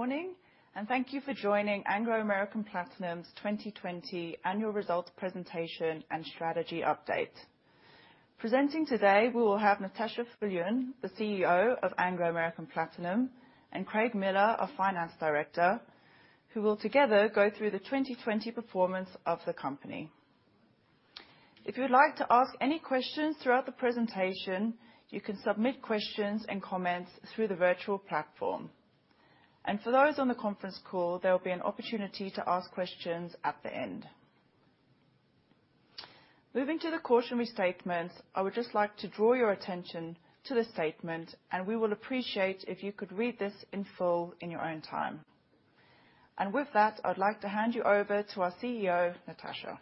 Good morning, and thank you for joining Anglo American Platinum's 2020 Annual Results Presentation and Strategy Update. Presenting today, we will have Natascha Viljoen, the CEO of Anglo American Platinum, and Craig Miller, our Finance Director, who will together go through the 2020 performance of the company. If you would like to ask any questions throughout the presentation, you can submit questions and comments through the virtual platform. For those on the conference call, there will be an opportunity to ask questions at the end. Moving to the cautionary statements, I would just like to draw your attention to the statement, and we will appreciate if you could read this in full in your own time. With that, I'd like to hand you over to our CEO, Natascha.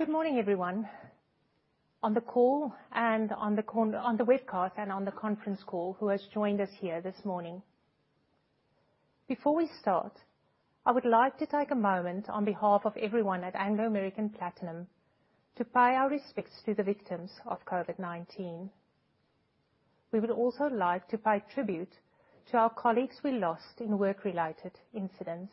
Good morning, everyone on the webcast and on the conference call who has joined us here this morning. Before we start, I would like to take a moment on behalf of everyone at Anglo American Platinum to pay our respects to the victims of COVID-19. We would also like to pay tribute to our colleagues we lost in work-related incidents.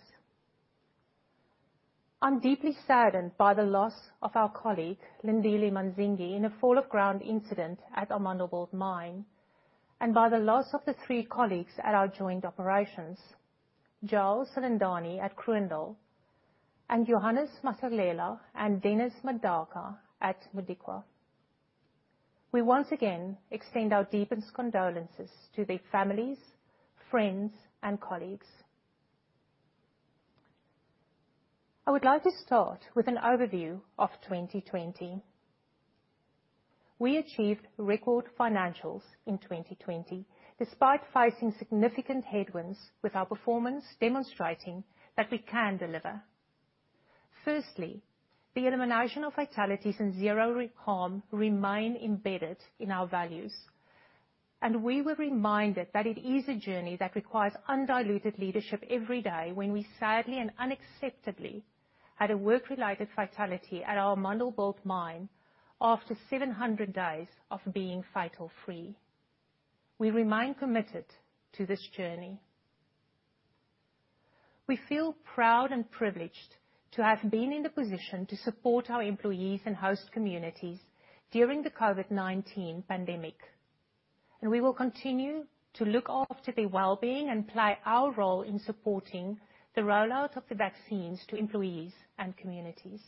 I'm deeply saddened by the loss of our colleague, Lindile Manzingi, in a fall of ground incident at Amandelbult Mine, and by the loss of the three colleagues at our joint operations, João Silindane at Kroondal, and Johannes Mahlalela and Dennis Madaka at Modikwa. We once again extend our deepest condolences to their families, friends, and colleagues. I would like to start with an overview of 2020. We achieved record financials in 2020 despite facing significant headwinds, with our performance demonstrating that we can deliver. The elimination of fatalities and zero harm remain embedded in our values. We were reminded that it is a journey that requires undiluted leadership every day when we sadly and unacceptably had a work-related fatality at our Amandelbult Mine after 700 days of being fatal-free. We remain committed to this journey. We feel proud and privileged to have been in the position to support our employees and host communities during the COVID-19 pandemic, and we will continue to look after their wellbeing and play our role in supporting the rollout of the vaccines to employees and communities.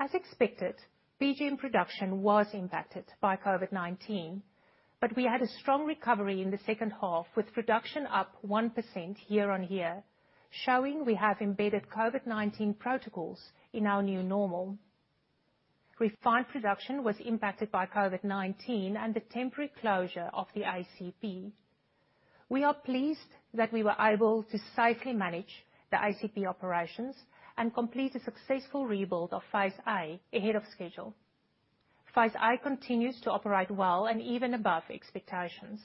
As expected, PGM production was impacted by COVID-19, but we had a strong recovery in the second half, with production up 1% year-on-year, showing we have embedded COVID-19 protocols in our new normal. Refined production was impacted by COVID-19 and the temporary closure of the ACP. We are pleased that we were able to safely manage the ACP operations and complete a successful rebuild of Phase A ahead of schedule. Phase A continues to operate well and even above expectations.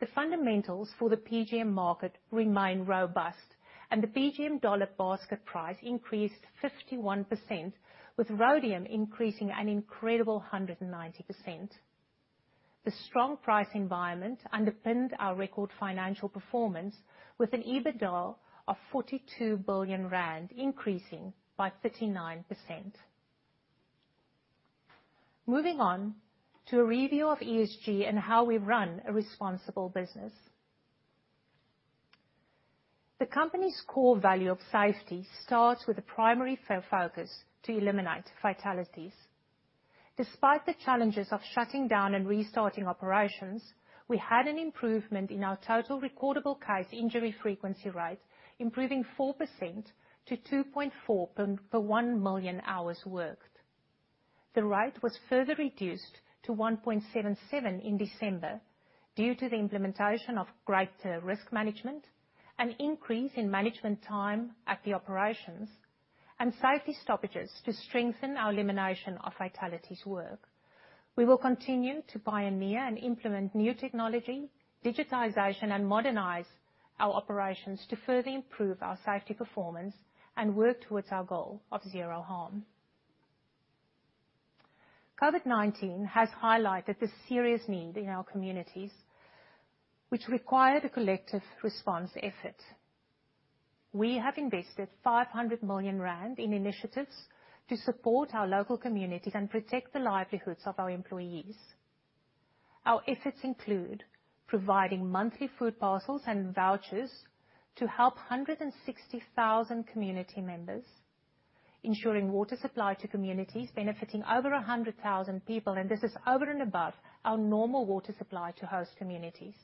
The fundamentals for the PGM market remain robust, and the PGM dollar basket price increased 51%, with rhodium increasing an incredible 190%. The strong price environment underpinned our record financial performance with an EBITDA of 42 billion rand, increasing by 39%. Moving on to a review of ESG and how we run a responsible business. The company's core value of safety starts with a primary focus to eliminate fatalities. Despite the challenges of shutting down and restarting operations, we had an improvement in our total recordable case injury frequency rate, improving 4% to 2.4 per one million hours worked. The rate was further reduced to 1.77 in December due to the implementation of greater risk management, an increase in management time at the operations, and safety stoppages to strengthen our elimination of fatalities work. We will continue to pioneer and implement new technology, digitization, and modernize our operations to further improve our safety performance and work towards our goal of zero harm. COVID-19 has highlighted the serious need in our communities, which required a collective response effort. We have invested 500 million rand in initiatives to support our local communities and protect the livelihoods of our employees. Our efforts include providing monthly food parcels and vouchers to help 160,000 community members, ensuring water supply to communities, benefiting over 100,000 people, and this is over and above our normal water supply to host communities.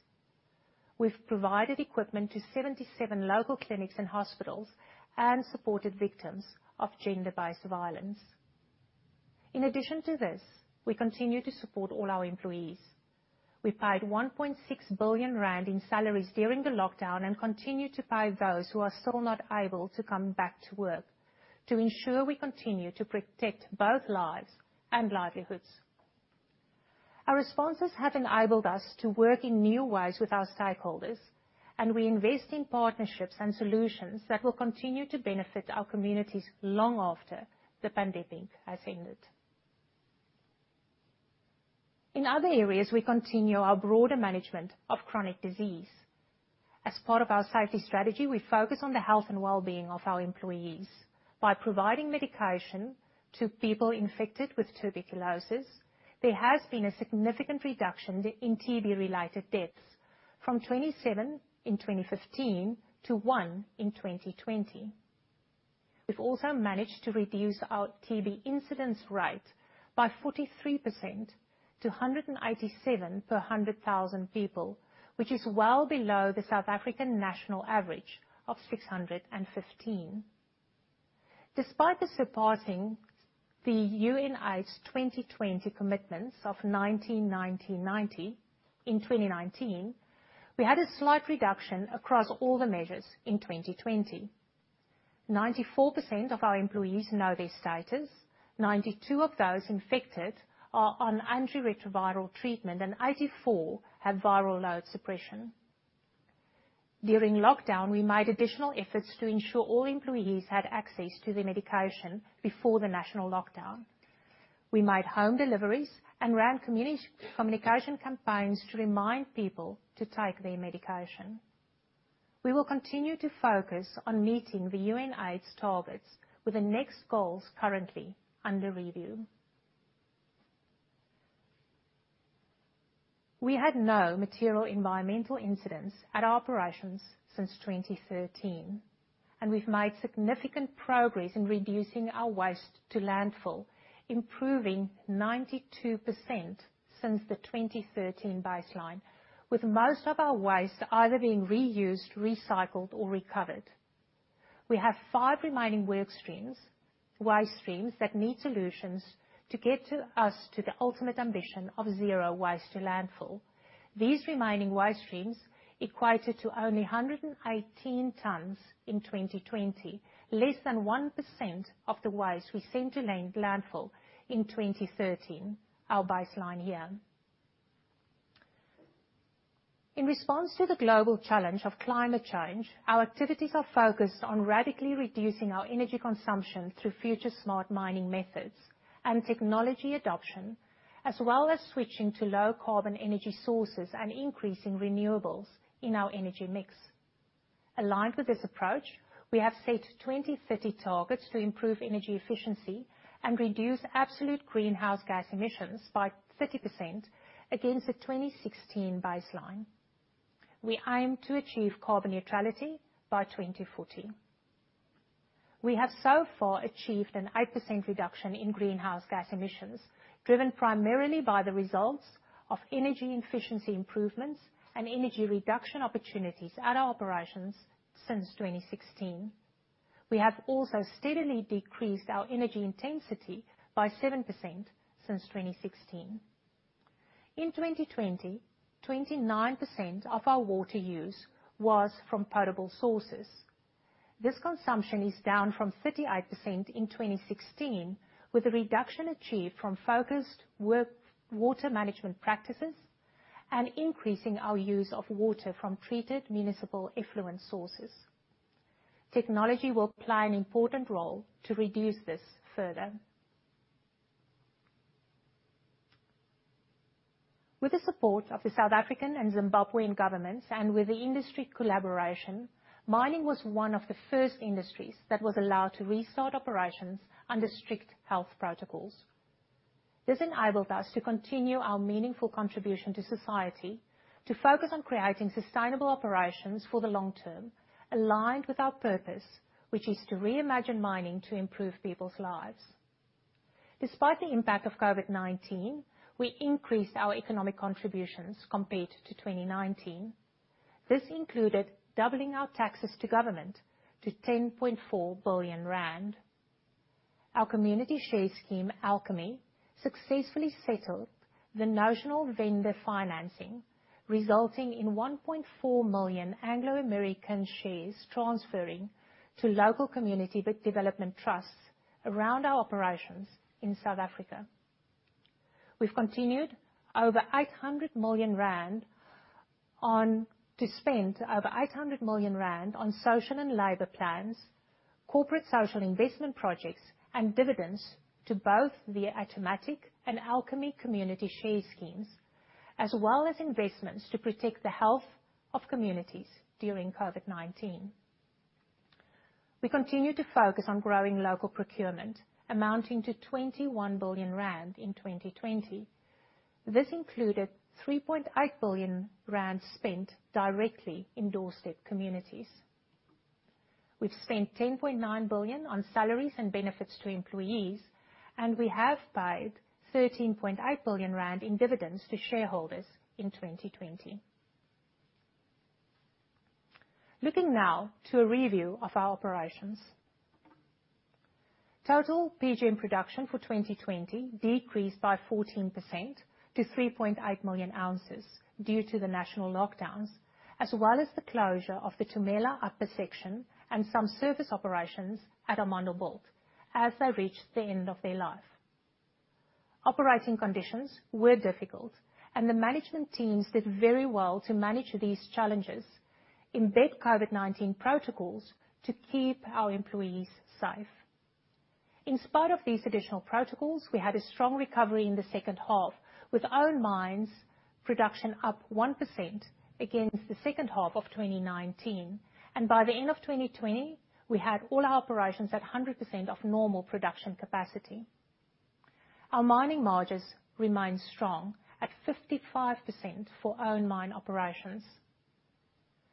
We've provided equipment to 77 local clinics and hospitals and supported victims of gender-based violence. In addition to this, we continue to support all our employees. We paid 1.6 billion rand in salaries during the lockdown and continue to pay those who are still not able to come back to work. To ensure we continue to protect both lives and livelihoods. Our responses have enabled us to work in new ways with our stakeholders, and we invest in partnerships and solutions that will continue to benefit our communities long after the pandemic has ended. In other areas, we continue our broader management of chronic disease. As part of our safety strategy, we focus on the health and wellbeing of our employees. By providing medication to people infected with tuberculosis, there has been a significant reduction in TB-related deaths from 27 in 2015 to one in 2020. We've also managed to reduce our TB incidence rate by 43% to 187 per 100,000 people, which is well below the South African national average of 615. Despite the surpassing the UNAIDS 2020 commitments of 90-90-90 in 2019, we had a slight reduction across all the measures in 2020. 94% of our employees know their status. 92% of those infected are on antiretroviral treatment, and 84% have viral load suppression. During lockdown, we made additional efforts to ensure all employees had access to their medication before the national lockdown. We made home deliveries and ran communication campaigns to remind people to take their medication. We will continue to focus on meeting the UNAIDS targets, with the next goals currently under review. We had no material environmental incidents at our operations since 2013, and we've made significant progress in reducing our waste to landfill, improving 92% since the 2013 baseline, with most of our waste either being reused, recycled, or recovered. We have five remaining waste streams that need solutions to get us to the ultimate ambition of zero waste to landfill. These remaining waste streams equated to only 118 tons in 2020, less than 1% of the waste we sent to landfill in 2013, our baseline year. In response to the global challenge of climate change, our activities are focused on radically reducing our energy consumption through future smart mining methods and technology adoption, as well as switching to low-carbon energy sources and increasing renewables in our energy mix. Aligned with this approach, we have set 2030 targets to improve energy efficiency and reduce absolute greenhouse gas emissions by 30% against the 2016 baseline. We aim to achieve carbon neutrality by 2040. We have so far achieved an 8% reduction in greenhouse gas emissions, driven primarily by the results of energy efficiency improvements and energy reduction opportunities at our operations since 2016. We have also steadily decreased our energy intensity by 7% since 2016. In 2020, 29% of our water use was from potable sources. This consumption is down from 38% in 2016, with a reduction achieved from focused water management practices and increasing our use of water from treated municipal effluent sources. Technology will play an important role to reduce this further. With the support of the South African and Zimbabwean governments, with the industry collaboration, mining was one of the first industries that was allowed to restart operations under strict health protocols. This enabled us to continue our meaningful contribution to society to focus on creating sustainable operations for the long term, aligned with our purpose, which is to reimagine mining to improve people's lives. Despite the impact of COVID-19, we increased our economic contributions compared to 2019. This included doubling our taxes to government to 10.4 billion rand. Our community share scheme, Alchemy, successfully settled the notional vendor financing, resulting in 1.4 million Anglo American shares transferring to local community development trusts around our operations in South Africa. We've continued to spend over 800 million rand on social and labor plans, corporate social investment projects, and dividends to both the Alchemy and Alchemy community share schemes, as well as investments to protect the health of communities during COVID-19. We continue to focus on growing local procurement amounting to 21 billion rand in 2020. This included 3.8 billion rand spent directly in doorstep communities. We've spent 10.9 billion on salaries and benefits to employees, and we have paid 13.8 billion rand in dividends to shareholders in 2020. Looking now to a review of our operations. Total PGM production for 2020 decreased by 14% to 3.8 million ounces due to the national lockdowns, as well as the closure of the Tumela upper section and some surface operations at Amandelbult as they reached the end of their life. Operating conditions were difficult, and the management teams did very well to manage these challenges, embed COVID-19 protocols to keep our employees safe. In spite of these additional protocols, we had a strong recovery in the second half, with own mines production up 1% against the second half of 2019. By the end of 2020, we had all our operations at 100% of normal production capacity. Our mining margins remained strong at 55% for own mine operations.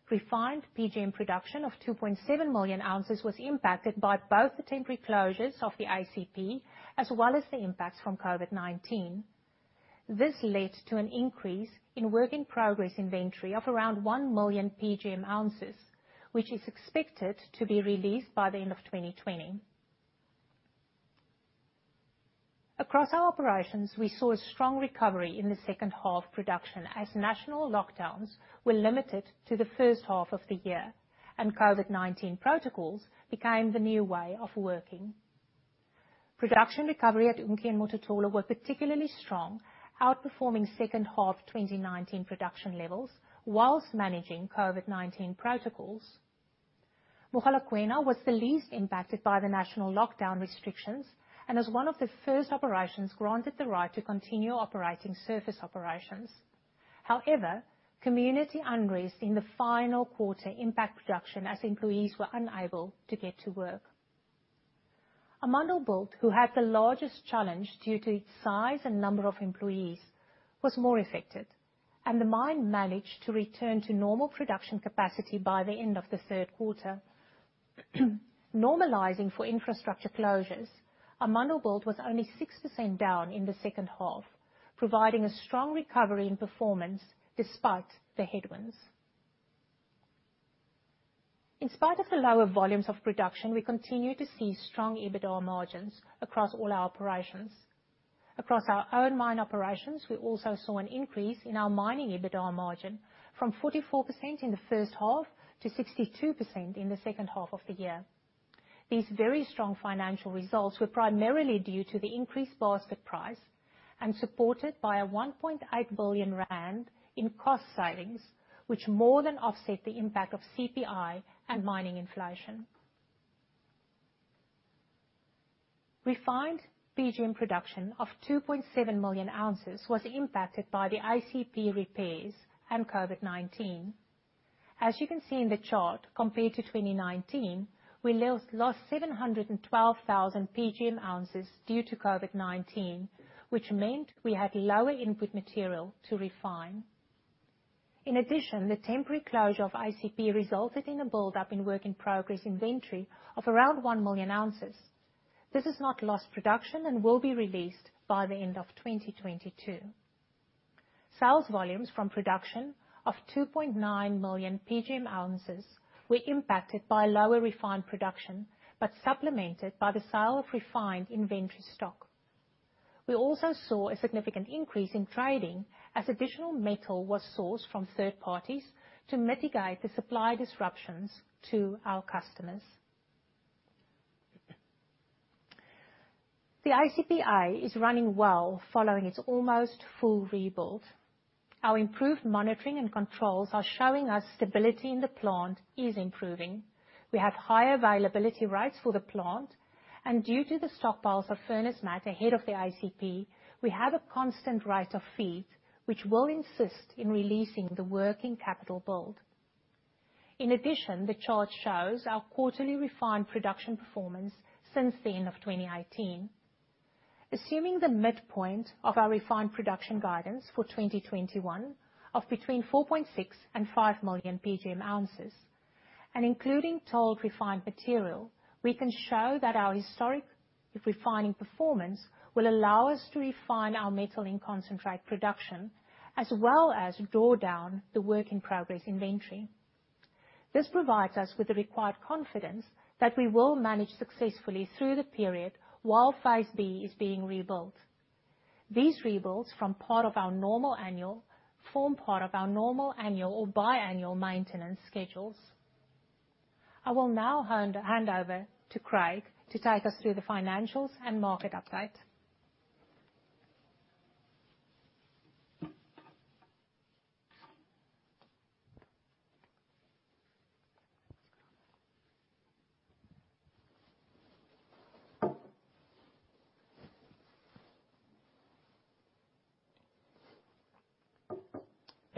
Refined PGM production of 2.7 million ounces was impacted by both the temporary closures of the ACP as well as the impacts from COVID-19. This led to an increase in working progress inventory of around one million PGM ounces, which is expected to be released by the end of 2020. Across our operations, we saw a strong recovery in the second half production as national lockdowns were limited to the first half of the year, and COVID-19 protocols became the new way of working. Production recovery at Unki and Mototolo was particularly strong, outperforming second half 2019 production levels whilst managing COVID-19 protocols. Mogalakwena was the least impacted by the national lockdown restrictions and was one of the first operations granted the right to continue operating surface operations. Community unrest in the final quarter impacted production as employees were unable to get to work. Amandelbult, who had the largest challenge due to its size and number of employees, was more affected, and the mine managed to return to normal production capacity by the end of the third quarter. Normalizing for infrastructure closures, Amandelbult was only 6% down in the second half, providing a strong recovery in performance despite the headwinds. In spite of the lower volumes of production, we continued to see strong EBITDA margins across all our operations. Across our own mine operations, we also saw an increase in our mining EBITDA margin from 44% in the first half to 62% in the second half of the year. These very strong financial results were primarily due to the increased basket price and supported by a 1.8 billion rand in cost savings, which more than offset the impact of CPI and mining inflation. Refined PGM production of 2.7 million ounces was impacted by the ACP repairs and COVID-19. As you can see in the chart, compared to 2019, we lost 712,000 PGM ounces due to COVID-19, which meant we had lower input material to refine. The temporary closure of ACP resulted in a buildup in work-in-progress inventory of around one million ounces. This is not lost production and will be released by the end of 2022. Sales volumes from production of 2.9 million PGM ounces were impacted by lower refined production, but supplemented by the sale of refined inventory stock. We also saw a significant increase in trading as additional metal was sourced from third parties to mitigate the supply disruptions to our customers. The ACP is running well following its almost full rebuild. Our improved monitoring and controls are showing us stability in the plant is improving. We have higher availability rates for the plant, and due to the stockpiles of furnace matte ahead of the ACP, we have a constant rate of feed, which will assist in releasing the working capital build. In addition, the chart shows our quarterly refined production performance since the end of 2018. Assuming the midpoint of our refined production guidance for 2021 of between 4.6 and five million PGM ounces, and including tolled refined material, we can show that our historic refining performance will allow us to refine our metal in concentrate production as well as draw down the work-in-progress inventory. This provides us with the required confidence that we will manage successfully through the period while phase B is being rebuilt. These rebuilds form part of our normal annual or biannual maintenance schedules. I will now hand over to Craig to take us through the financials and market update.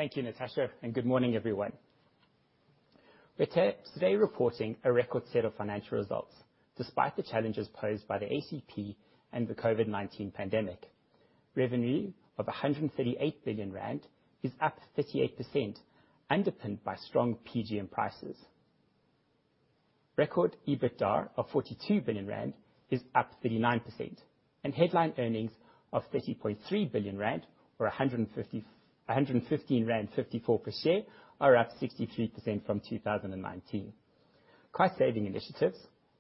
Thank you, Natascha, and good morning, everyone. We're today reporting a record set of financial results, despite the challenges posed by the ACP and the COVID-19 pandemic. Revenue of 138 billion rand is up 38%, underpinned by strong PGM prices. Record EBITDA of 42 billion rand is up 39%. Headline earnings of 30.3 billion rand, or 115.54 rand per share, are up 63% from 2019. Cost saving initiatives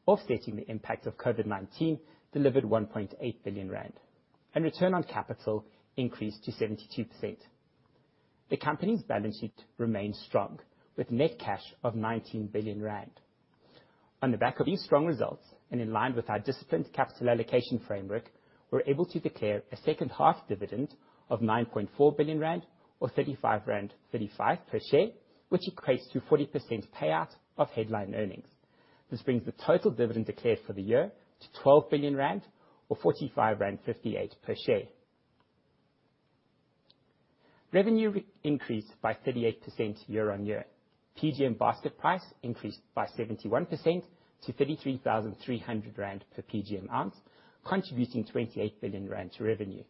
offsetting the impact of COVID-19 delivered 1.8 billion rand. Return on capital increased to 72%. The company's balance sheet remains strong, with net cash of 19 billion rand. On the back of these strong results, and in line with our disciplined capital allocation framework, we're able to declare a second half dividend of 9.4 billion rand or 35.35 rand per share, which equates to 40% payout of headline earnings. This brings the total dividend declared for the year to 12 billion rand or 45.58 rand per share. Revenue increased by 38% year-on-year. PGM basket price increased by 71% to 33,300 rand per PGM ounce, contributing 28 billion rand to revenue.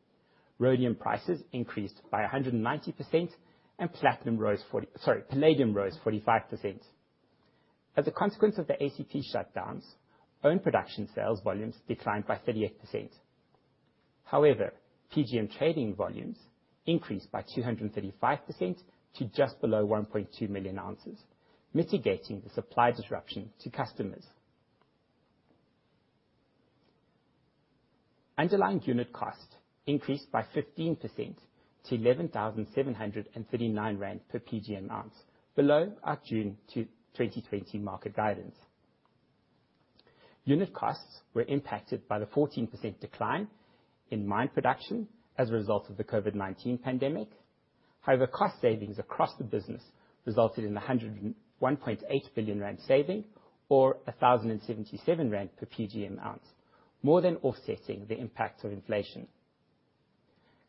Rhodium prices increased by 190% and palladium rose 45%. As a consequence of the ACP shutdowns, own production sales volumes declined by 38%. However, PGM trading volumes increased by 235% to just below 1.2 million ounces, mitigating the supply disruption to customers. Underlying unit cost increased by 15% to 11,739 rand per PGM ounce, below our June 2020 market guidance. Unit costs were impacted by the 14% decline in mine production as a result of the COVID-19 pandemic. However, cost savings across the business resulted in 101.8 billion rand saving or 1,077 rand per PGM ounce, more than offsetting the impact of inflation.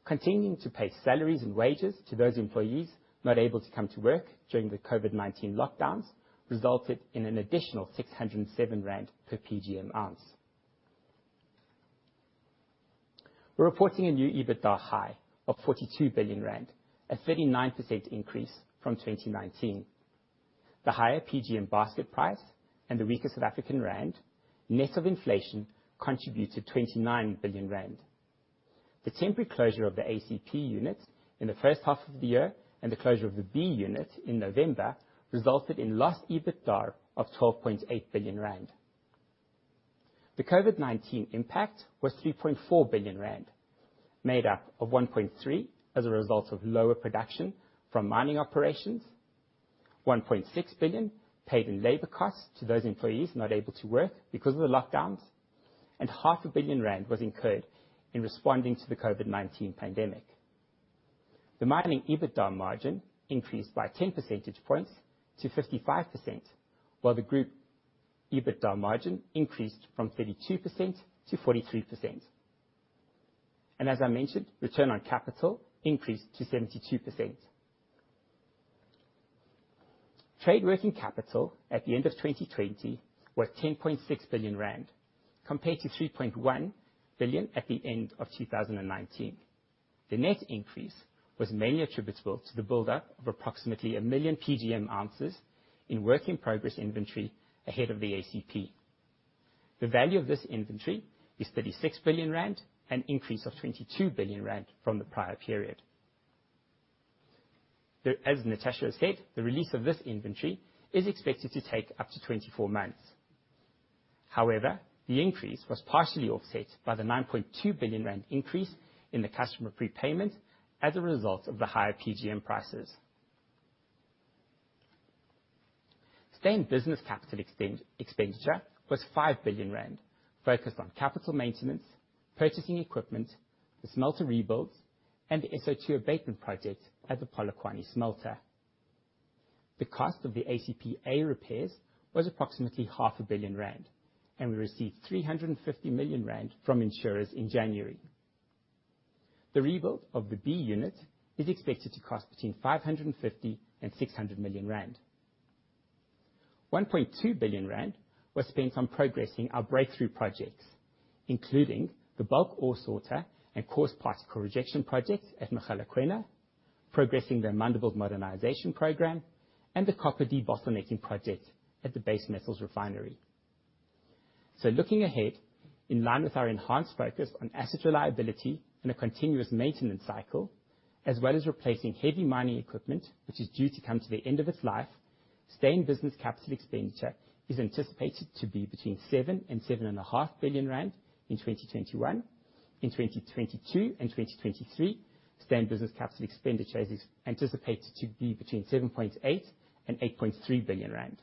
Continuing to pay salaries and wages to those employees not able to come to work during the COVID-19 lockdowns resulted in an additional 607 rand per PGM ounce. We're reporting a new EBITDA high of 42 billion rand, a 39% increase from 2019. The higher PGM basket price and the weaker South African rand, net of inflation, contributed 29 billion rand. The temporary closure of the ACP unit in the first half of the year and the closure of the B unit in November resulted in lost EBITDA of 12.8 billion rand. The COVID-19 impact was 3.4 billion rand, made up of 1.3 as a result of lower production from mining operations, 1.6 billion paid in labor costs to those employees not able to work because of the lockdowns, and 0.5 billion rand was incurred in responding to the COVID-19 pandemic. The mining EBITDA margin increased by 10 percentage points to 55%, while the group EBITDA margin increased from 32% to 43%. As I mentioned, return on capital increased to 72%. Trade working capital at the end of 2020 was 10.6 billion rand compared to 3.1 billion at the end of 2019. The net increase was mainly attributable to the buildup of approximately a million PGM ounces in work-in-progress inventory ahead of the ACP. The value of this inventory is 36 billion rand, an increase of 22 billion rand from the prior period. As Natascha has said, the release of this inventory is expected to take up to 24 months. However, the increase was partially offset by the 9.2 billion rand increase in the customer prepayment as a result of the higher PGM prices. Staying business capital expenditure was 5 billion rand, focused on capital maintenance, purchasing equipment, the smelter rebuilds, and the SO2 abatement project at the Polokwane smelter. The cost of the ACP Phase A repairs was approximately half a billion ZAR, and we received 350 million rand from insurers in January. The rebuild of the ACP Phase B unit is expected to cost between 550 million-600 million rand. 1.2 billion rand was spent on progressing our breakthrough projects, including the bulk ore sorter and coarse particle rejection projects at Mogalakwena, progressing the Amandelbult modernization program, and the copper debottlenecking project at the base metals refinery. Looking ahead, in line with our enhanced focus on asset reliability and a continuous maintenance cycle, as well as replacing heavy mining equipment which is due to come to the end of its life, stay-in-business CapEx is anticipated to be between 7 billion rand and 7.5 billion rand in 2021. In 2022 and 2023, stay-in-business CapEx is anticipated to be between 7.8 billion and 8.3 billion rand.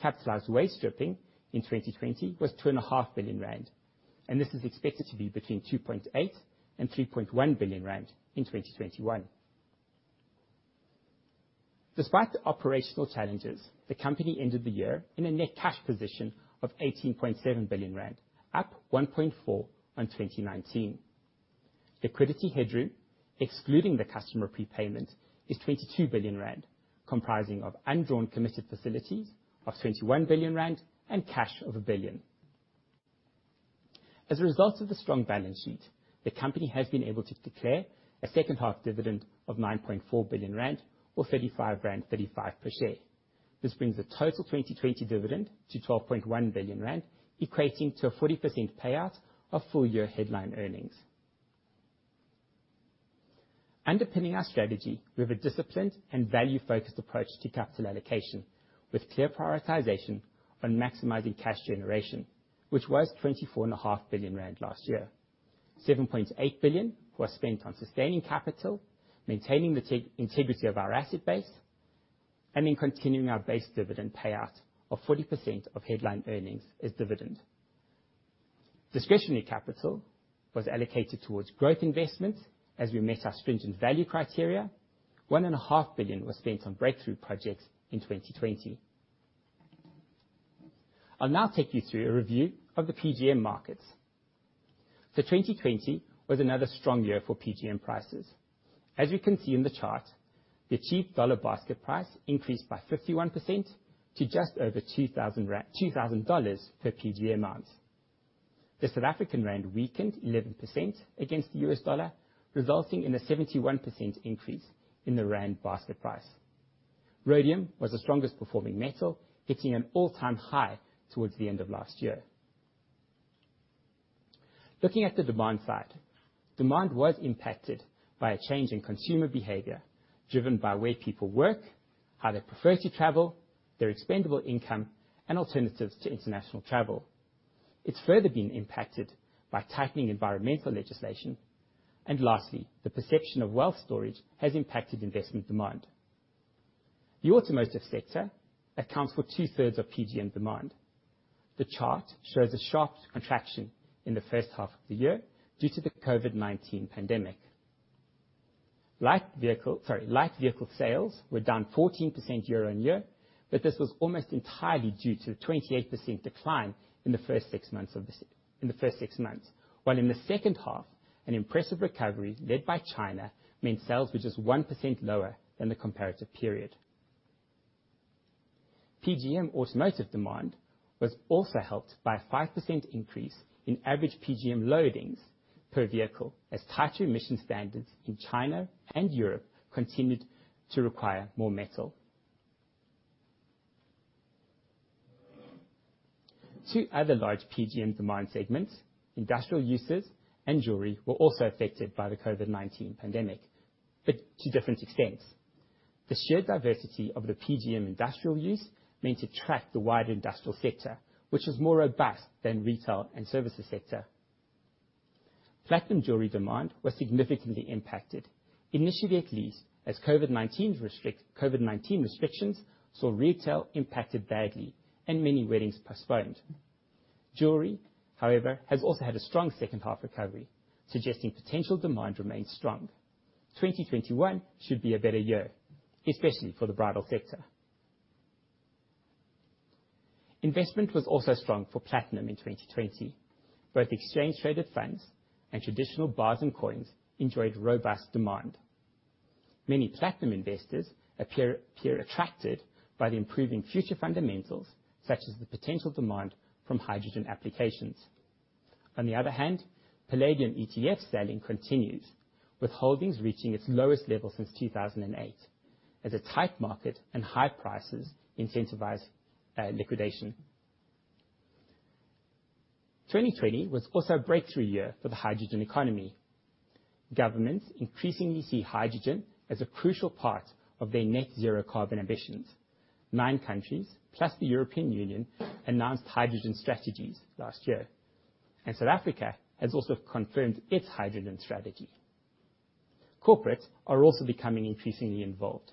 Capitalized waste stripping in 2020 was 2.5 billion rand, this is expected to be between 2.8 billion and 3.1 billion rand in 2021. Despite the operational challenges, the company ended the year in a net cash position of 18.7 billion rand, up 1.4 billion on 2019. Liquidity headroom, excluding the customer prepayment, is 22 billion rand, comprising of undrawn committed facilities of 21 billion rand and cash of 1 billion. As a result of the strong balance sheet, the company has been able to declare a second half dividend of 9.4 billion rand or 35.35 rand per share. This brings the total 2020 dividend to 12.1 billion rand, equating to a 40% payout of full year headline earnings. Underpinning our strategy, we have a disciplined and value-focused approach to capital allocation, with clear prioritization on maximizing cash generation, which was 24.5 billion rand last year. 7.8 billion was spent on sustaining capital, maintaining the integrity of our asset base, and in continuing our base dividend payout of 40% of headline earnings as dividend. Discretionary capital was allocated towards growth investment as we met our stringent value criteria. 1.5 billion was spent on breakthrough projects in 2020. I'll now take you through a review of the PGM markets. 2020 was another strong year for PGM prices. As we can see in the chart, the PGM dollar basket price increased by 51% to just over $2,000 per PGM ounce. The South African rand weakened 11% against the US dollar, resulting in a 71% increase in the rand basket price. Rhodium was the strongest performing metal, hitting an all-time high towards the end of last year. Looking at the demand side, demand was impacted by a change in consumer behavior, driven by where people work, how they prefer to travel, their expendable income, and alternatives to international travel. It's further been impacted by tightening environmental legislation. Lastly, the perception of wealth storage has impacted investment demand. The automotive sector accounts for two-thirds of PGM demand. The chart shows a sharp contraction in the first half of the year due to the COVID-19 pandemic. Light vehicle sales were down 14% year-over-year, but this was almost entirely due to a 28% decline in the first six months. While in the second half, an impressive recovery led by China meant sales were just 1% lower than the comparative period. PGM automotive demand was also helped by a 5% increase in average PGM loadings per vehicle, as tighter emission standards in China and Europe continued to require more metal. Two other large PGM demand segments, industrial uses and jewelry, were also affected by the COVID-19 pandemic, but to different extents. The shared diversity of the PGM industrial use meant it tracked the wider industrial sector, which was more robust than retail and services sector. Platinum jewelry demand was significantly impacted, initially at least, as COVID-19 restrictions saw retail impacted badly and many weddings postponed. Jewelry, however, has also had a strong second half recovery, suggesting potential demand remains strong. 2021 should be a better year, especially for the bridal sector. Investment was also strong for platinum in 2020. Both exchange-traded funds and traditional bars and coins enjoyed robust demand. Many platinum investors appear attracted by the improving future fundamentals, such as the potential demand from hydrogen applications. On the other hand, palladium ETF selling continued, with holdings reaching its lowest level since 2008, as a tight market and high prices incentivize liquidation. 2020 was also a breakthrough year for the hydrogen economy. Governments increasingly see hydrogen as a crucial part of their net zero carbon ambitions. Nine countries, plus the European Union, announced hydrogen strategies last year, and South Africa has also confirmed its hydrogen strategy. Corporates are also becoming increasingly involved.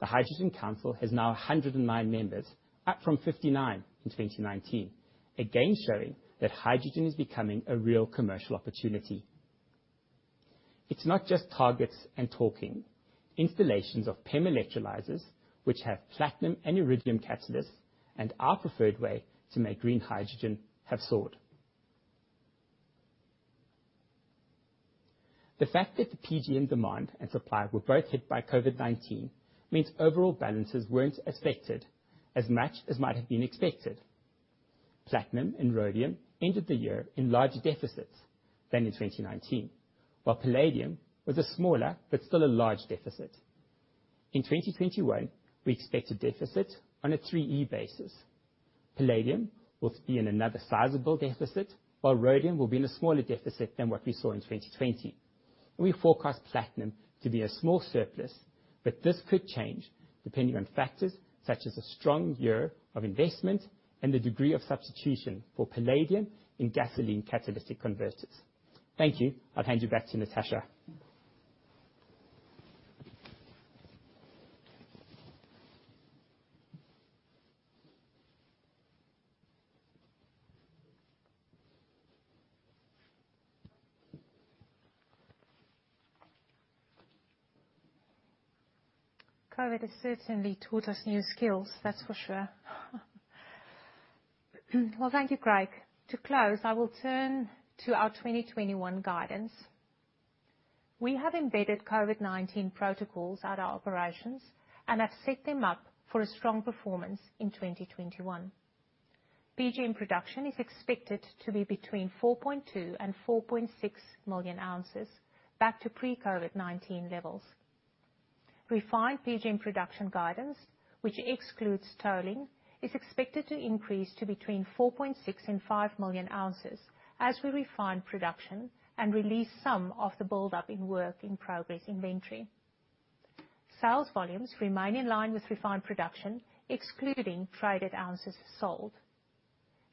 The Hydrogen Council has now 109 members, up from 59 in 2019. Again, showing that hydrogen is becoming a real commercial opportunity. It's not just targets and talking. Installations of PEM electrolyzers, which have platinum and iridium catalysts and our preferred way to make green hydrogen, have soared. The fact that the PGM demand and supply were both hit by COVID-19 means overall balances weren't affected as much as might have been expected. platinum and rhodium ended the year in larger deficits than in 2019. While palladium was a smaller, but still a large deficit. In 2021, we expect a deficit on a 3E basis. palladium will be in another sizable deficit, while rhodium will be in a smaller deficit than what we saw in 2020. We forecast platinum to be a small surplus, but this could change depending on factors such as a strong year of investment and the degree of substitution for palladium in gasoline catalytic converters. Thank you. I'll hand you back to Natascha. COVID has certainly taught us new skills, that's for sure. Well, thank you, Craig. To close, I will turn to our 2021 guidance. We have embedded COVID-19 protocols at our operations and have set them up for a strong performance in 2021. PGM production is expected to be between 4.2 and 4.6 million ounces, back to pre-COVID-19 levels. Refined PGM production guidance, which excludes tolling, is expected to increase to between 4.6 and five million ounces as we refine production and release some of the buildup in work in progress inventory. Sales volumes remain in line with refined production, excluding traded ounces sold.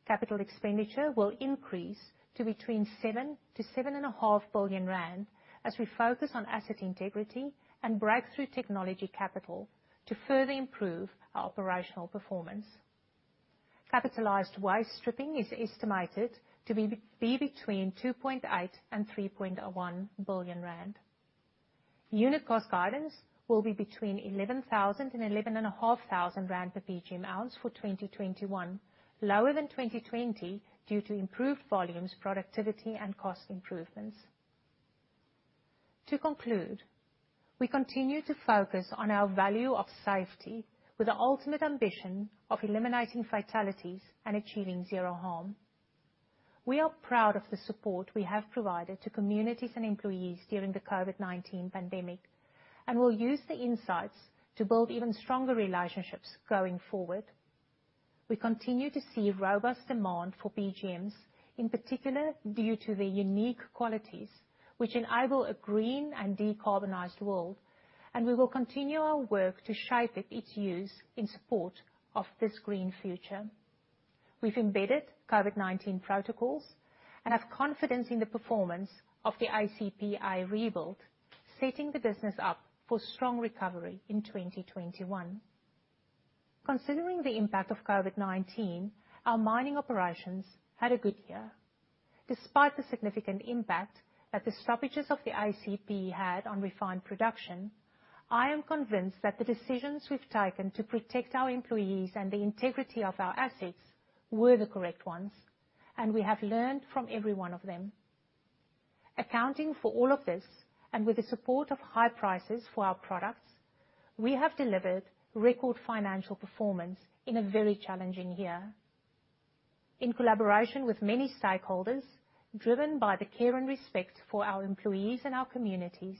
CapEx will increase to between 7 billion-7.5 billion rand as we focus on asset integrity and breakthrough technology capital to further improve our operational performance. Capitalized waste stripping is estimated to be between 2.8 billion and 3.1 billion rand. Unit cost guidance will be between 11,000 and 11,500 rand per PGM ounce for 2021, lower than 2020 due to improved volumes, productivity, and cost improvements. To conclude, we continue to focus on our value of safety with the ultimate ambition of eliminating fatalities and achieving zero harm. We are proud of the support we have provided to communities and employees during the COVID-19 pandemic, will use the insights to build even stronger relationships going forward. We continue to see robust demand for PGMs, in particular due to their unique qualities, which enable a green and decarbonized world, we will continue our work to shape its use in support of this green future. We've embedded COVID-19 protocols and have confidence in the performance of the ACP rebuild, setting the business up for strong recovery in 2021. Considering the impact of COVID-19, our mining operations had a good year. Despite the significant impact that the stoppages of the ACP had on refined production, I am convinced that the decisions we've taken to protect our employees and the integrity of our assets were the correct ones, and we have learned from every one of them. Accounting for all of this, and with the support of high prices for our products, we have delivered record financial performance in a very challenging year. In collaboration with many stakeholders, driven by the care and respect for our employees and our communities,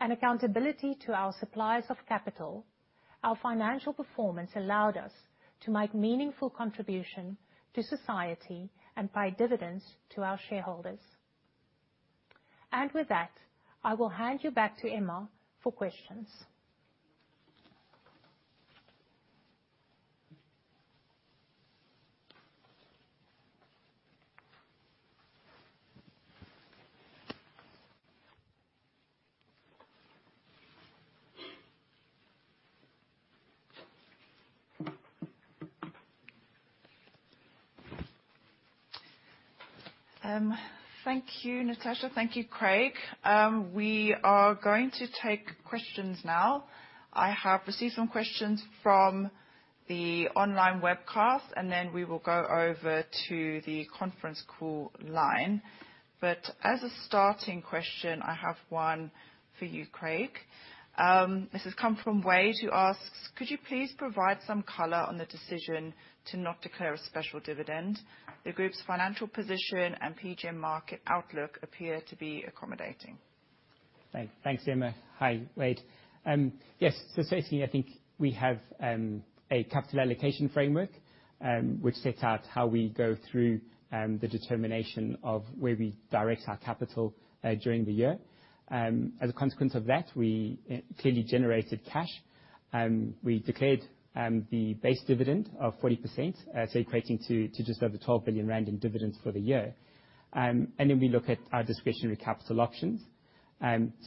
and accountability to our suppliers of capital, our financial performance allowed us to make meaningful contribution to society and pay dividends to our shareholders. With that, I will hand you back to Emma for questions. Thank you, Natascha. Thank you, Craig. We are going to take questions now. I have received some questions from the online webcast, then we will go over to the conference call line. As a starting question, I have one for you, Craig. This has come from Wade, who asks, could you please provide some color on the decision to not declare a special dividend? The group's financial position and PGM market outlook appear to be accommodating. Thanks, Emma. Hi, Wade. Firstly, I think we have a capital allocation framework, which sets out how we go through the determination of where we direct our capital during the year. As a consequence of that, we clearly generated cash. We declared the base dividend of 40%, equating to just over 12 billion rand in dividends for the year. Then we look at our discretionary capital options.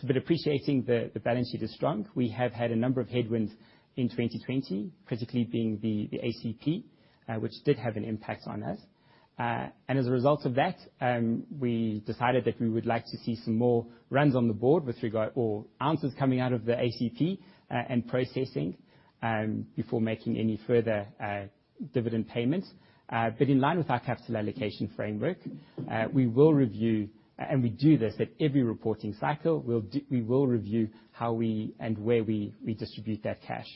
Appreciating the balance sheet is strong, we have had a number of headwinds in 2020, critically being the ACP, which did have an impact on us. As a result of that, we decided that we would like to see some more runs on the board with regard, or ounces coming out of the ACP and processing, before making any further dividend payments. In line with our capital allocation framework, and we do this at every reporting cycle, we will review how and where we distribute that cash.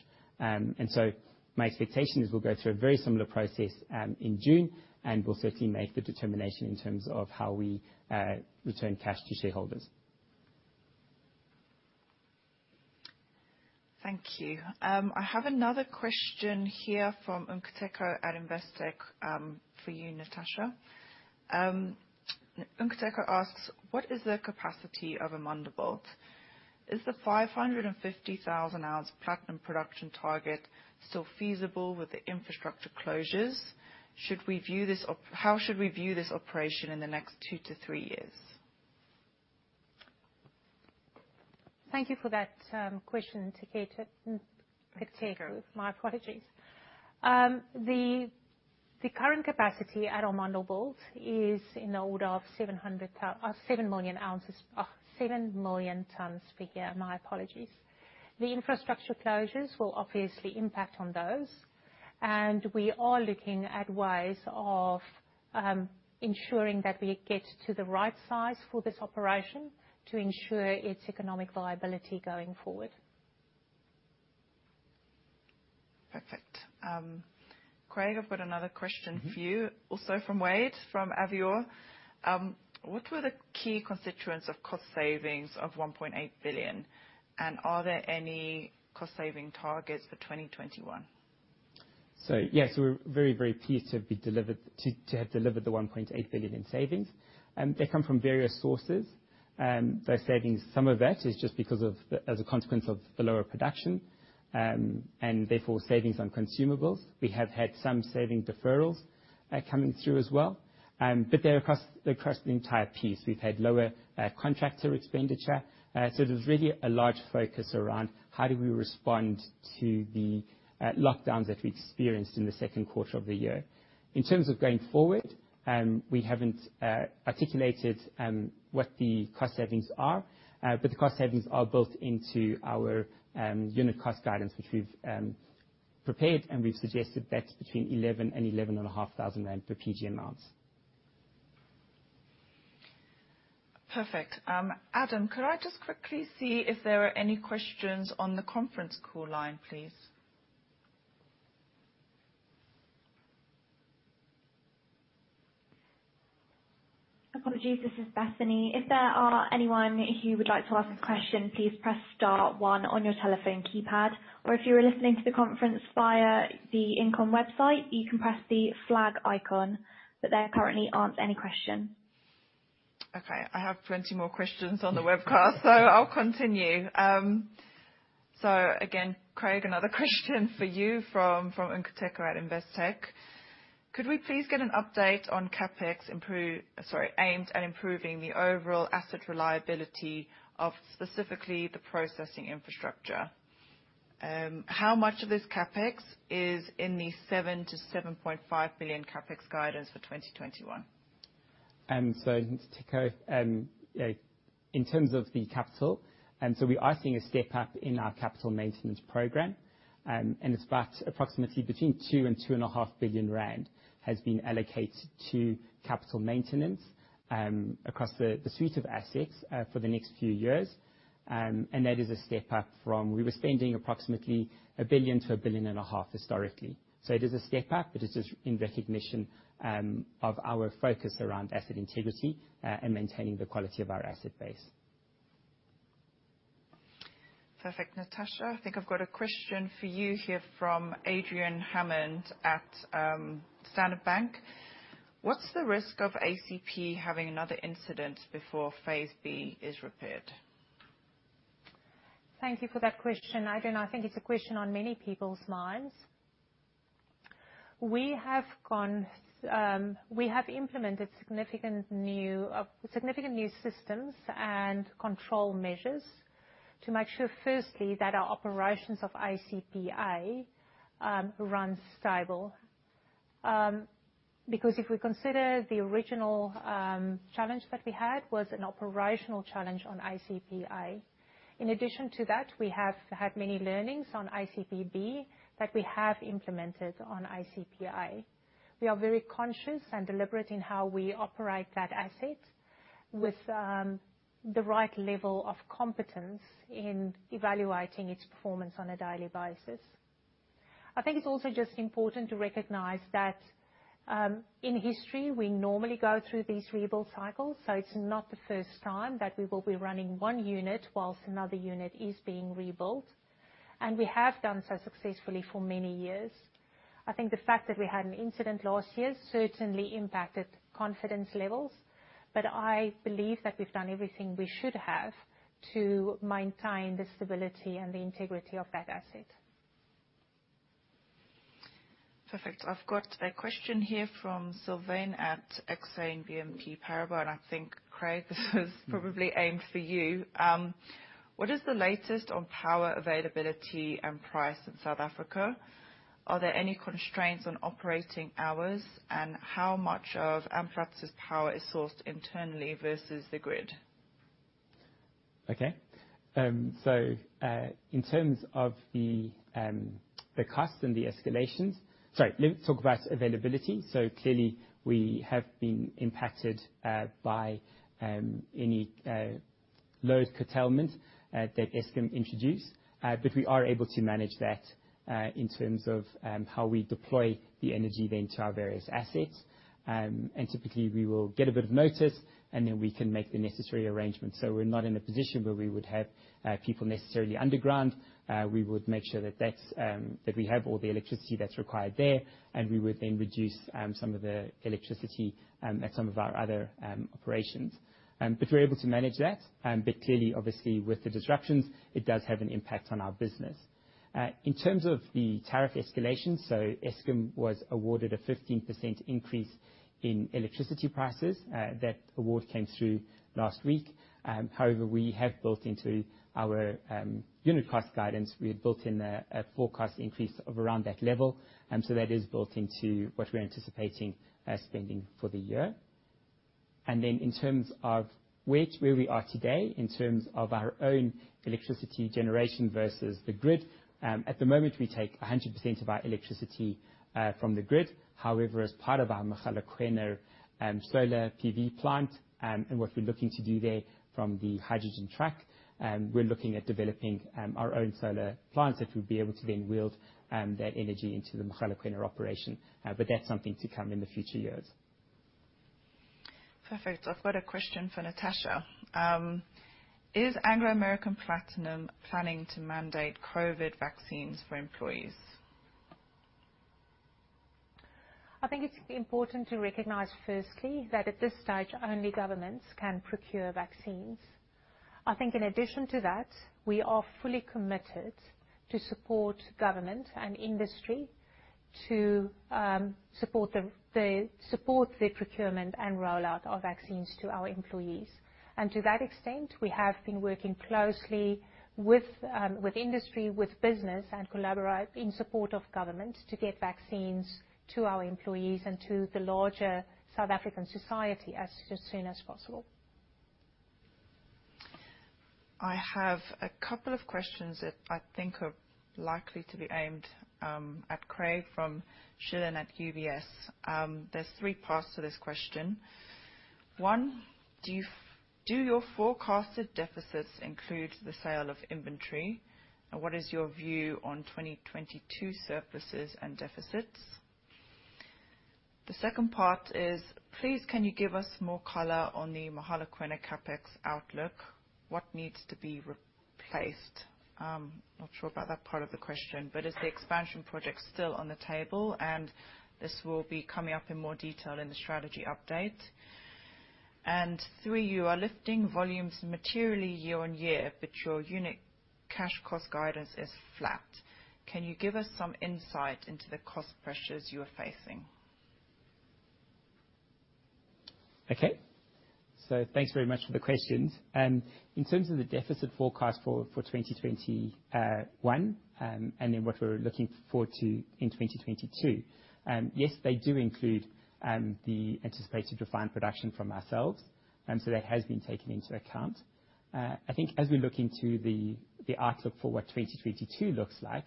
My expectation is we'll go through a very similar process in June, and we'll certainly make the determination in terms of how we return cash to shareholders. Thank you. I have another question here from Nkateko at Investec for you, Natascha. Nkateko asks, what is the capacity of Amandelbult? Is the 550,000-ounce platinum production target still feasible with the infrastructure closures? How should we view this operation in the next two to three years? Thank you for that question, Nkateko. The current capacity at Amandelbult is in the order of seven million tons per year. The infrastructure closures will obviously impact on those. We are looking at ways of ensuring that we get to the right size for this operation to ensure its economic viability going forward. Perfect. Craig, I've got another question for you, also from Wade, from Avior. What were the key constituents of cost savings of 1.8 billion, and are there any cost-saving targets for 2021? Yes, we're very pleased to have delivered the 1.8 billion in savings. They come from various sources. Those savings, some of that is as a consequence of the lower production, and therefore, savings on consumables. We have had some saving deferrals coming through as well. They're across the entire piece. We've had lower contractor expenditure. There's really a large focus around how do we respond to the lockdowns that we experienced in the second quarter of the year. In terms of going forward, we haven't articulated what the cost savings are, but the cost savings are built into our unit cost guidance, which we've prepared, and we've suggested that's between 11,000 and 11,500 rand per PGMs. Perfect. Adam, could I just quickly see if there are any questions on the conference call line, please? Apologies. This is Bethany. If there are anyone who would like to ask a question, please press star one on your telephone keypad, or if you are listening to the conference via the InComm website, you can press the flag icon, but there currently aren't any questions. I have plenty more questions on the webcast, I'll continue. Again, Craig, another question for you from Nkateko at Investec. Could we please get an update on CapEx aimed at improving the overall asset reliability of specifically the processing infrastructure? How much of this CapEx is in the 7 billion-7.5 billion CapEx guidance for 2021? Nkateko, in terms of the capital, we are seeing a step-up in our capital maintenance program, and it's about approximately between 2 billion rand and ZAR 2.5 billion has been allocated to capital maintenance across the suite of assets for the next few years. That is a step-up from, we were spending approximately 1 billion-1.5 billion Historically. It is a step-up, but it is in recognition of our focus around asset integrity and maintaining the quality of our asset base. Perfect. Natascha, I think I've got a question for you here from Adrian Hammond at Standard Bank. What's the risk of ACP having another incident before phase B is repaired? Thank you for that question, Adrian. I think it's a question on many people's minds. We have implemented significant new systems and control measures to make sure, firstly, that our operations of ACP A run stable. Because if we consider the original challenge that we had, was an operational challenge on ACP A. In addition to that, we have had many learnings on ACP B that we have implemented on ACP A. We are very conscious and deliberate in how we operate that asset with the right level of competence in evaluating its performance on a daily basis. I think it's also just important to recognize that, in history, we normally go through these rebuild cycles, so it's not the first time that we will be running one unit whilst another unit is being rebuilt, and we have done so successfully for many years. I think the fact that we had an incident last year certainly impacted confidence levels, but I believe that we've done everything we should have to maintain the stability and the integrity of that asset. Perfect. I've got a question here from Sylvain at Exane BNP Paribas, and I think, Craig, this is probably aimed for you. What is the latest on power availability and price in South Africa? Are there any constraints on operating hours? How much of Amplats' power is sourced internally versus the grid? In terms of the cost and the escalations. Sorry, let me talk about availability. Clearly, we have been impacted by any load curtailment that Eskom introduced, but we are able to manage that, in terms of how we deploy the energy then to our various assets. Typically, we will get a bit of notice and then we can make the necessary arrangements. We're not in a position where we would have people necessarily underground. We would make sure that we have all the electricity that's required there, and we would then reduce some of the electricity at some of our other operations. We're able to manage that. Clearly, obviously, with the disruptions, it does have an impact on our business. In terms of the tariff escalation, Eskom was awarded a 15% increase in electricity prices. That award came through last week. However, we have built into our unit cost guidance, we had built in a forecast increase of around that level, so that is built into what we're anticipating spending for the year. Then in terms of where we are today, in terms of our own electricity generation versus the grid, at the moment, we take 100% of our electricity from the grid. However, as part of our Mogalakwena solar PV plant, and what we're looking to do there from the hydrogen track, we're looking at developing our own solar plants that will be able to then wield that energy into the Mogalakwena operation. That's something to come in the future years. Perfect. I've got a question for Natascha. Is Anglo American Platinum planning to mandate COVID vaccines for employees? I think it's important to recognize firstly, that at this stage, only governments can procure vaccines. I think in addition to that, we are fully committed to support government and industry to support their procurement and rollout of vaccines to our employees. To that extent, we have been working closely with industry, with business, and collaborate in support of government to get vaccines to our employees and to the larger South African society as soon as possible. I have a couple of questions that I think are likely to be aimed at Craig from Shilan at UBS. There's three parts to this question. One, do your forecasted deficits include the sale of inventory? What is your view on 2022 surpluses and deficits? The second part is, please can you give us more color on the Mogalakwena CapEx outlook? What needs to be replaced? I'm not sure about that part of the question, is the expansion project still on the table? This will be coming up in more detail in the strategy update. Three, you are lifting volumes materially year-on-year, your unit cash cost guidance is flat. Can you give us some insight into the cost pressures you are facing? Thanks very much for the questions. In terms of the deficit forecast for 2021, what we're looking forward to in 2022, yes, they do include the anticipated refined production from ourselves. That has been taken into account. As we look into the outlook for what 2022 looks like,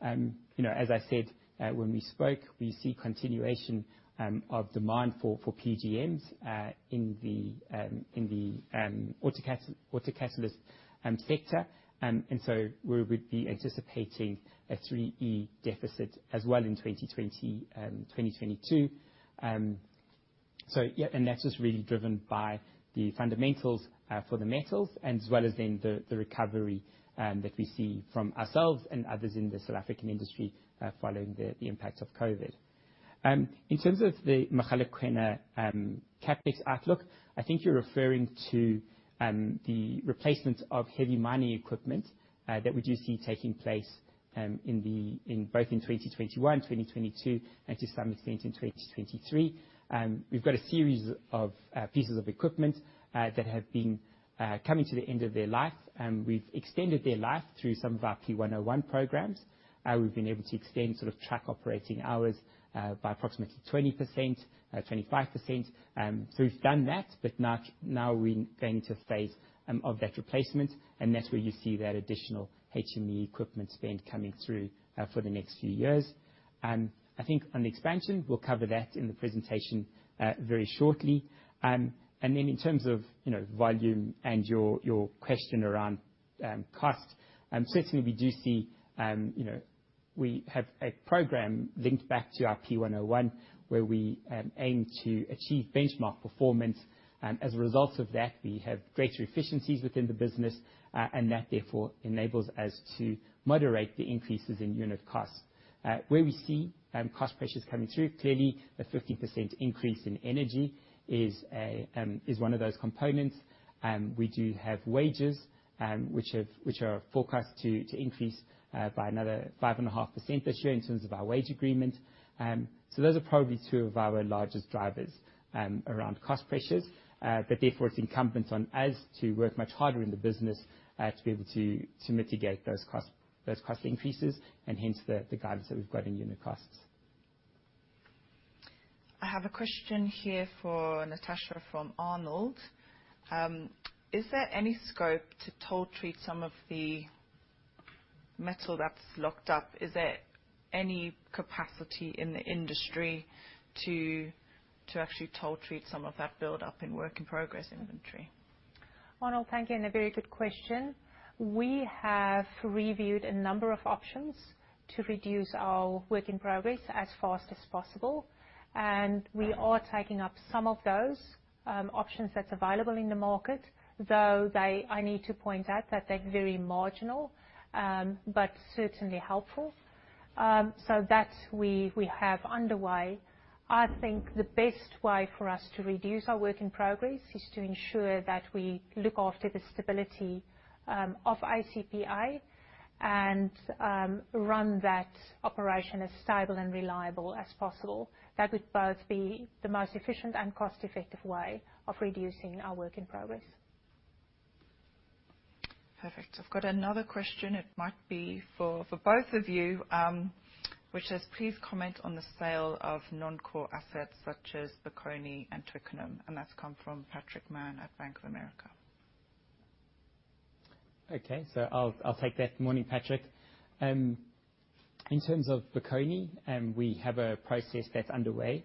as I said when we spoke, we see continuation of demand for PGMs in the autocatalyst sector. We would be anticipating a 3E deficit as well in 2022. That's just really driven by the fundamentals for the metals, as well as the recovery that we see from ourselves and others in the South African industry following the impact of COVID. In terms of the Mogalakwena CapEx outlook, I think you're referring to the replacement of heavy mining equipment that we do see taking place, both in 2021, 2022, and to some extent in 2023. We've got a series of pieces of equipment that have been coming to the end of their life, and we've extended their life through some of our P101 programs. We've been able to extend track operating hours by approximately 20%, 25%. We've done that, but now we're going into a phase of that replacement, and that's where you see that additional HME equipment spend coming through for the next few years. I think on expansion, we'll cover that in the presentation very shortly. In terms of volume and your question around cost, certainly we do see, we have a program linked back to our P101 where we aim to achieve benchmark performance. As a result of that, we have greater efficiencies within the business, and that therefore enables us to moderate the increases in unit cost. Where we see cost pressures coming through, clearly a 15% increase in energy is one of those components. We do have wages, which are forecast to increase by another 5.5% this year in terms of our wage agreement. Those are probably two of our largest drivers around cost pressures. Therefore, it's incumbent on us to work much harder in the business, to be able to mitigate those cost increases, and hence the guidance that we've got in unit costs. I have a question here for Natascha from Arnold. Is there any scope to toll treat some of the metal that's locked up? Is there any capacity in the industry to actually toll treat some of that buildup in work-in-progress inventory? Arnold, thank you. A very good question. We have reviewed a number of options to reduce our work in progress as fast as possible, and we are taking up some of those options that's available in the market, though I need to point out that they're very marginal, but certainly helpful. That we have underway. I think the best way for us to reduce our work in progress is to ensure that we look after the stability of ACP A and run that operation as stable and reliable as possible. That would both be the most efficient and cost-effective way of reducing our work in progress. Perfect. I've got another question, it might be for both of you, which is, "Please comment on the sale of non-core assets such as Bokoni and Twickenham." That's come from Patrick Mann at Bank of America. Okay. I'll take that. Morning, Patrick. In terms of Bokoni, we have a process that's underway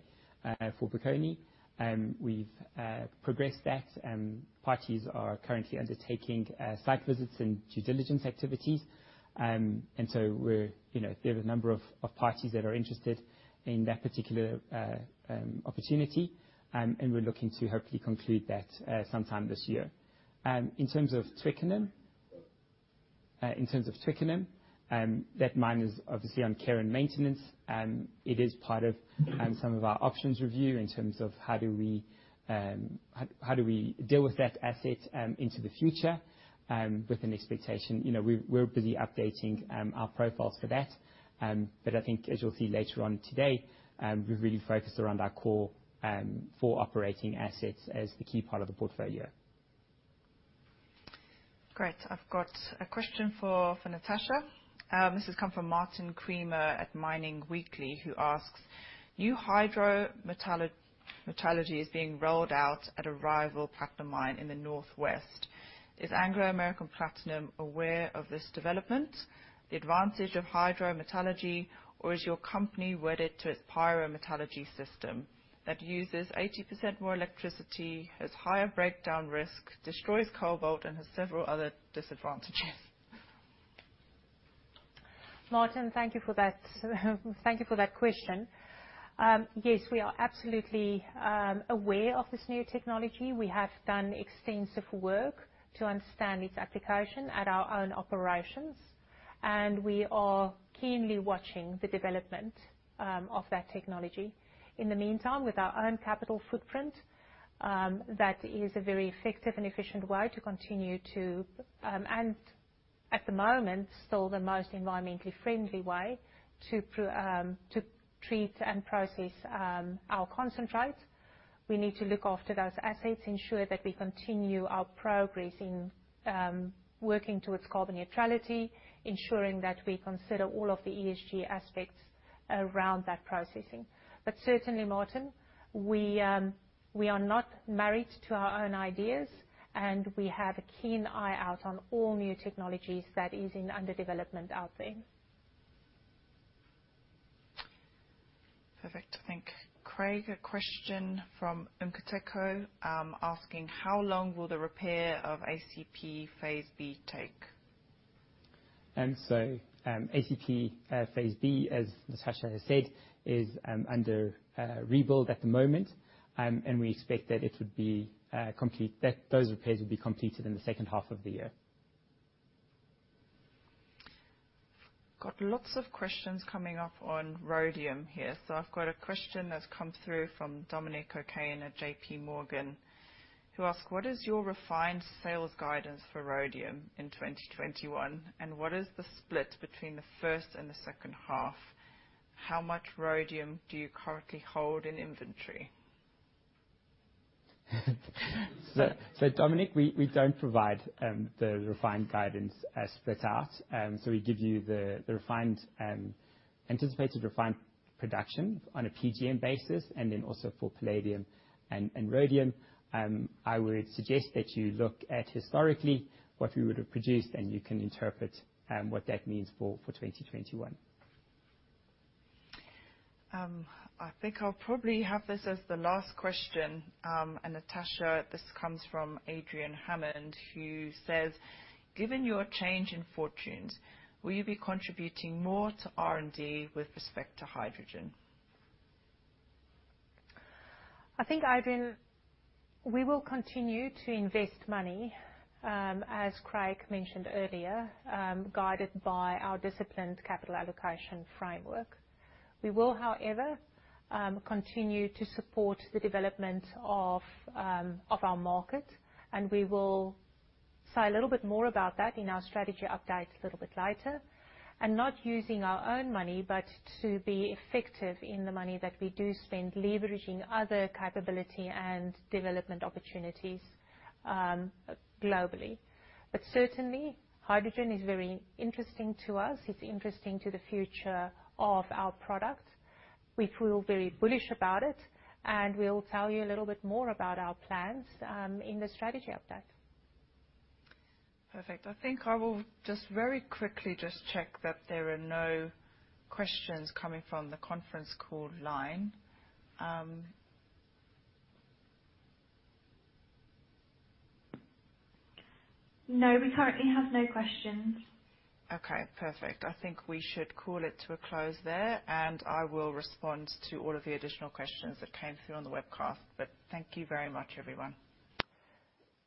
for Bokoni. We've progressed that. Parties are currently undertaking site visits and due diligence activities. We have a number of parties that are interested in that particular opportunity, and we're looking to hopefully conclude that sometime this year. In terms of Twickenham, that mine is obviously on care and maintenance. It is part of some of our options review in terms of how do we deal with that asset into the future, with an expectation. We're busy updating our profiles for that. I think, as you'll see later on today, we've really focused around our core four operating assets as the key part of the portfolio. Great. I've got a question for Natascha. This has come from Martin Creamer at Mining Weekly, who asks, "New hydrometallurgy is being rolled out at a rival platinum mine in the northwest. Is Anglo American Platinum aware of this development, the advantage of hydrometallurgy? Or is your company wedded to its pyrometallurgy system that uses 80% more electricity, has higher breakdown risk, destroys cobalt, and has several other disadvantages? Martin, thank you for that question. Yes, we are absolutely aware of this new technology. We have done extensive work to understand its application at our own operations, and we are keenly watching the development of that technology. In the meantime, with our own capital footprint, that is a very effective and efficient way. At the moment, still the most environmentally friendly way to treat and process our concentrates. We need to look after those assets, ensure that we continue our progress in working towards carbon neutrality, ensuring that we consider all of the ESG aspects around that processing. Certainly, Martin, we are not married to our own ideas, and we have a keen eye out on all new technologies that is under development out there. Perfect. Thank you. Craig, a question from Nkateko asking, "How long will the repair of ACP Phase B take? ACP Phase B, as Natascha has said, is under rebuild at the moment. We expect that those repairs will be completed in the second half of the year. Got lots of questions coming up on rhodium here. I've got a question that's come through from Dominic O'Kane at JPMorgan, who asks, "What is your refined sales guidance for rhodium in 2021, and what is the split between the first and the second half? How much rhodium do you currently hold in inventory? Dominic, we don't provide the refined guidance split out. We give you the anticipated refined production on a PGM basis, and then also for palladium and rhodium. I would suggest that you look at historically what we would have produced, and you can interpret what that means for 2021. I think I'll probably have this as the last question. Natascha, this comes from Adrian Hammond, who says, "Given your change in fortunes, will you be contributing more to R&D with respect to hydrogen? I think, Adrian, we will continue to invest money, as Craig mentioned earlier, guided by our disciplined capital allocation framework. We will, however, continue to support the development of our market. We will say a little bit more about that in our strategy update a little bit later. Not using our own money, but to be effective in the money that we do spend, leveraging other capability and development opportunities globally. Certainly, hydrogen is very interesting to us. It's interesting to the future of our product. We feel very bullish about it. We'll tell you a little bit more about our plans in the strategy update. Perfect. I think I will just very quickly just check that there are no questions coming from the conference call line. No, we currently have no questions. Okay, perfect. I think we should call it to a close there, and I will respond to all of the additional questions that came through on the webcast. Thank you very much, everyone.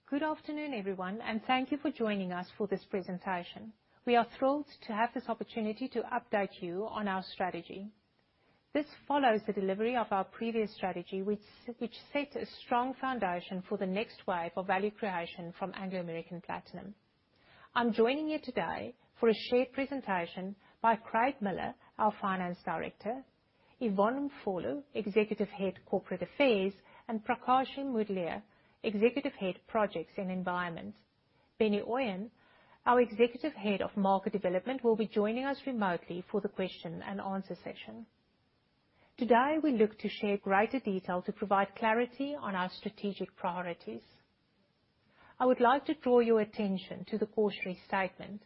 Good afternoon, everyone, and thank you for joining us for this presentation. We are thrilled to have this opportunity to update you on our strategy. This follows the delivery of our previous strategy, which set a strong foundation for the next wave of value creation from Anglo American Platinum. I am joining you today for a shared presentation by Craig Miller, our Finance Director, Yvonne Mfolo, Executive Head, Corporate Affairs, and Prakashim Moodliar, Executive Head, Projects and Environment. Benny Oeyen, our Executive Head of Market Development, will be joining us remotely for the question and answer session. Today, we look to share greater detail to provide clarity on our strategic priorities. I would like to draw your attention to the cautionary statement.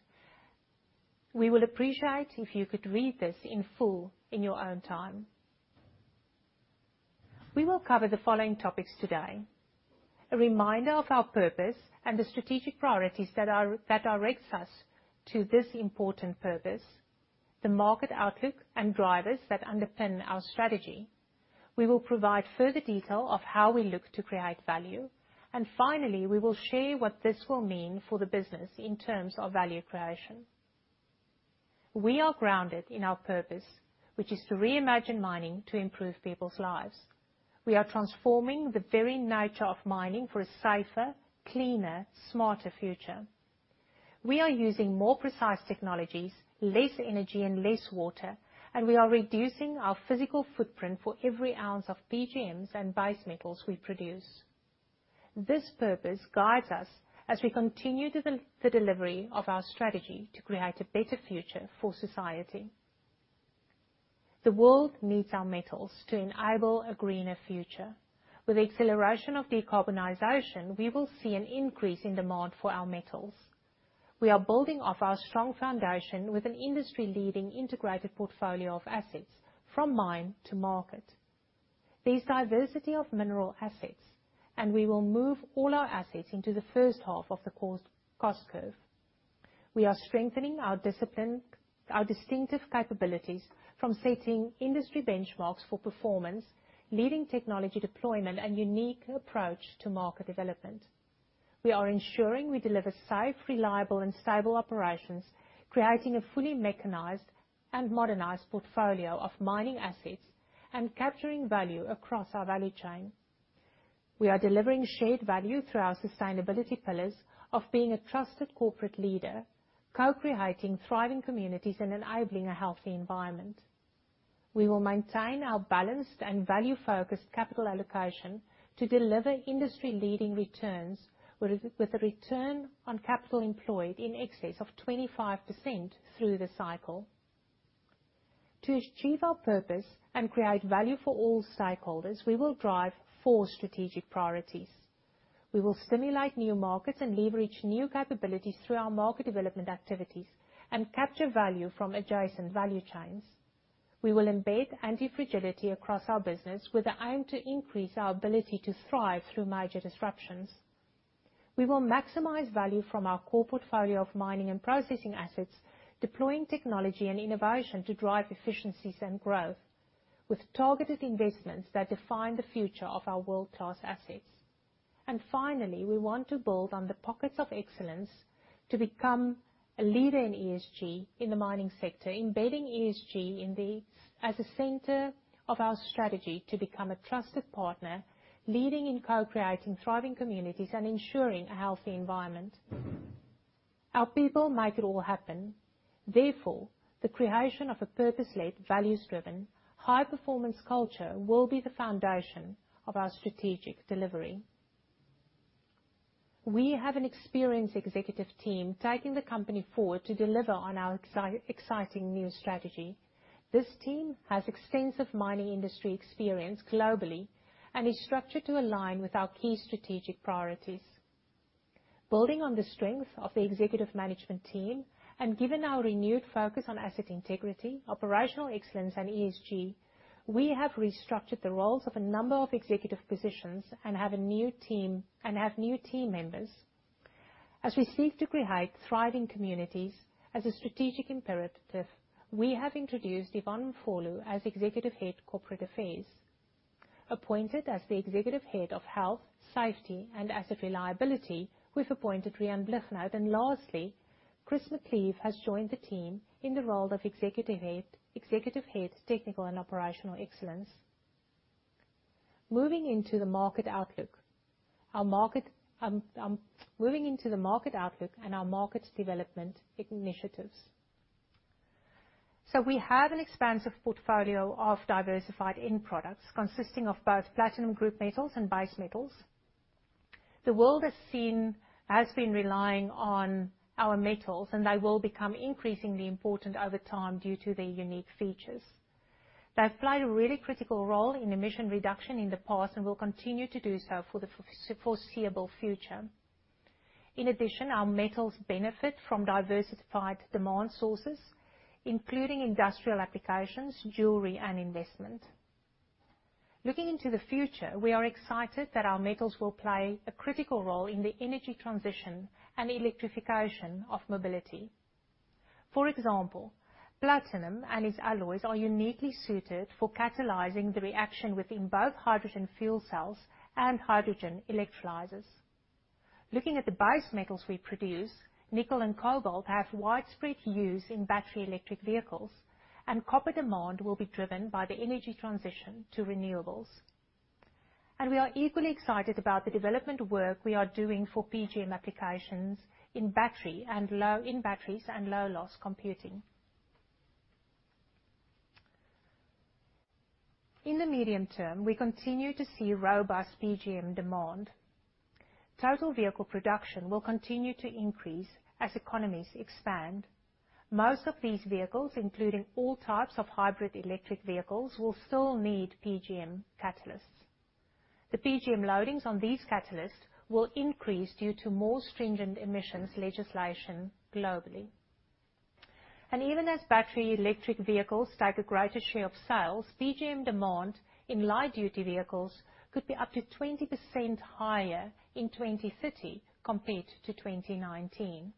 We will appreciate if you could read this in full in your own time. We will cover the following topics today. A reminder of our purpose and the strategic priorities that direct us to this important purpose, the market outlook and drivers that underpin our strategy. We will provide further detail of how we look to create value. Finally, we will share what this will mean for the business in terms of value creation. We are grounded in our purpose, which is to reimagine mining to improve people's lives. We are transforming the very nature of mining for a safer, cleaner, smarter future. We are using more precise technologies, less energy, and less water, and we are reducing our physical footprint for every ounce of PGMs and base metals we produce. This purpose guides us as we continue the delivery of our strategy to create a better future for society. The world needs our metals to enable a greener future. With the acceleration of decarbonization, we will see an increase in demand for our metals. We are building off our strong foundation with an industry-leading integrated portfolio of assets from mine to market. There is diversity of mineral assets, and we will move all our assets into the first half of the cost curve. We are strengthening our discipline, our distinctive capabilities from setting industry benchmarks for performance, leading technology deployment, and unique approach to market development. We are ensuring we deliver safe, reliable, and stable operations, creating a fully mechanized and modernized portfolio of mining assets and capturing value across our value chain. We are delivering shared value through our sustainability pillars of being a trusted corporate leader, co-creating thriving communities, and enabling a healthy environment. We will maintain our balanced and value-focused capital allocation to deliver industry-leading returns, with a return on capital employed in excess of 25% through the cycle. To achieve our purpose and create value for all stakeholders, we will drive four strategic priorities. We will stimulate new markets and leverage new capabilities through our market development activities and capture value from adjacent value chains. We will embed antifragility across our business with an aim to increase our ability to thrive through major disruptions. We will maximize value from our core portfolio of mining and processing assets, deploying technology and innovation to drive efficiencies and growth, with targeted investments that define the future of our world-class assets. Finally, we want to build on the pockets of excellence to become a leader in ESG in the mining sector, embedding ESG as a center of our strategy to become a trusted partner, leading in co-creating thriving communities, and ensuring a healthy environment. Our people make it all happen. Therefore, the creation of a purpose-led, values-driven, high performance culture will be the foundation of our strategic delivery. We have an experienced executive team taking the company forward to deliver on our exciting new strategy. This team has extensive mining industry experience globally and is structured to align with our key strategic priorities. Building on the strength of the executive management team and given our renewed focus on asset integrity, operational excellence, and ESG, we have restructured the roles of a number of executive positions and have new team members. As we seek to create thriving communities as a strategic imperative, we have introduced Yvonne Mfolo as Executive Head Corporate Affairs. Appointed as the Executive Head of Health, Safety, and Asset Reliability, we've appointed Riaan Blignaut. Lastly, Chris McCleave has joined the team in the role of Executive Head Technical and Operational Excellence. Moving into the market outlook and our market development initiatives. We have an expansive portfolio of diversified end products consisting of both platinum group metals and base metals. The world has been relying on our metals, and they will become increasingly important over time due to their unique features. They've played a really critical role in emission reduction in the past and will continue to do so for the foreseeable future. In addition, our metals benefit from diversified demand sources, including industrial applications, jewelry, and investment. Looking into the future, we are excited that our metals will play a critical role in the energy transition and electrification of mobility. For example, platinum and its alloys are uniquely suited for catalyzing the reaction within both hydrogen fuel cells and hydrogen electrolyzers. Looking at the base metals we produce, nickel and cobalt have widespread use in battery electric vehicles, and copper demand will be driven by the energy transition to renewables. We are equally excited about the development work we are doing for PGM applications in batteries and low loss computing. In the medium term, we continue to see robust PGM demand. Total vehicle production will continue to increase as economies expand. Most of these vehicles, including all types of hybrid electric vehicles, will still need PGM catalysts. The PGM loadings on these catalysts will increase due to more stringent emissions legislation globally. Even as battery electric vehicles take a greater share of sales, PGM demand in light-duty vehicles could be up to 20% higher in 2030 compared to 2019.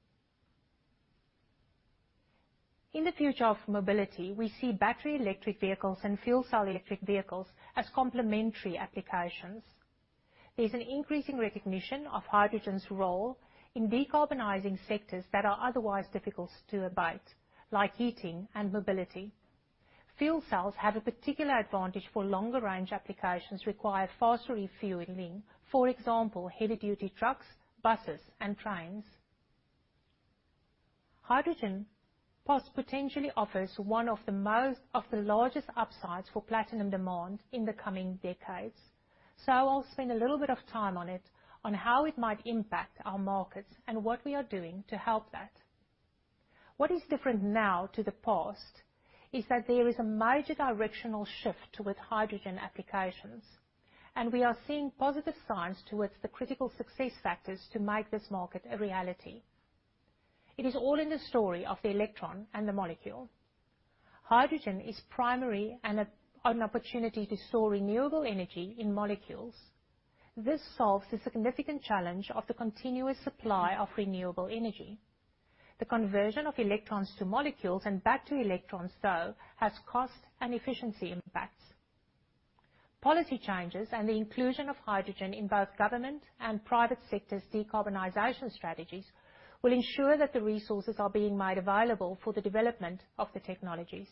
In the future of mobility, we see battery electric vehicles and fuel cell electric vehicles as complementary applications. There's an increasing recognition of hydrogen's role in decarbonizing sectors that are otherwise difficult to abate, like heating and mobility. Fuel cells have a particular advantage for longer range applications require faster refueling, for example, heavy duty trucks, buses, and trains. Hydrogen potentially offers one of the largest upsides for platinum demand in the coming decades. I'll spend a little bit of time on it, on how it might impact our markets and what we are doing to help that. What is different now to the past is that there is a major directional shift with hydrogen applications, and we are seeing positive signs towards the critical success factors to make this market a reality. It is all in the story of the electron and the molecule. Hydrogen is primary and an opportunity to store renewable energy in molecules. This solves the significant challenge of the continuous supply of renewable energy. The conversion of electrons to molecules and back to electrons, though, has cost and efficiency impacts. Policy changes and the inclusion of hydrogen in both government and private sectors' decarbonization strategies will ensure that the resources are being made available for the development of the technologies.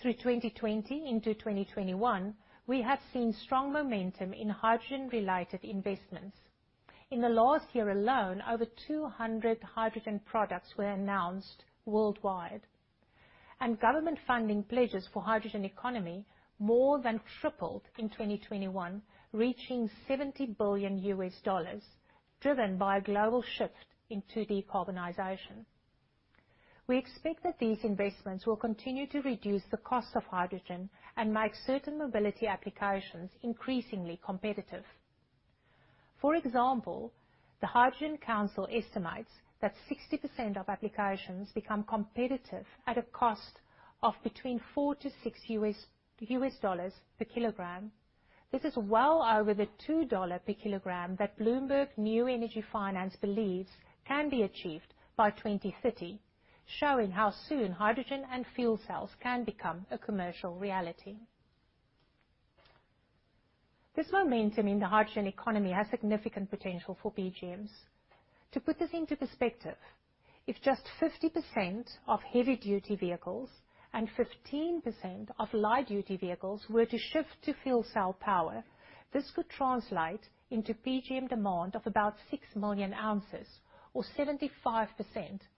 Through 2020 into 2021, we have seen strong momentum in hydrogen-related investments. In the last year alone, over 200 hydrogen products were announced worldwide, and government funding pledges for hydrogen economy more than tripled in 2021, reaching $70 billion, driven by a global shift into decarbonization. We expect that these investments will continue to reduce the cost of hydrogen and make certain mobility applications increasingly competitive. For example, the Hydrogen Council estimates that 60% of applications become competitive at a cost of between $4-$6 per kilogram. This is well over the $2 per kilogram that Bloomberg New Energy Finance believes can be achieved by 2030, showing how soon hydrogen and fuel cells can become a commercial reality. This momentum in the hydrogen economy has significant potential for PGMs. To put this into perspective, if just 50% of heavy duty vehicles and 15% of light duty vehicles were to shift to fuel cell power, this could translate into PGM demand of about six million ounces or 75%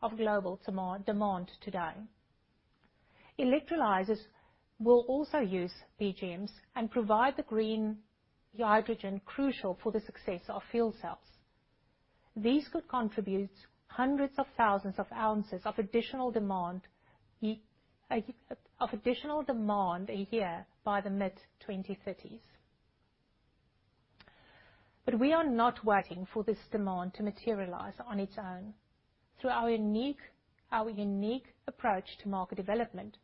of global demand today. Electrolyzers will also use PGMs and provide the green hydrogen crucial for the success of fuel cells. These could contribute hundreds of thousands of ounces of additional demand a year by the mid-2030s. We are not waiting for this demand to materialize on its own. Through our unique approach to market development,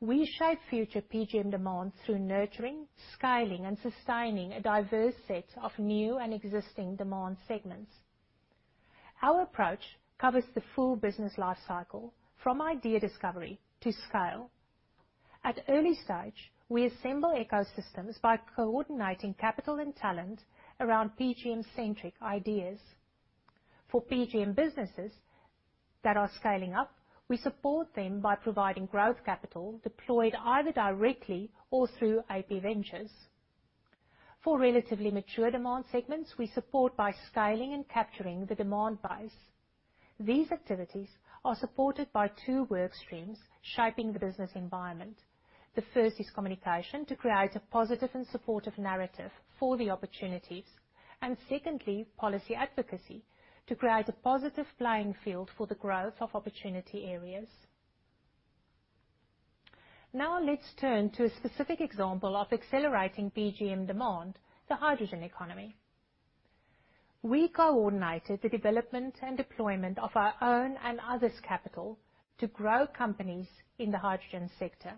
we shape future PGM demand through nurturing, scaling, and sustaining a diverse set of new and existing demand segments. Our approach covers the full business life cycle from idea discovery to scale. At early stage, we assemble ecosystems by coordinating capital and talent around PGM-centric ideas. For PGM businesses that are scaling up, we support them by providing growth capital deployed either directly or through AP Ventures. For relatively mature demand segments, we support by scaling and capturing the demand base. These activities are supported by two work streams shaping the business environment. The first is communication to create a positive and supportive narrative for the opportunities, and secondly, policy advocacy to create a positive playing field for the growth of opportunity areas. Now let's turn to a specific example of accelerating PGM demand, the hydrogen economy. We coordinated the development and deployment of our own and others' capital to grow companies in the hydrogen sector.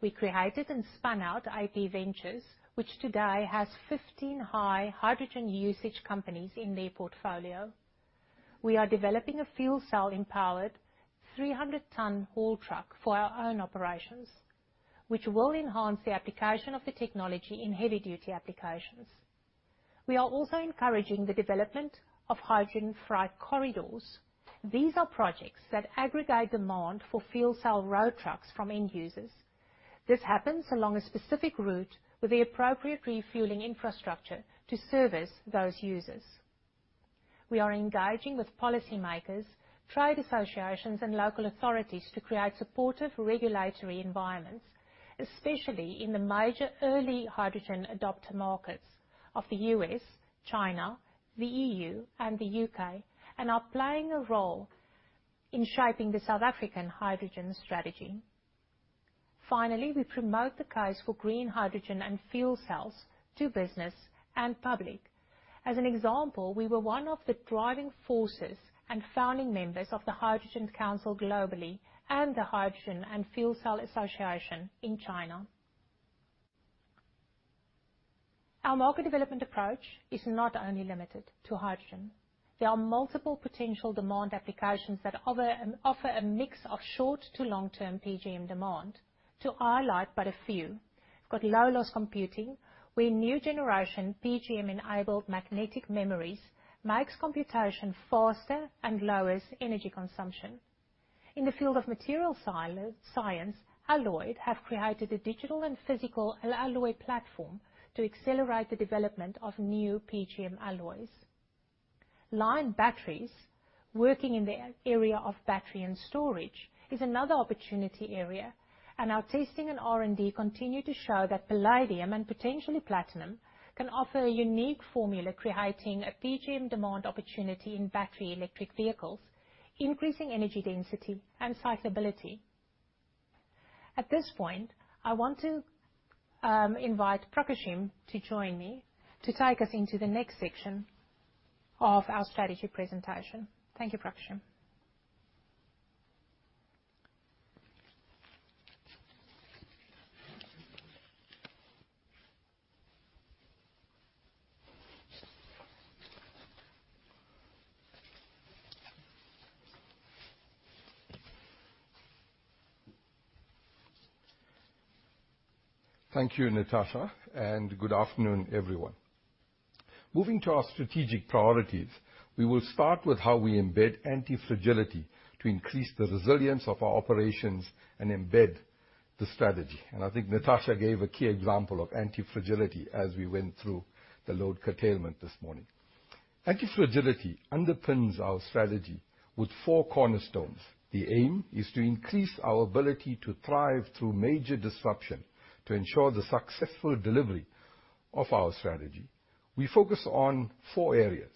We created and spun out AP Ventures, which today has 15 high hydrogen usage companies in their portfolio. We are developing a fuel cell-empowered 300-ton haul truck for our own operations, which will enhance the application of the technology in heavy-duty applications. We are also encouraging the development of hydrogen freight corridors. These are projects that aggregate demand for fuel cell road trucks from end users. This happens along a specific route with the appropriate refueling infrastructure to service those users. We are engaging with policymakers, trade associations, and local authorities to create supportive regulatory environments, especially in the major early hydrogen adopter markets of the U.S., China, the EU, and the U.K., and are playing a role in shaping the South African hydrogen strategy. Finally, we promote the case for green hydrogen and fuel cells to business and public. As an example, we were one of the driving forces and founding members of the Hydrogen Council globally and the Hydrogen and Fuel Cell Association in China. Our market development approach is not only limited to hydrogen. There are multiple potential demand applications that offer a mix of short to long-term PGM demand. To highlight but a few, we've got low loss computing, where new generation PGM-enabled magnetic memories makes computation faster and lowers energy consumption. In the field of material science, Alloyed have created a digital and physical alloy platform to accelerate the development of new PGM alloys. Li-on batteries, working in the area of battery and storage, is another opportunity area, and our testing and R&D continue to show that palladium, and potentially platinum, can offer a unique formula, creating a PGM demand opportunity in battery electric vehicles, increasing energy density and cyclability. At this point, I want to invite Prakashim to join me to take us into the next section of our strategy presentation. Thank you, Prakashim. Thank you, Natascha, and good afternoon, everyone. Moving to our strategic priorities, we will start with how we embed antifragility to increase the resilience of our operations and embed the strategy. I think Natascha gave a key example of antifragility as we went through the load curtailment this morning. Antifragility underpins our strategy with four cornerstones. The aim is to increase our ability to thrive through major disruption to ensure the successful delivery of our strategy. We focus on four areas.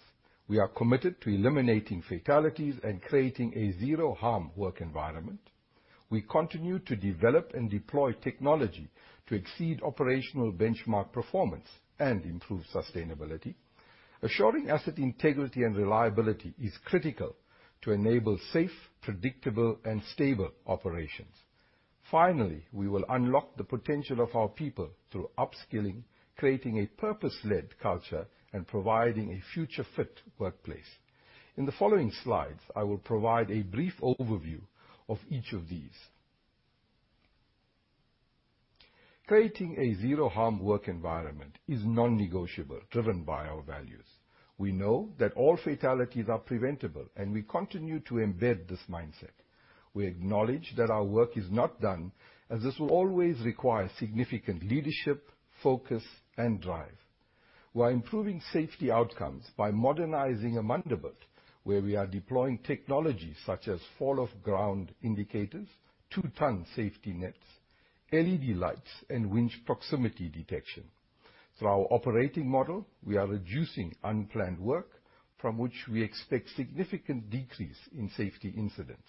We are committed to eliminating fatalities and creating a zero-harm work environment. We continue to develop and deploy technology to exceed operational benchmark performance and improve sustainability. Assuring asset integrity and reliability is critical to enable safe, predictable, and stable operations. We will unlock the potential of our people through upskilling, creating a purpose-led culture, and providing a future fit workplace. In the following slides, I will provide a brief overview of each of these. Creating a zero-harm work environment is non-negotiable, driven by our values. We know that all fatalities are preventable, and we continue to embed this mindset. We acknowledge that our work is not done, as this will always require significant leadership, focus, and drive. We're improving safety outcomes by modernizing Amandelbult, where we are deploying technology such as fall of ground indicators, two-ton safety nets, LED lights, and winch proximity detection. Through our operating model, we are reducing unplanned work, from which we expect significant decrease in safety incidents.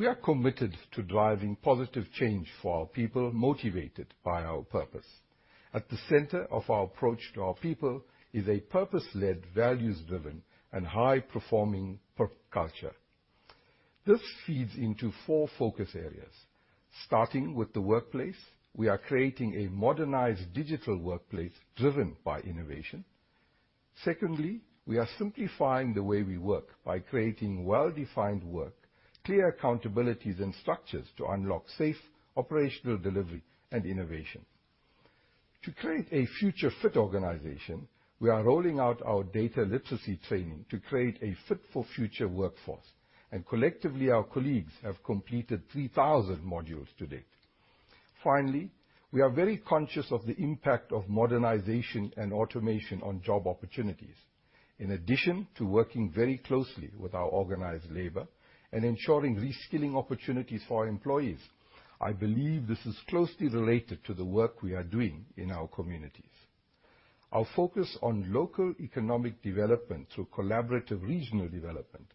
We are committed to driving positive change for our people motivated by our purpose. At the center of our approach to our people is a purpose-led, values-driven, and high-performing culture. This feeds into four focus areas. Starting with the workplace, we are creating a modernized digital workplace driven by innovation. Secondly, we are simplifying the way we work by creating well-defined work, clear accountabilities, and structures to unlock safe operational delivery and innovation. To create a future fit organization, we are rolling out our data literacy training to create a fit for future workforce, and collectively, our colleagues have completed 3,000 modules to date. Finally, we are very conscious of the impact of modernization and automation on job opportunities. In addition to working very closely with our organized labor and ensuring reskilling opportunities for our employees, I believe this is closely related to the work we are doing in our communities. Our focus on local economic development through collaborative regional development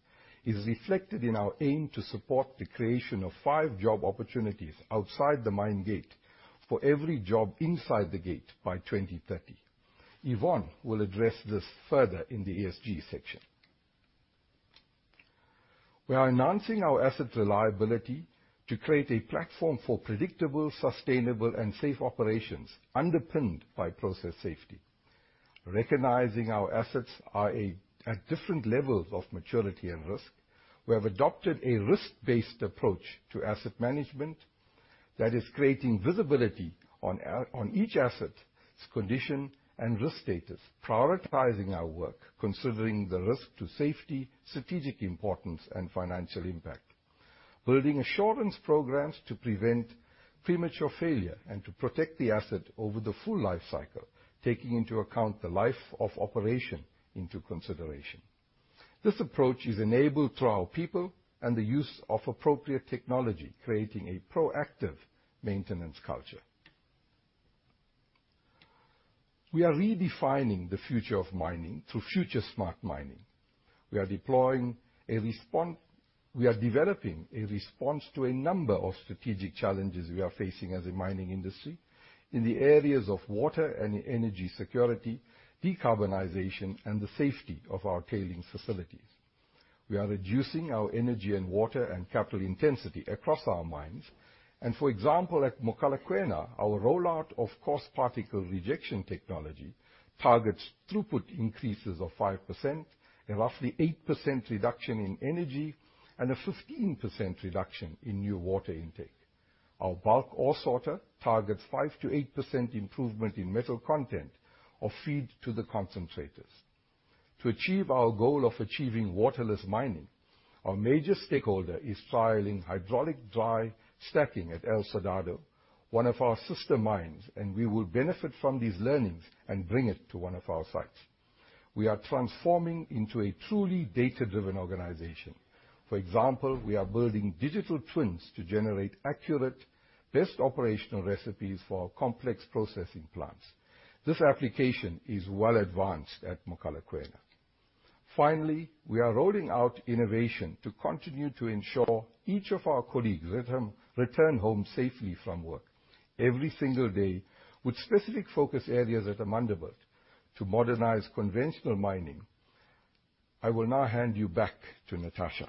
is reflected in our aim to support the creation of five job opportunities outside the mine gate for every job inside the gate by 2030. Yvonne will address this further in the ESG section. We are enhancing our asset reliability to create a platform for predictable, sustainable, and safe operations underpinned by process safety. Recognizing our assets are at different levels of maturity and risk, we have adopted a risk-based approach to asset management that is creating visibility on each asset's condition and risk status, prioritizing our work considering the risk to safety, strategic importance, and financial impact. Building assurance programs to prevent premature failure and to protect the asset over the full life cycle, taking into account the life of operation into consideration. This approach is enabled through our people and the use of appropriate technology, creating a proactive maintenance culture. We are redefining the future of mining through future smart mining. We are developing a response to a number of strategic challenges we are facing as a mining industry in the areas of water and energy security, decarbonization, and the safety of our tailing facilities. We are reducing our energy and water and capital intensity across our mines. For example, at Mogalakwena, our rollout of coarse particle rejection technology targets throughput increases of 5%, a roughly 8% reduction in energy, and a 15% reduction in new water intake. Our bulk ore sorter targets 5%-8% improvement in metal content of feed to the concentrators. To achieve our goal of achieving waterless mining, our major stakeholder is trialing hydraulic dry stacking at El Soldado, one of our sister mines, and we will benefit from these learnings and bring it to one of our sites. We are transforming into a truly data-driven organization. For example, we are building digital twins to generate accurate, best operational recipes for our complex processing plants. This application is well advanced at Mogalakwena. Finally, we are rolling out innovation to continue to ensure each of our colleagues return home safely from work every single day, with specific focus areas at Amandelbult to modernize conventional mining. I will now hand you back to Natascha.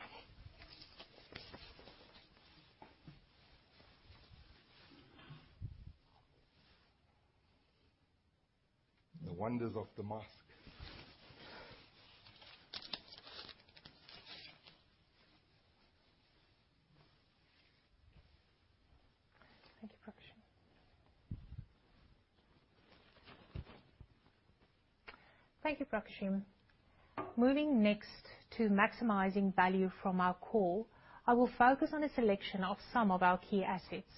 The wonders of the mask. Thank you, Prakashim. Moving next to maximizing value from our core, I will focus on a selection of some of our key assets.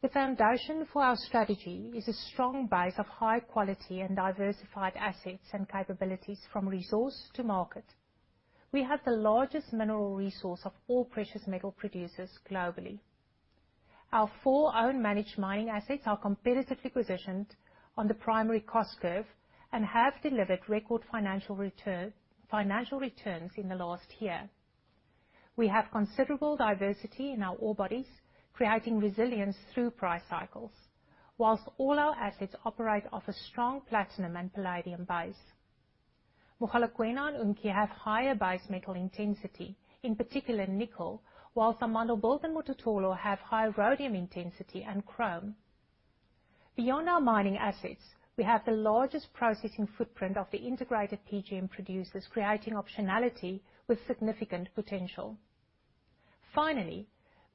The foundation for our strategy is a strong base of high quality and diversified assets and capabilities from resource to market. We have the largest mineral resource of all precious metal producers globally. Our four own managed mining assets are competitively positioned on the primary cost curve and have delivered record financial returns in the last year. We have considerable diversity in our ore bodies, creating resilience through price cycles, while all our assets operate off a strong platinum and palladium base. Mogalakwena and Unki have higher base metal intensity, in particular nickel, while Amandelbult and Mototolo have high rhodium intensity and chrome. Beyond our mining assets, we have the largest processing footprint of the integrated PGM producers, creating optionality with significant potential. Finally,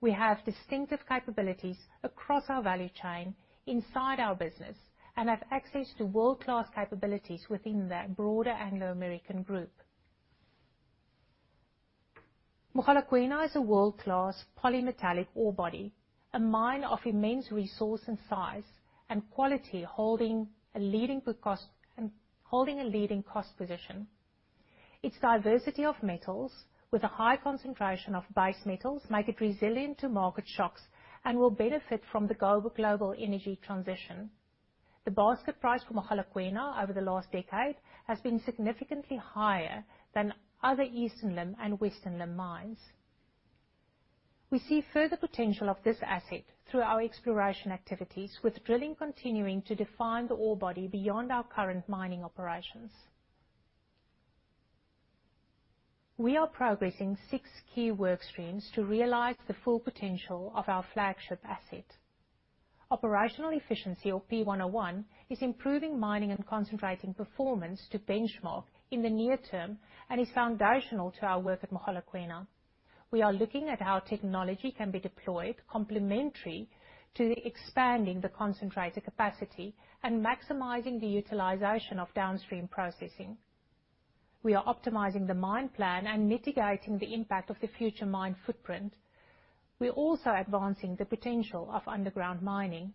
we have distinctive capabilities across our value chain inside our business and have access to world-class capabilities within the broader Anglo American Group. Mogalakwena is a world-class polymetallic ore body, a mine of immense resource and size and quality, holding a leading cost position. Its diversity of metals with a high concentration of base metals, make it resilient to market shocks and will benefit from the global energy transition. The basket price for Mogalakwena over the last decade has been significantly higher than other Eastern Limb and Western Limb mines. We see further potential of this asset through our exploration activities, with drilling continuing to define the ore body beyond our current mining operations. We are progressing six key work streams to realize the full potential of our flagship asset. Operational efficiency of P101 is improving mining and concentrating performance to benchmark in the near term and is foundational to our work at Mogalakwena. We are looking at how technology can be deployed complementary to expanding the concentrator capacity and maximizing the utilization of downstream processing. We are optimizing the mine plan and mitigating the impact of the future mine footprint. We are also advancing the potential of underground mining.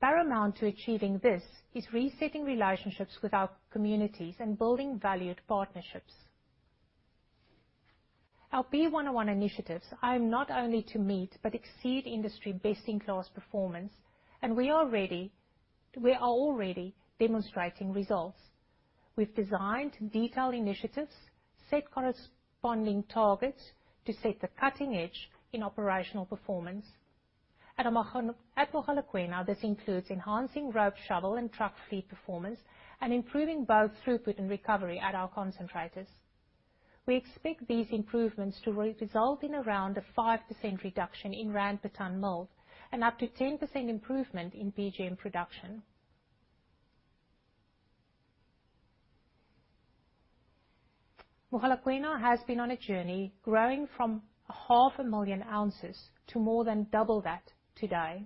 Paramount to achieving this is resetting relationships with our communities and building valued partnerships. Our P101 initiatives aim not only to meet but exceed industry best-in-class performance, and we are already demonstrating results. We've designed detailed initiatives, set corresponding targets to set the cutting edge in operational performance. At Mogalakwena, this includes enhancing rope, shovel, and truck fleet performance and improving both throughput and recovery at our concentrators. We expect these improvements to result in around a 5% reduction in ZAR per tonne milled and up to 10% improvement in PGM production. Mogalakwena has been on a journey, growing from half a million ounces to more than double that today.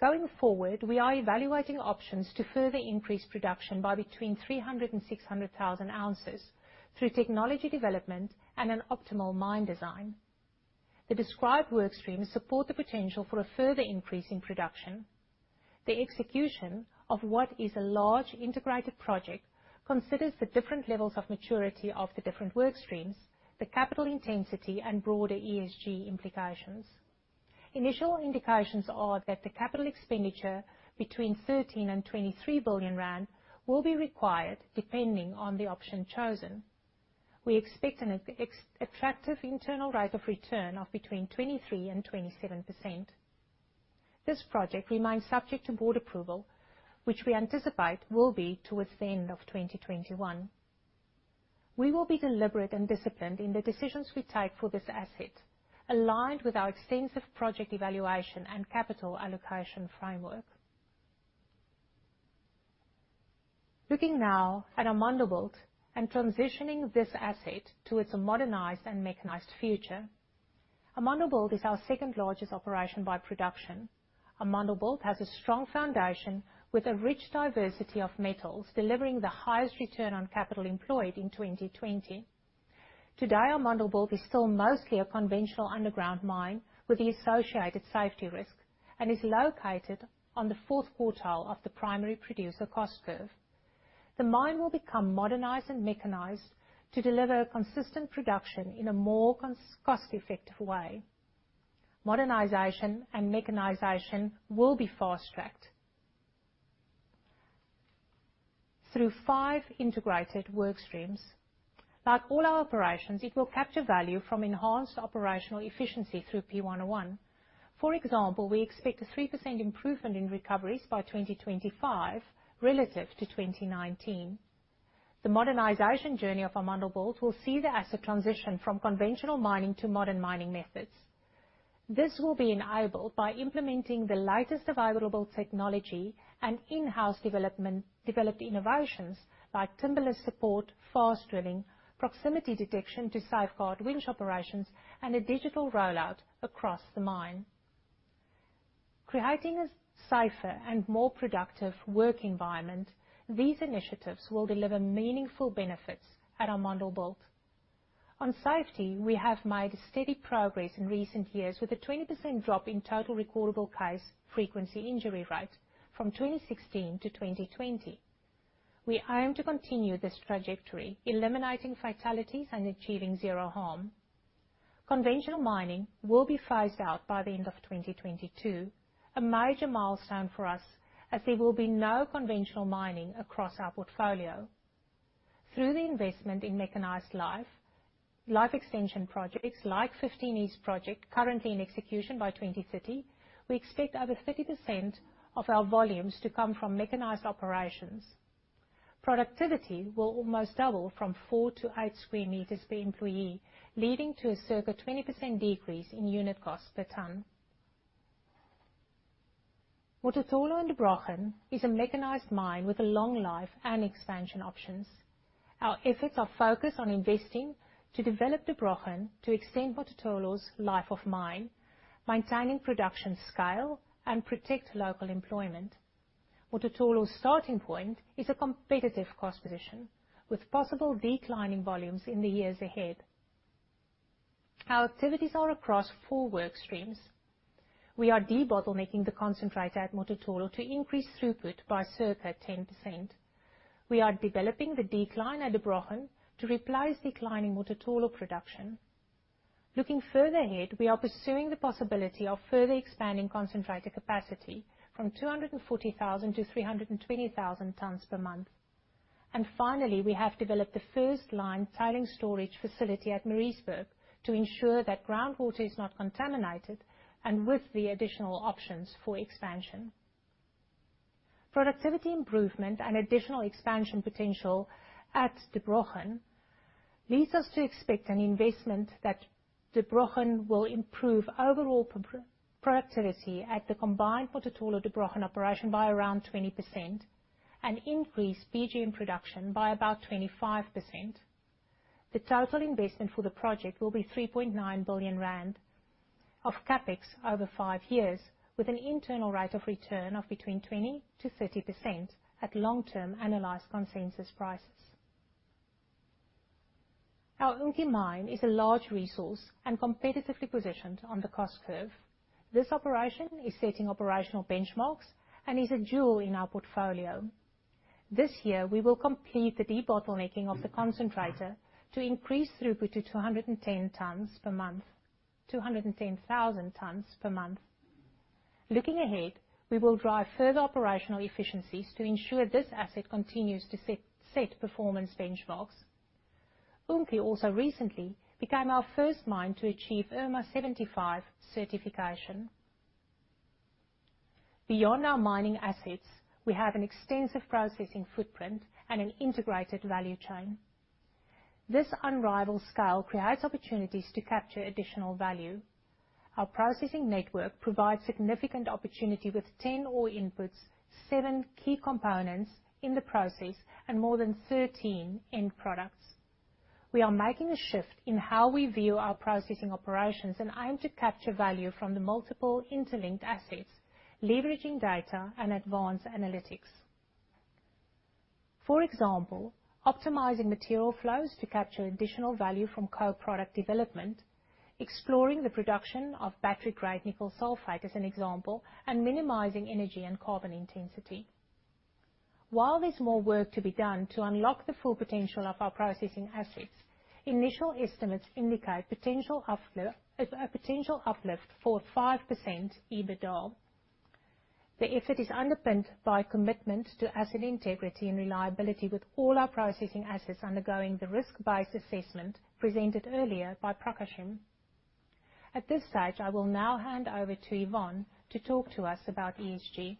Going forward, we are evaluating options to further increase production by between 300,000 and 600,000 ounces through technology development and an optimal mine design. The described workstreams support the potential for a further increase in production. The execution of what is a large integrated project considers the different levels of maturity of the different workstreams, the capital intensity, and broader ESG implications. Initial indications are that the capital expenditure between 13 billion and 23 billion rand will be required depending on the option chosen. We expect an attractive internal rate of return of between 23% and 27%. This project remains subject to board approval, which we anticipate will be towards the end of 2021. We will be deliberate and disciplined in the decisions we take for this asset, aligned with our extensive project evaluation and capital allocation framework. Looking now at Amandelbult and transitioning this asset towards a modernized and mechanized future. Amandelbult is our second-largest operation by production. Amandelbult has a strong foundation with a rich diversity of metals, delivering the highest return on capital employed in 2020. Today, Amandelbult is still mostly a conventional underground mine with the associated safety risk, and is located on the fourth quartile of the primary producer cost curve. The mine will become modernized and mechanized to deliver a consistent production in a more cost-effective way. Modernization and mechanization will be fast-tracked through five integrated workstreams. Like all our operations, it will capture value from enhanced operational efficiency through P101. We expect a 3% improvement in recoveries by 2025 relative to 2019. The modernization journey of Amandelbult will see the asset transition from conventional mining to modern mining methods. This will be enabled by implementing the latest available technology and in-house developed innovations like timberless support, fast drilling, proximity detection to safeguard winch operations, and a digital rollout across the mine. Creating a safer and more productive work environment, these initiatives will deliver meaningful benefits at Amandelbult. On safety, we have made steady progress in recent years with a 20% drop in total recordable case frequency injury rate from 2016 to 2020. We aim to continue this trajectory, eliminating fatalities and achieving zero harm. Conventional mining will be phased out by the end of 2022, a major milestone for us as there will be no conventional mining across our portfolio. Through the investment in mechanized life extension projects like 15 East project, currently in execution by 2030, we expect over 30% of our volumes to come from mechanized operations. Productivity will almost double from 4-8 sq meters per employee, leading to a circa 20% decrease in unit cost per ton. Mototolo and Der Brochen is a mechanized mine with a long life and expansion options. Our efforts are focused on investing to develop Der Brochen to extend Mototolo's life of mine, maintaining production scale, and protect local employment. Mototolo's starting point is a competitive cost position, with possible decline in volumes in the years ahead. Our activities are across four workstreams. We are debottlenecking the concentrator at Mototolo to increase throughput by circa 10%. We are developing the decline at Der Brochen to replace declining Mototolo production. Looking further ahead, we are pursuing the possibility of further expanding concentrator capacity from 240,000 to 320,000 tons per month. Finally, we have developed the first line tailings storage facility at Mareesburg to ensure that groundwater is not contaminated and with the additional options for expansion. Productivity improvement and additional expansion potential at Der Brochen leads us to expect an investment that Der Brochen will improve overall productivity at the combined Mototolo, Der Brochen operation by around 20% and increase PGM production by about 25%. The total investment for the project will be 3.9 billion rand of CapEx over five years, with an internal rate of return of between 20%-30% at long-term analyzed consensus prices. Our Unki mine is a large resource and competitively positioned on the cost curve. This operation is setting operational benchmarks and is a jewel in our portfolio. This year, we will complete the debottlenecking of the concentrator to increase throughput to 210,000 tons per month. Looking ahead, we will drive further operational efficiencies to ensure this asset continues to set performance benchmarks. Unki also recently became our first mine to achieve IRMA 75 certification. Beyond our mining assets, we have an extensive processing footprint and an integrated value chain. This unrivaled scale creates opportunities to capture additional value. Our processing network provides significant opportunity with 10 ore inputs, seven key components in the process, and more than 13 end products. We are making a shift in how we view our processing operations and aim to capture value from the multiple interlinked assets, leveraging data and advanced analytics. For example, optimizing material flows to capture additional value from co-product development, exploring the production of battery-grade nickel sulfate as an example, and minimizing energy and carbon intensity. While there's more work to be done to unlock the full potential of our processing assets, initial estimates indicate a potential uplift for 5% EBITDA. The effort is underpinned by commitment to asset integrity and reliability with all our processing assets undergoing the risk-based assessment presented earlier by Prakashim. At this stage, I will now hand over to Yvonne to talk to us about ESG.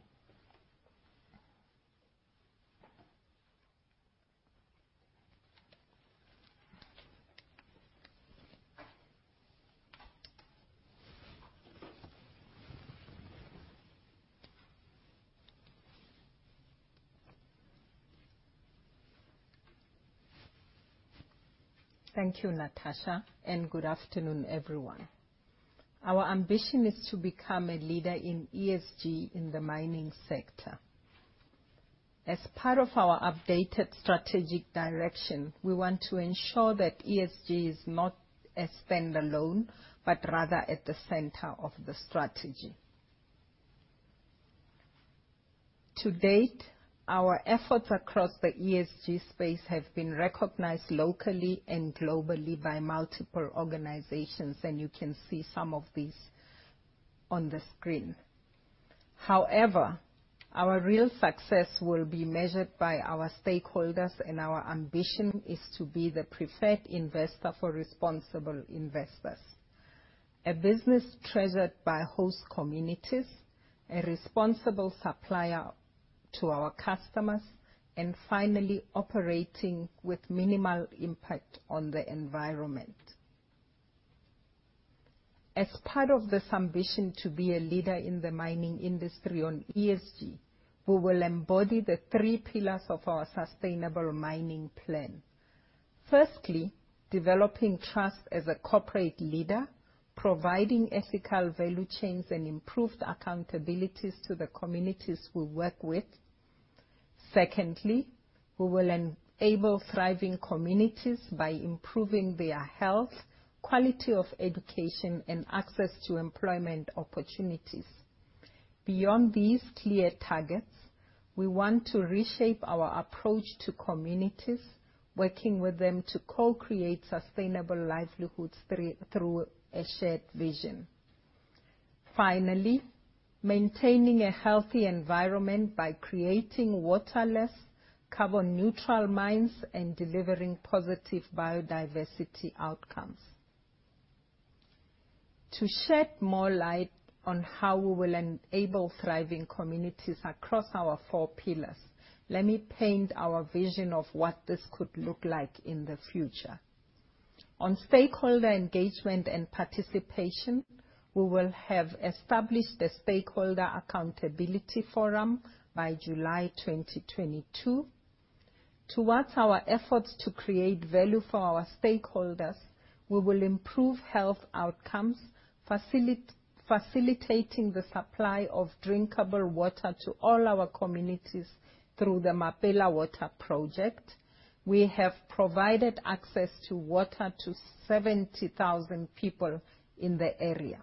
Thank you, Natascha. Good afternoon, everyone. Our ambition is to become a leader in ESG in the mining sector. As part of our updated strategic direction, we want to ensure that ESG is not a standalone, but rather at the center of the strategy. To date, our efforts across the ESG space have been recognized locally and globally by multiple organizations, and you can see some of these on the screen. However, our real success will be measured by our stakeholders, and our ambition is to be the preferred investor for responsible investors, a business treasured by host communities, a responsible supplier to our customers, and finally, operating with minimal impact on the environment. As part of this ambition to be a leader in the mining industry on ESG, we will embody the three pillars of our sustainable mining plan. Firstly, developing trust as a corporate leader, providing ethical value chains and improved accountabilities to the communities we work with. Secondly, we will enable thriving communities by improving their health, quality of education, and access to employment opportunities. Beyond these clear targets, we want to reshape our approach to communities, working with them to co-create sustainable livelihoods through a shared vision. Finally, maintaining a healthy environment by creating waterless, carbon neutral mines and delivering positive biodiversity outcomes. To shed more light on how we will enable thriving communities across our four pillars, let me paint our vision of what this could look like in the future. On stakeholder engagement and participation, we will have established a stakeholder accountability forum by July 2022. Towards our efforts to create value for our stakeholders, we will improve health outcomes, facilitating the supply of drinkable water to all our communities through the Mapela Water Project. We have provided access to water to 70,000 people in the area.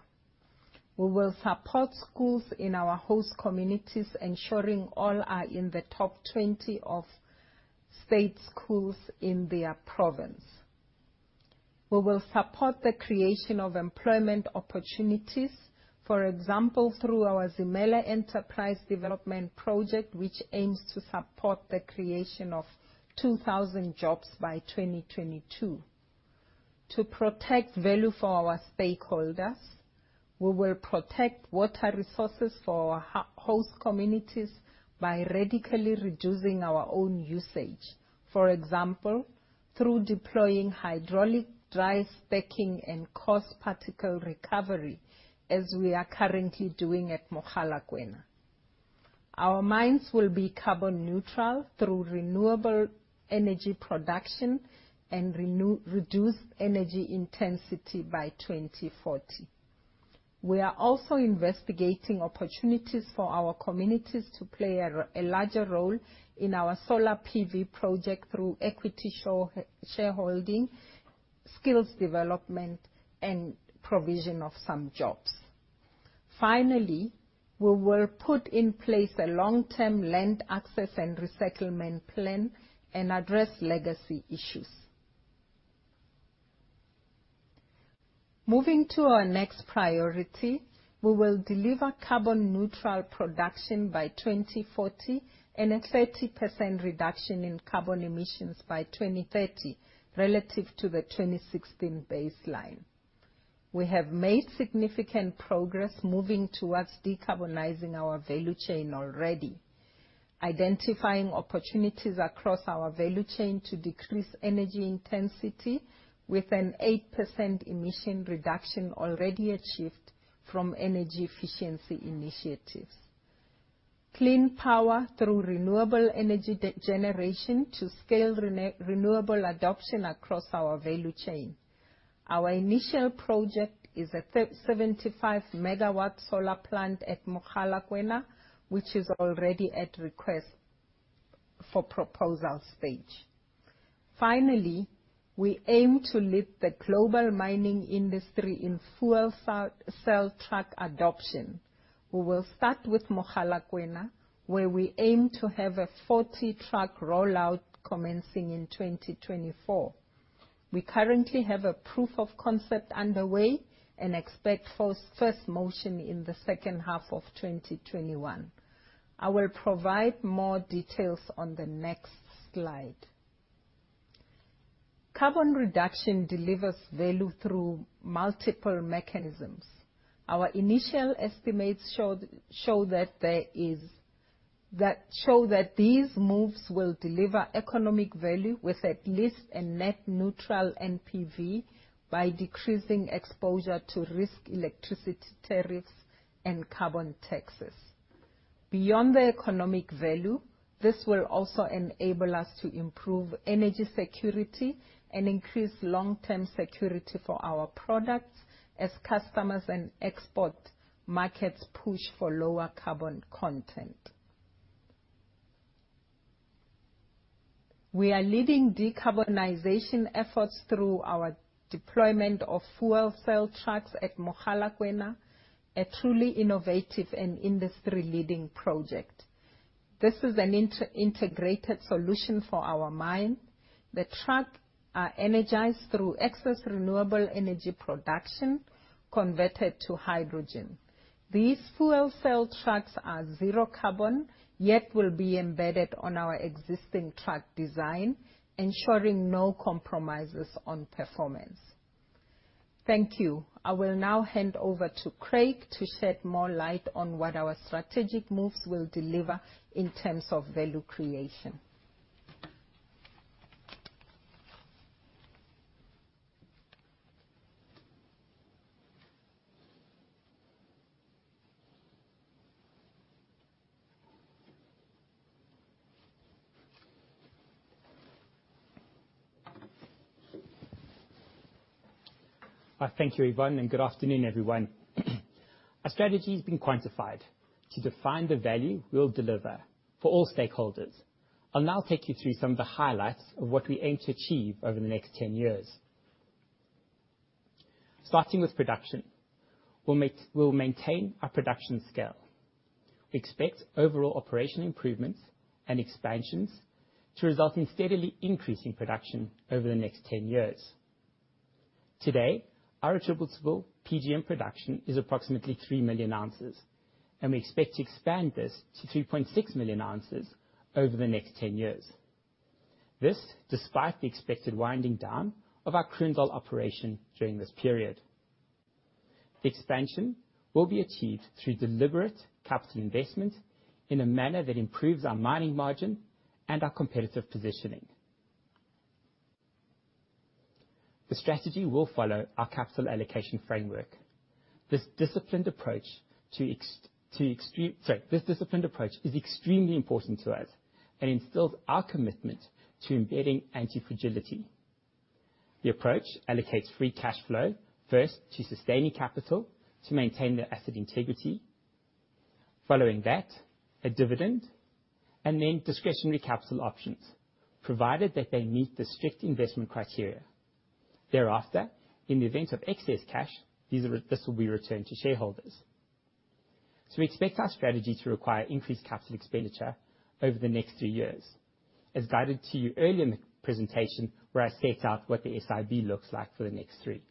We will support schools in our host communities, ensuring all are in the top 20 of state schools in their province. We will support the creation of employment opportunities, for example, through our Zimele Enterprise Development project, which aims to support the creation of 2,000 jobs by 2022. To protect value for our stakeholders, we will protect water resources for our host communities by radically reducing our own usage. For example, through deploying hydraulic drive stacking and coarse particle recovery, as we are currently doing at Mogalakwena. Our mines will be carbon neutral through renewable energy production and reduced energy intensity by 2040. We are also investigating opportunities for our communities to play a larger role in our solar PV project through equity shareholding, skills development, and provision of some jobs. Finally, we will put in place a long-term land access and resettlement plan and address legacy issues. Moving to our next priority, we will deliver carbon neutral production by 2040 and a 30% reduction in carbon emissions by 2030 relative to the 2016 baseline. We have made significant progress moving towards decarbonizing our value chain already, identifying opportunities across our value chain to decrease energy intensity with an 8% emission reduction already achieved from energy efficiency initiatives. Clean power through renewable energy generation to scale renewable adoption across our value chain. Our initial project is a 75 MW solar plant at Mogalakwena, which is already at request for proposal stage. Finally, we aim to lead the global mining industry in fuel cell truck adoption. We will start with Mogalakwena, where we aim to have a 40 truck rollout commencing in 2024. We currently have a proof of concept underway and expect first motion in the second half of 2021. I will provide more details on the next slide. Carbon reduction delivers value through multiple mechanisms. Our initial estimates show that these moves will deliver economic value with at least a net neutral NPV by decreasing exposure to risk electricity tariffs and carbon taxes. Beyond the economic value, this will also enable us to improve energy security and increase long-term security for our products as customers and export markets push for lower carbon content. We are leading decarbonization efforts through our deployment of fuel cell trucks at Mogalakwena, a truly innovative and industry-leading project. This is an integrated solution for our mine. The truck are energized through excess renewable energy production converted to hydrogen. These fuel cell trucks are zero carbon, yet will be embedded on our existing truck design, ensuring no compromises on performance. Thank you. I will now hand over to Craig to shed more light on what our strategic moves will deliver in terms of value creation. Thank you, Yvonne, and good afternoon, everyone. Our strategy has been quantified to define the value we will deliver for all stakeholders. I will now take you through some of the highlights of what we aim to achieve over the next 10 years. Starting with production, we will maintain our production scale. We expect overall operation improvements and expansions to result in steadily increasing production over the next 10 years. Today, our attributable PGM production is approximately three million ounces, and we expect to expand this to 3.6 million ounces over the next 10 years. This despite the expected winding down of our Kroondal operation during this period. The expansion will be achieved through deliberate capital investment in a manner that improves our mining margin and our competitive positioning. The strategy will follow our capital allocation framework. This disciplined approach is extremely important to us and instills our commitment to embedding antifragility. The approach allocates free cash flow first to sustaining capital to maintain the asset integrity, following that, a dividend, and then discretionary capital options, provided that they meet the strict investment criteria. Thereafter, in the event of excess cash, this will be returned to shareholders. We expect our strategy to require increased capital expenditure over the next two years, as guided to you earlier in the presentation where I set out what the SIB looks like for the next three.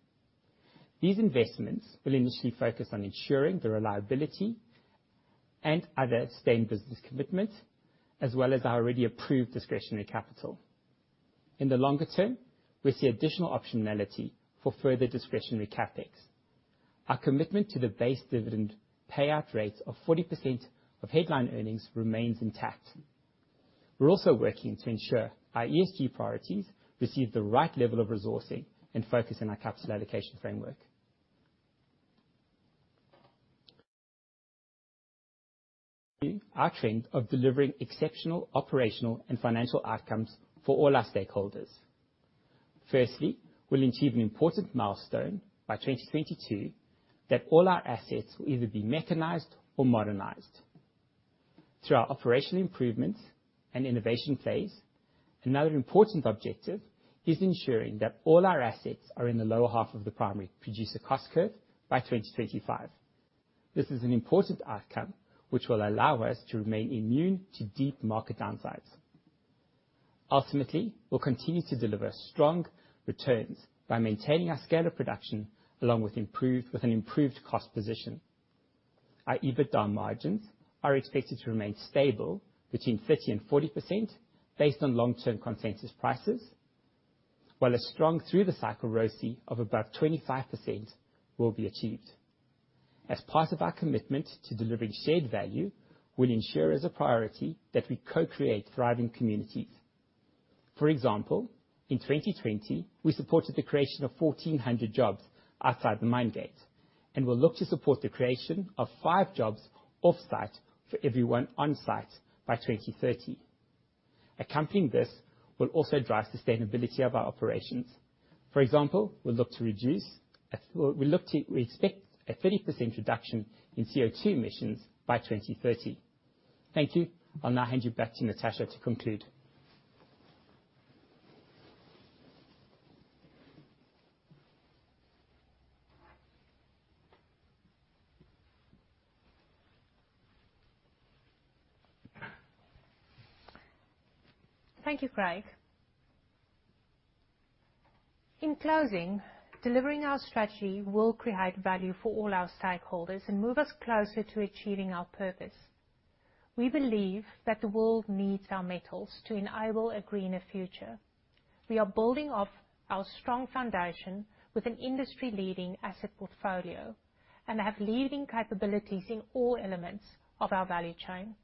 These investments will initially focus on ensuring the reliability and other sustained business commitments, as well as our already approved discretionary capital. In the longer term, we see additional optionality for further discretionary CapEx. Our commitment to the base dividend payout rate of 40% of headline earnings remains intact. We're also working to ensure our ESG priorities receive the right level of resourcing and focus in our capital allocation framework. Our trend of delivering exceptional operational and financial outcomes for all our stakeholders. Firstly, we'll achieve an important milestone by 2022 that all our assets will either be mechanized or modernized. Through our operational improvements and innovation phase, another important objective is ensuring that all our assets are in the lower half of the primary producer cost curve by 2025. This is an important outcome, which will allow us to remain immune to deep market downsides. Ultimately, we'll continue to deliver strong returns by maintaining our scale of production along with an improved cost position. Our EBITDA margins are expected to remain stable between 30% and 40% based on long-term consensus prices, while a strong through-the-cycle ROCE of above 25% will be achieved. As part of our commitment to delivering shared value, we will ensure as a priority that we co-create thriving communities. For example, in 2020, we supported the creation of 1,400 jobs outside the mine gate, and will look to support the creation of five jobs off-site for every one on-site by 2030. Accompanying this, we will also drive sustainability of our operations. For example, we expect a 30% reduction in CO2 emissions by 2030. Thank you. I will now hand you back to Natascha to conclude. Thank you, Craig. In closing, delivering our strategy will create value for all our stakeholders and move us closer to achieving our purpose. We believe that the world needs our metals to enable a greener future. We are building off our strong foundation with an industry-leading asset portfolio and have leading capabilities in all elements of our value chain.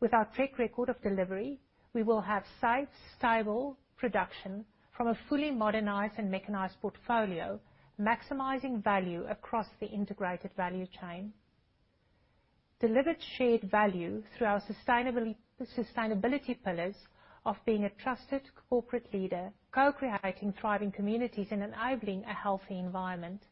With our track record of delivery, we will have safe, stable production from a fully modernized and mechanized portfolio, maximizing value across the integrated value chain. Deliver shared value through our sustainability pillars of being a trusted corporate leader, co-creating thriving communities, and enabling a healthy environment.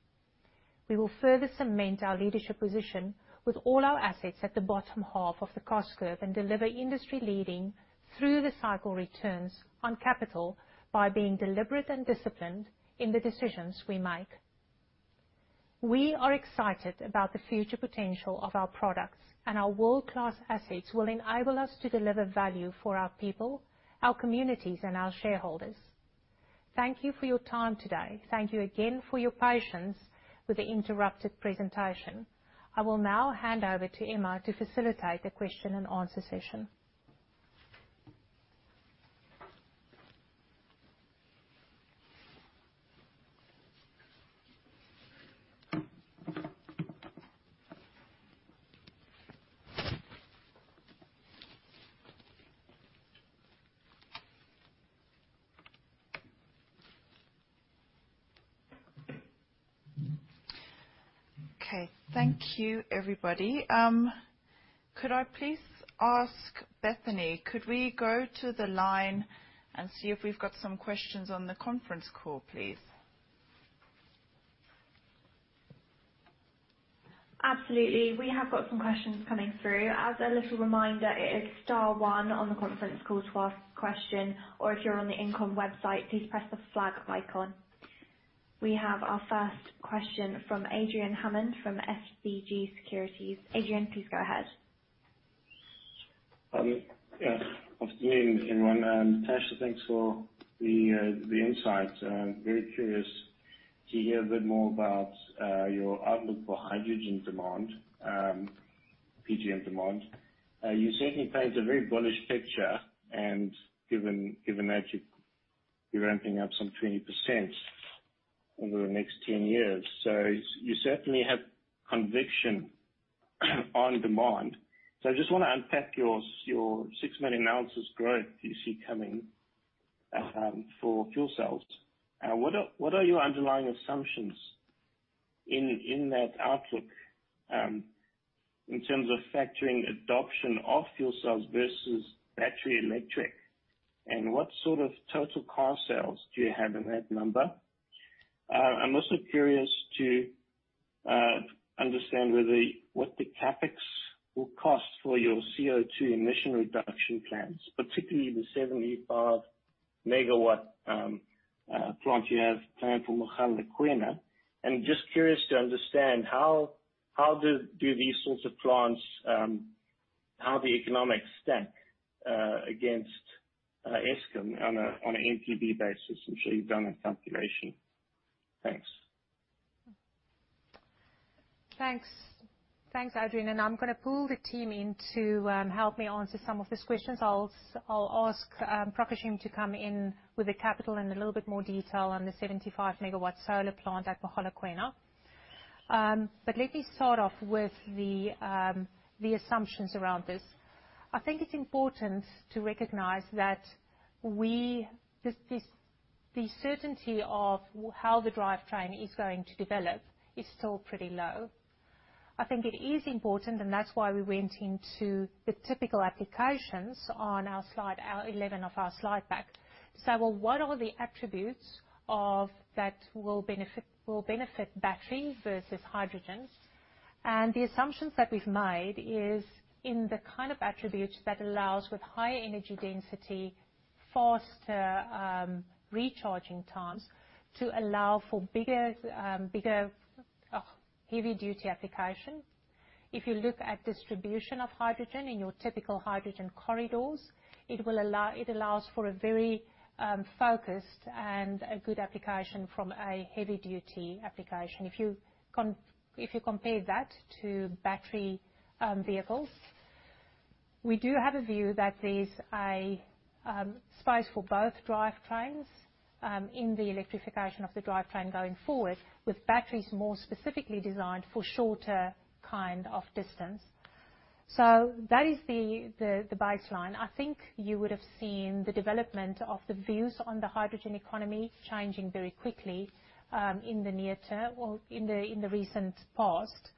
We will further cement our leadership position with all our assets at the bottom half of the cost curve, and deliver industry-leading through-the-cycle returns on capital by being deliberate and disciplined in the decisions we make. We are excited about the future potential of our products, and our world-class assets will enable us to deliver value for our people, our communities, and our shareholders. Thank you for your time today. Thank you again for your patience with the interrupted presentation. I will now hand over to Emma to facilitate the question and answer session. Okay. Thank you, everybody. Could I please ask Bethany, could we go to the line and see if we've got some questions on the conference call, please? Absolutely. We have got some questions coming through. As a little reminder, it is star one on the conference call to ask a question, or if you're on the InComm website, please press the flag icon. We have our first question from Adrian Hammond from SBG Securities. Adrian, please go ahead. Afternoon, everyone. Natascha, thanks for the insights. Very curious to hear a bit more about your outlook for hydrogen demand, PGM demand. You certainly paint a very bullish picture, and given that you're ramping up some 20% over the next 10 years, so you certainly have conviction on demand. I just want to unpack your six million ounces growth you see coming for fuel cells. What are your underlying assumptions in that outlook, in terms of factoring adoption of fuel cells versus battery electric, and what sort of total car sales do you have in that number? I'm also curious to understand what the CapEx will cost for your CO2 emission reduction plans, particularly the 75 MW plant you have planned for Mogalakwena. Just curious to understand, how do these sorts of plants, how the economics stack against Eskom on an NPV basis. I'm sure you've done a calculation. Thanks. Thanks, Adrian. I'm going to pull the team in to help me answer some of these questions. I'll ask Prakashim to come in with the capital and a little bit more detail on the 75 MW solar plant at Mogalakwena. Let me start off with the assumptions around this. I think it's important to recognize that the certainty of how the drivetrain is going to develop is still pretty low. I think it is important, that's why we went into the typical applications on slide 11 of our slide pack. What are the attributes that will benefit batteries versus hydrogen? The assumptions that we've made is in the kind of attributes that allow with higher energy density, faster recharging times to allow for bigger heavy duty applications. If you look at distribution of hydrogen in your typical hydrogen corridors, it allows for a very focused and a good application from a heavy duty application. If you compare that to battery vehicles, we do have a view that there's a space for both drivetrains in the electrification of the drivetrain going forward, with batteries more specifically designed for shorter kind of distance. That is the baseline. I think you would have seen the development of the views on the hydrogen economy changing very quickly in the near term or in the recent past.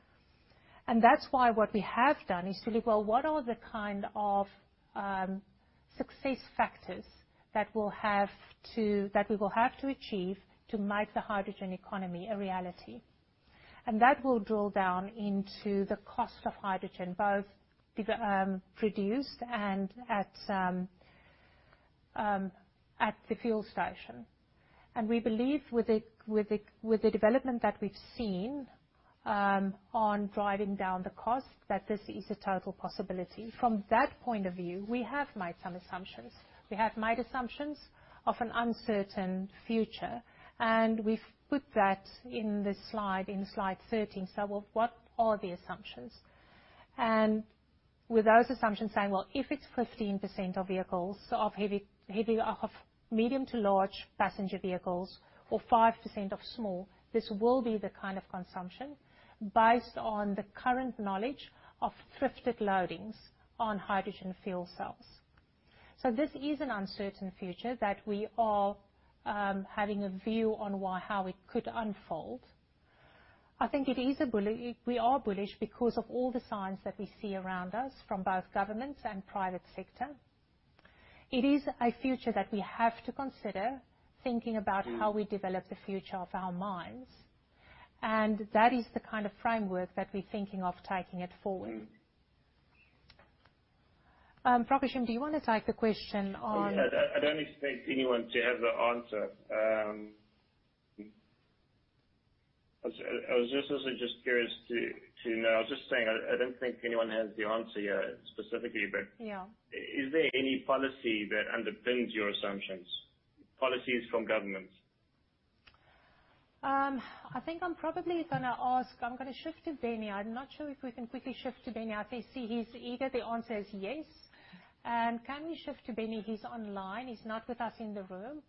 That's why what we have done is to look, well, what are the kind of success factors that we will have to achieve to make the hydrogen economy a reality? That will drill down into the cost of hydrogen, both produced and at the fuel station. We believe with the development that we've seen on driving down the cost, that this is a total possibility. We have made some assumptions. We have made assumptions of an uncertain future, and we've put that in this slide, in slide 13. What are the assumptions? With those assumptions saying, well, if it's 15% of vehicles, of medium to large passenger vehicles or 5% of small, this will be the kind of consumption based on the current knowledge of thrifted loadings on hydrogen fuel cells. This is an uncertain future that we are having a view on how it could unfold. I think we are bullish because of all the signs that we see around us from both governments and private sector. It is a future that we have to consider thinking about how we develop the future of our mines. That is the kind of framework that we're thinking of taking it forward. Prakashim, do you want to take the question on? I don't expect anyone to have the answer. I was just also just curious to know. I was just saying, I don't think anyone has the answer here specifically. Yeah Is there any policy that underpins your assumptions, policies from governments? I think I'm probably going to ask, I'm going to shift to Benny. I'm not sure if we can quickly shift to Benny. I see he's eager. The answer is yes. Can we shift to Benny? He's online, he's not with us in the room,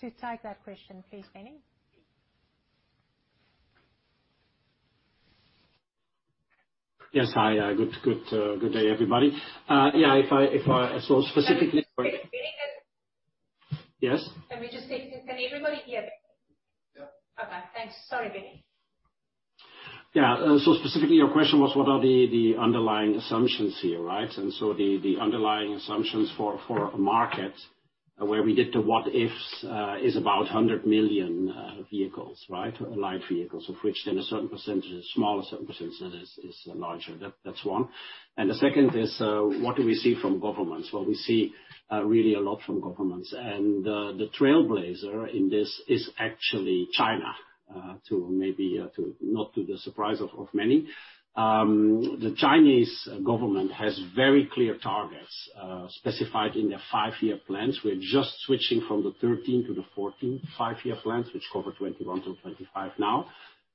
to take that question. Please, Benny. Yes. Hi. Good day, everybody. Benny, Yes. Can everybody hear Benny? Yeah. Okay, thanks. Sorry, Benny. Yeah. Specifically your question was what are the underlying assumptions here, right? The underlying assumptions for a market where we get to what-ifs is about 100 million vehicles, right? Light vehicles, of which then a certain percentage, smaller certain percentage is larger. That's one. The second is what do we see from governments? Well, we see really a lot from governments. The trailblazer in this is actually China, to maybe not to the surprise of many. The Chinese government has very clear targets, specified in their five-year plans. We're just switching from the 13th to the 14th five-year plans, which cover 2021 to 2025 now.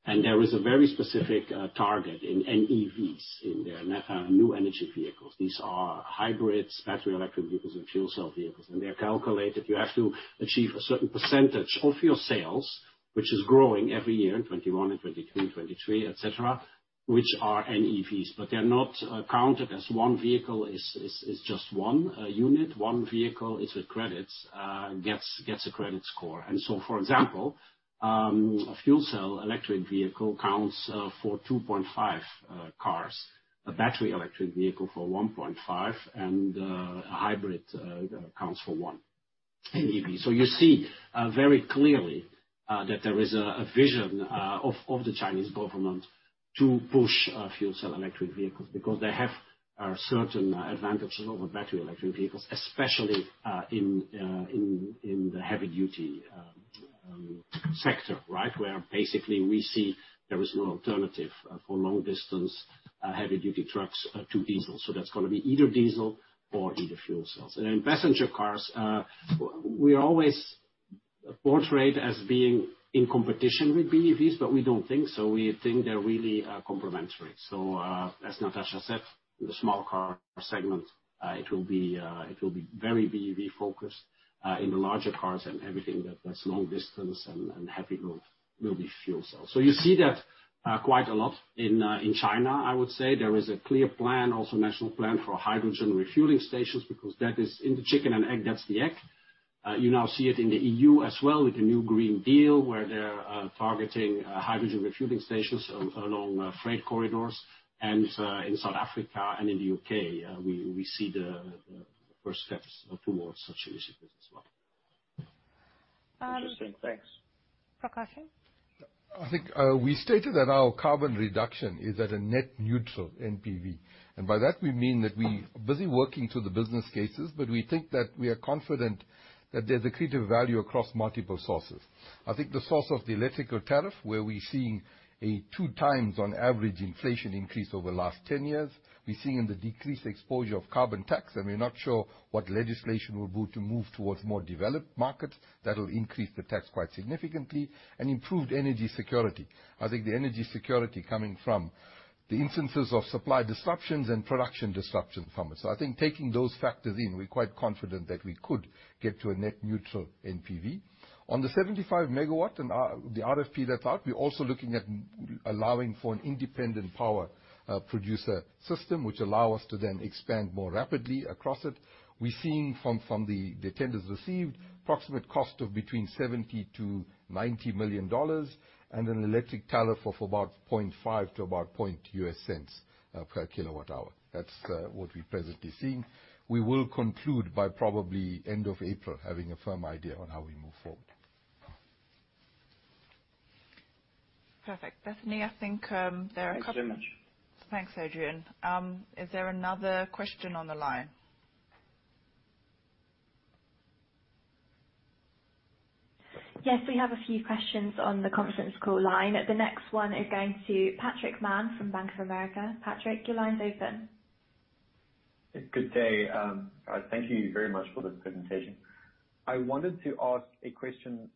There is a very specific target in NEVs, in their New Energy Vehicles. These are hybrids, battery electric vehicles and fuel cell vehicles. They are calculated, you have to achieve a certain percentage of your sales, which is growing every year, 2021, 2022, 2023, et cetera, which are NEVs. They are not counted as one vehicle is just one unit. One vehicle is a credit, gets a credit score. For example, a fuel cell electric vehicle counts for 2.5 cars, a battery electric vehicle for 1.5, and a hybrid counts for one NEV. You see very clearly that there is a vision of the Chinese government to push fuel cell electric vehicles because they have certain advantages over battery electric vehicles, especially in the heavy duty sector, right? Where basically we see there is no alternative for long distance heavy duty trucks to diesel. That's got to be either diesel or either fuel cells. In passenger cars, we are always portrayed as being in competition with BEVs, but we don't think so. We think they're really complementary. As Natascha said, the small car segment, it will be very BEV focused. In the larger cars and everything that's long distance and heavy load will be fuel cells. You see that quite a lot in China. I would say there is a clear plan, also national plan for hydrogen refueling stations because that is in the chicken and egg, that's the egg. You now see it in the EU as well with the new Green Deal where they're targeting hydrogen refueling stations along freight corridors and in South Africa and in the U.K., we see the first steps towards such initiatives as well. Interesting. Thanks. Prakashim? I think we stated that our carbon reduction is at a net neutral NPV. By that we mean that we are busy working through the business cases, but we think that we are confident that there's accretive value across multiple sources. I think the source of the electrical tariff, where we're seeing a two times on average inflation increase over the last 10 years. We're seeing in the decreased exposure of carbon tax, and we're not sure what legislation will do to move towards more developed markets that will increase the tax quite significantly and improve energy security. I think the energy security coming from the instances of supply disruptions and production disruptions from it. I think taking those factors in, we're quite confident that we could get to a net neutral NPV. On the 75 MW and the RFP that's out, we're also looking at allowing for an independent power producer system, which allow us to then expand more rapidly across it. We're seeing from the tenders received, approximate cost of between $70 million-$90 million, and an electric tariff of about $0.005 to about point U.S. cents per kWh. That's what we're presently seeing. We will conclude by probably end of April, having a firm idea on how we move forward. Perfect. Bethany, I think, there are a couple. Thanks very much. Thanks, Adrian. Is there another question on the line? Yes, we have a few questions on the conference call line. The next one is going to Patrick Mann from Bank of America. Patrick, your line's open. Good day. Thank you very much for this presentation. I wanted to ask a question,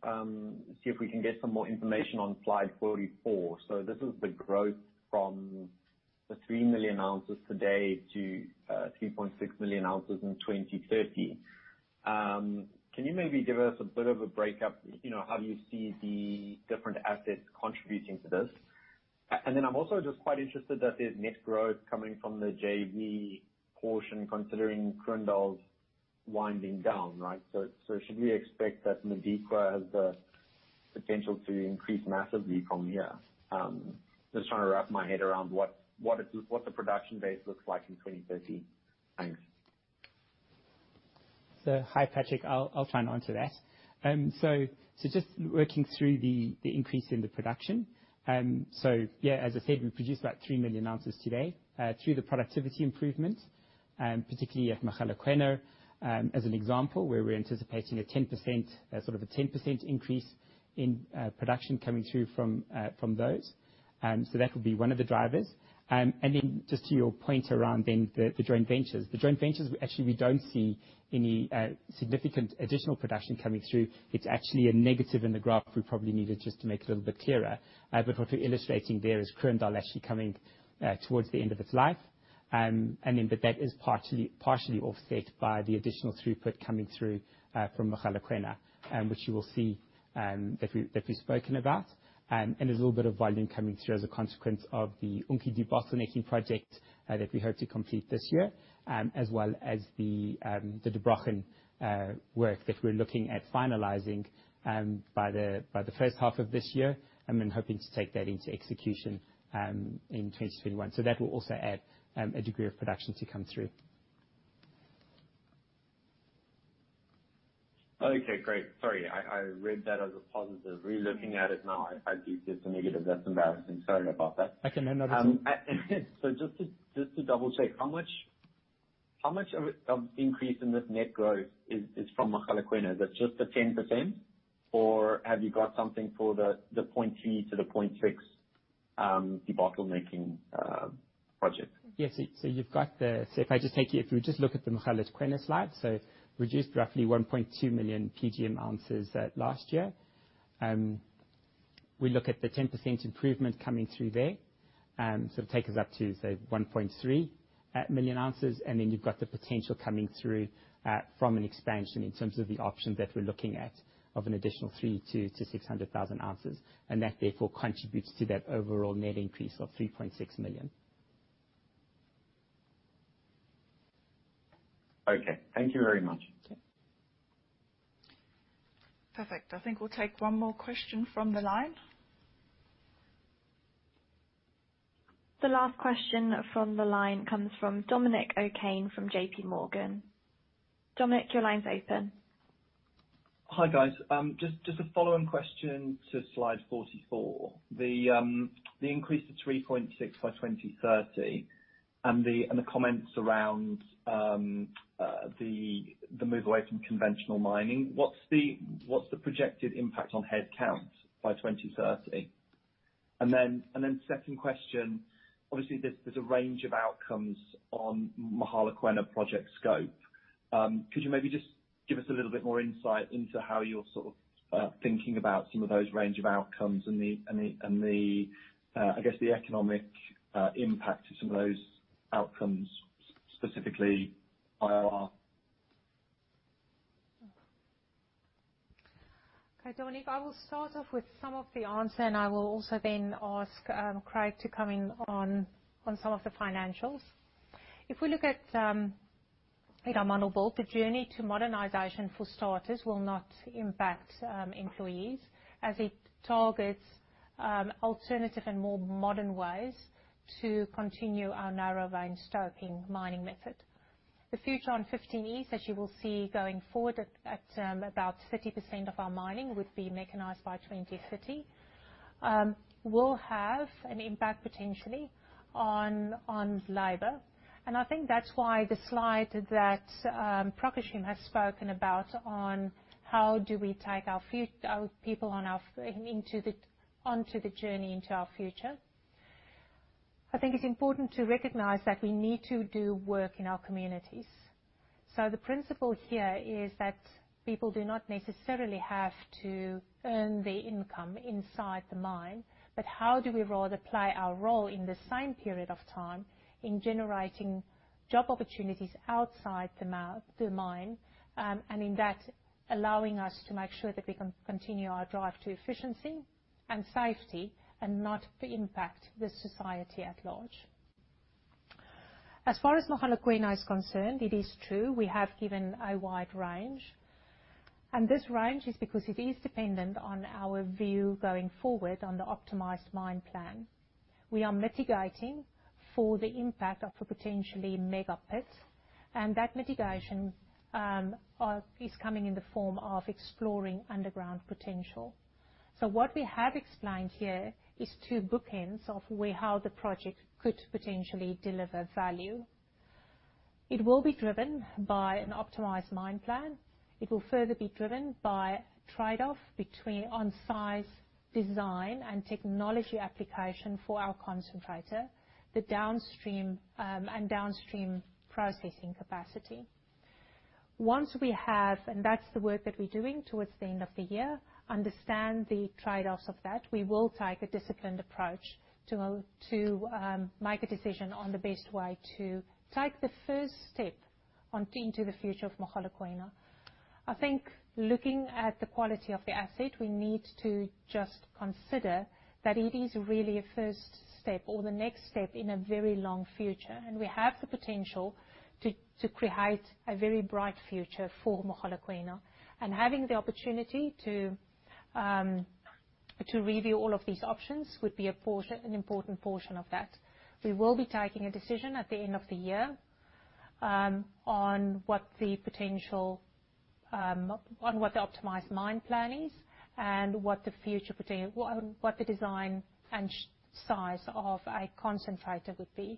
see if we can get some more information on slide 44. This is the growth from the three million ounces today to 3.6 million ounces in 2030. Can you maybe give us a bit of a breakup? How do you see the different assets contributing to this? I'm also just quite interested that there's net growth coming from the JV portion, considering Kroondal's winding down, right? Should we expect that Modikwa has the potential to increase massively from here? Just trying to wrap my head around what the production base looks like in 2030. Thanks. Hi, Patrick. I'll try and answer that. Just working through the increase in the production. As I said, we produce about three million ounces today through the productivity improvement, particularly at Mogalakwena, as an example, where we're anticipating a 10% increase in production coming through from those. That will be one of the drivers. Just to your point around the joint ventures. The joint ventures, actually, we don't see any significant additional production coming through. It's actually a negative in the graph we probably needed just to make it a little bit clearer. What we're illustrating there is Kroondal actually coming towards the end of its life. That is partially offset by the additional throughput coming through from Mogalakwena, which you will see that we've spoken about. There's a little bit of volume coming through as a consequence of the Unki debottlenecking project that we hope to complete this year, as well as the Der Brochen work that we're looking at finalizing by the first half of this year, and then hoping to take that into execution in 2021. That will also add a degree of production to come through. Okay, great. Sorry, I read that as a positive. Re-looking at it now, I do see it's a negative. That's embarrassing. Sorry about that. I can understand. Just to double-check, how much of increase in this net growth is from Mogalakwena? Is it just the 10%? Or have you got something for the 0.3 to the 0.6 debottlenecking project? Yes. If we just look at the Mogalakwena slide, reduced roughly 1.2 million PGM ounces last year. We look at the 10% improvement coming through there, it'll take us up to, say, 1.3 million ounces, you've got the potential coming through from an expansion in terms of the option that we're looking at of an additional 300,000 ounces-600,000 ounces. That therefore contributes to that overall net increase of 3.6 million. Okay. Thank you very much. Perfect. I think we'll take one more question from the line. The last question from the line comes from Dominic O'Kane from JPMorgan. Dominic, your line's open. Hi, guys. A follow-on question to slide 44. The increase to 3.6 by 2030 and the comments around the move away from conventional mining, what's the projected impact on head count by 2030? Second question, obviously, there's a range of outcomes on Mogalakwena Project scope. Could you maybe just give us a little bit more insight into how you're sort of thinking about some of those range of outcomes and I guess the economic impact to some of those outcomes, specifically IRR? Okay, Dominic, I will start off with some of the answer, and I will also then ask Craig to come in on some of the financials. If we look at Amandelbult, the journey to modernization for starters will not impact employees, as it targets alternative and more modern ways to continue our narrow vein stoping mining method. The future on 15 East, as you will see going forward, at about 30% of our mining would be mechanized by 2030, will have an impact potentially on labor. I think that's why the slide that Prakash has spoken about on how do we take our people onto the journey into our future. I think it's important to recognize that we need to do work in our communities. The principle here is that people do not necessarily have to earn their income inside the mine, but how do we rather play our role in the same period of time in generating job opportunities outside the mine, and in that, allowing us to make sure that we can continue our drive to efficiency and safety and not impact the society at large. As far as Mogalakwena is concerned, it is true, we have given a wide range. This range is because it is dependent on our view going forward on the optimized mine plan. We are mitigating for the impact of a potentially mega pit, and that mitigation is coming in the form of exploring underground potential. What we have explained here is two bookends of how the project could potentially deliver value. It will be driven by an optimized mine plan. It will further be driven by trade-off on size, design, and technology application for our concentrator, and downstream processing capacity. Once we have, and that's the work that we're doing towards the end of the year, understand the trade-offs of that, we will take a disciplined approach to make a decision on the best way to take the first step into the future of Mogalakwena. I think looking at the quality of the asset, we need to just consider that it is really a first step or the next step in a very long future. We have the potential to create a very bright future for Mogalakwena. Having the opportunity to review all of these options would be an important portion of that. We will be taking a decision at the end of the year, on what the optimized mine plan is and what the design and size of a concentrator would be.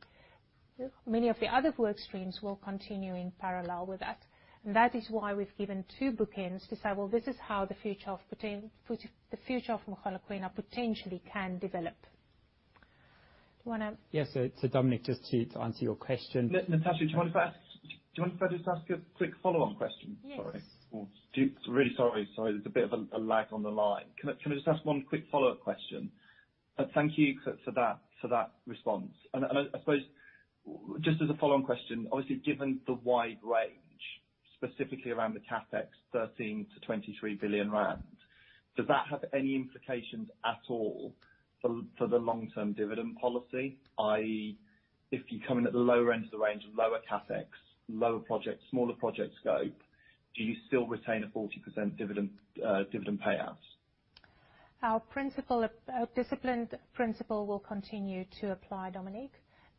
Many of the other work streams will continue in parallel with that. That is why we've given two bookends to say, well, this is how the future of Mogalakwena potentially can develop. Yes. Dominic, just to answer your question. Natascha, do you mind if I just ask a quick follow-on question? Yes. Sorry. Really sorry. There's a bit of a lag on the line. Can I just ask one quick follow-up question? Thank you for that response. I suppose, just as a follow-on question, obviously, given the wide range, specifically around the CapEx, 13 billion-23 billion rand, does that have any implications at all for the long-term dividend policy? i.e., if you come in at the lower end of the range, lower CapEx, smaller project scope, do you still retain a 40% dividend payout? Our disciplined principle will continue to apply, Dominic.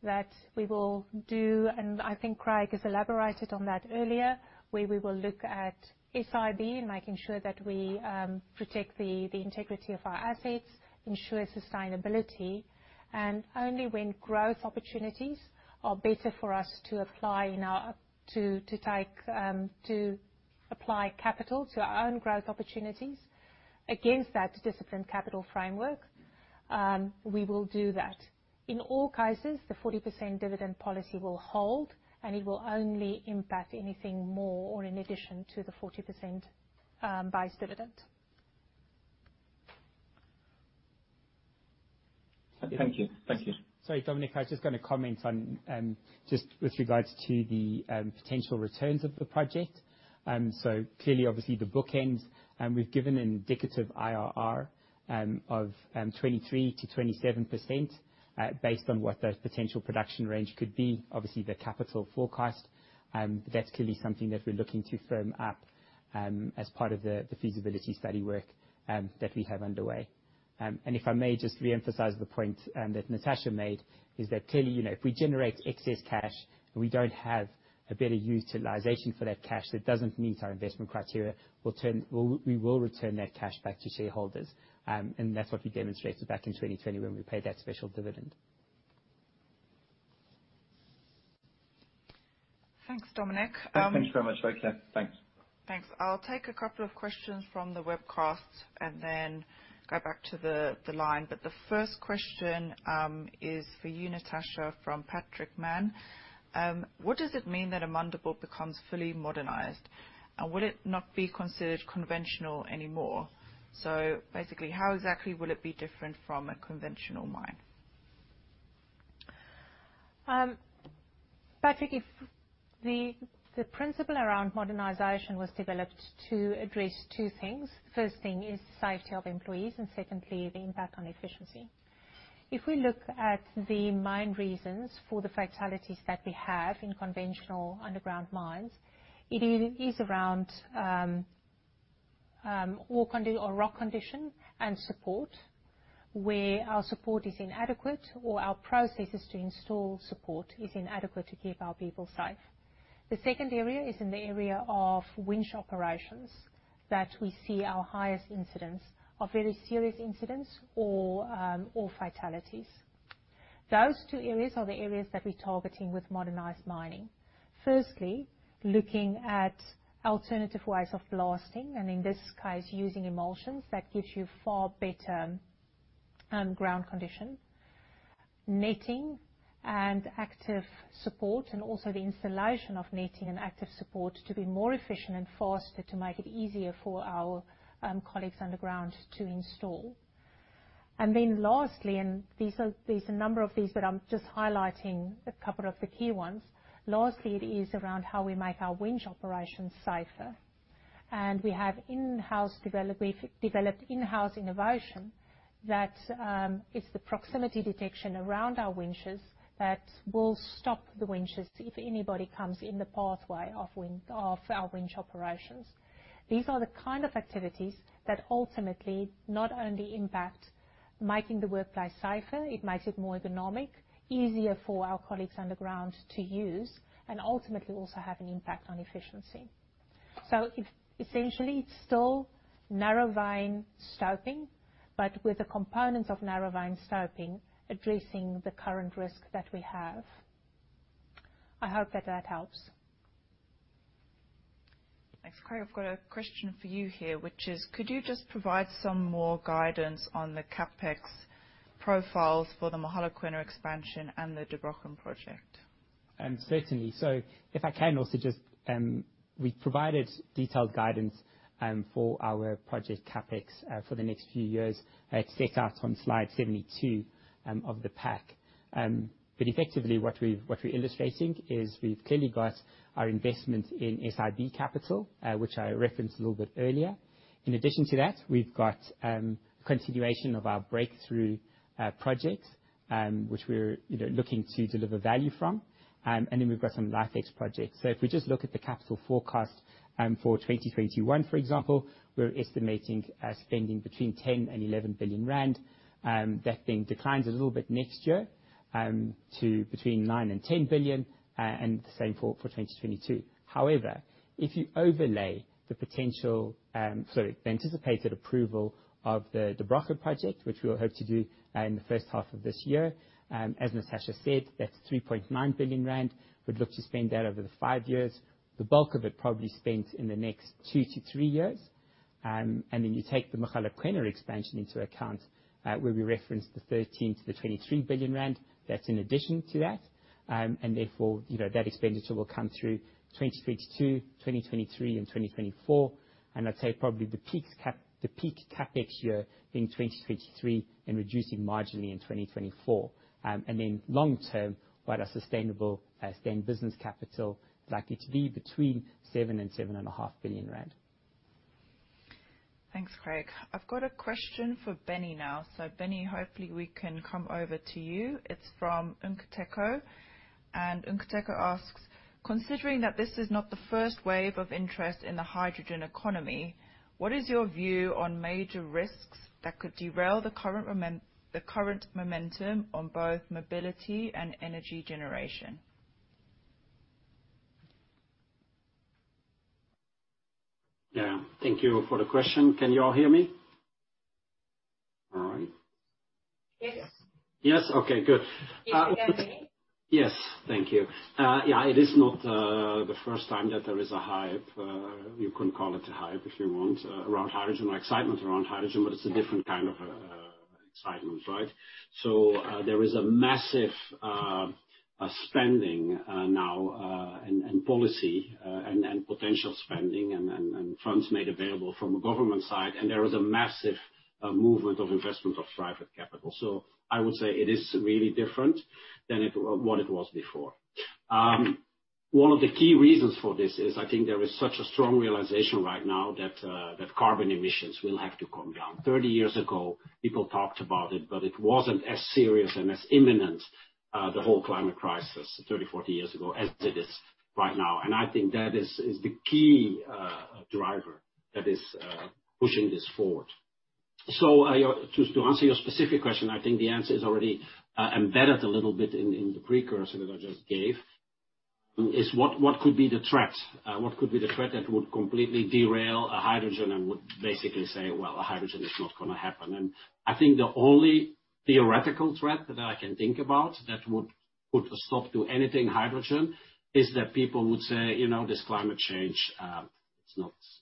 That we will do, and I think Craig has elaborated on that earlier, where we will look at SIB and making sure that we protect the integrity of our assets, ensure sustainability, and only when growth opportunities are better for us to apply capital to our own growth opportunities against that disciplined capital framework, we will do that. In all cases, the 40% dividend policy will hold, and it will only impact anything more or in addition to the 40% base dividend. Thank you. Sorry, Dominic, I was just going to comment on with regards to the potential returns of the project. Clearly, obviously the bookends, we've given an indicative IRR of 23%-27% based on what the potential production range could be, obviously the capital forecast, that's clearly something that we're looking to firm up as part of the feasibility study work that we have underway. If I may just reemphasize the point that Natascha made, is that, clearly, if we generate excess cash and we don't have a better utilization for that cash, that doesn't meet our investment criteria, we will return that cash back to shareholders. That's what we demonstrated back in 2020 when we paid that special dividend. Thanks, Dominic. Thanks very much, folks. Yeah. Thanks. Thanks. I'll take a couple of questions from the webcast and then go back to the line. The first question is for you, Natascha, from Patrick Mann. What does it mean that Amandelbult becomes fully modernized? Will it not be considered conventional anymore? Basically, how exactly will it be different from a conventional mine? Patrick, the principle around modernization was developed to address two things. First thing is safety of employees, and secondly, the impact on efficiency. If we look at the main reasons for the fatalities that we have in conventional underground mines, it is around rock condition and support, where our support is inadequate or our processes to install support is inadequate to keep our people safe. The second area is in the area of winch operations that we see our highest incidents of very serious incidents or fatalities. Those two areas are the areas that we're targeting with modernized mining. Firstly, looking at alternative ways of blasting, and in this case, using emulsions that gives you far better ground condition. Netting and active support, and also the installation of netting and active support to be more efficient and faster to make it easier for our colleagues underground to install. Lastly, and there's a number of these, but I'm just highlighting a couple of the key ones. Lastly, it is around how we make our winch operations safer. And we have developed in-house innovation that is the proximity detection around our winches that will stop the winches if anybody comes in the pathway of our winch operations. These are the kind of activities that ultimately not only impact making the workplace safer, it makes it more ergonomic, easier for our colleagues underground to use, and ultimately also have an impact on efficiency. Essentially, it's still narrow vein stoping, but with the components of narrow vein stoping addressing the current risk that we have. I hope that that helps. Thanks. Craig, I've got a question for you here, which is, could you just provide some more guidance on the CapEx profiles for the Mogalakwena expansion and the Der Brochen project? Certainly. If I can also, we provided detailed guidance for our project CapEx for the next few years. It is set out on slide 72 of the pack. Effectively what we are illustrating is we have clearly got our investment in SIB capital, which I referenced a little bit earlier. In addition to that, we have got continuation of our breakthrough project, which we are looking to deliver value from. We have got some life ex projects. If we look at the capital forecast for 2021, for example, we are estimating spending between 10 billion and 11 billion rand. That declines a little bit next year to between 9 billion and 10 billion, and the same for 2022. However, if you overlay the anticipated approval of the Der Brochen project, which we will hope to do in the first half of this year, as Natascha said, that is 3.9 billion rand. We'd look to spend that over the 5 years, the bulk of it probably spent in the next two to three years. You take the Mogalakwena expansion into account, where we referenced the 13 billion-23 billion rand, that's in addition to that. Therefore, that expenditure will come through 2022, 2023, and 2024. I'd say probably the peak CapEx year being 2023 and reducing marginally in 2024. Long-term, quite a sustainable sustained business capital likely to be between 7 billion rand and ZAR 7.5 billion. Thanks, Craig. I've got a question for Benny now. Benny, hopefully we can come over to you. It's from Nkateko. Nkateko asks, "Considering that this is not the first wave of interest in the Hydrogen Economy, what is your view on major risks that could derail the current momentum on both mobility and energy generation? Yeah. Thank you for the question. Can you all hear me all right? Yes. Yes. Okay, good. Yes, can hear you. Yes. Thank you. Yeah. It is not the first time that there is a hype, you can call it a hype if you want, around hydrogen or excitement around hydrogen, but it's a different kind of excitement, right? There is a massive spending now, and policy, and potential spending, and funds made available from the government side. There is a massive movement of investment of private capital. I would say it is really different than what it was before. One of the key reasons for this is I think there is such a strong realization right now that carbon emissions will have to come down. 30 years ago, people talked about it, but it wasn't as serious and as imminent, the whole climate crisis 30, 40 years ago, as it is right now. I think that is the key driver that is pushing this forward. Just to answer your specific question, I think the answer is already embedded a little bit in the precursor that I just gave, is what could be the threat? What could be the threat that would completely derail hydrogen and would basically say, well, hydrogen is not gonna happen. I think the only theoretical threat that I can think about that would put a stop to anything hydrogen is that people would say, this climate change, it's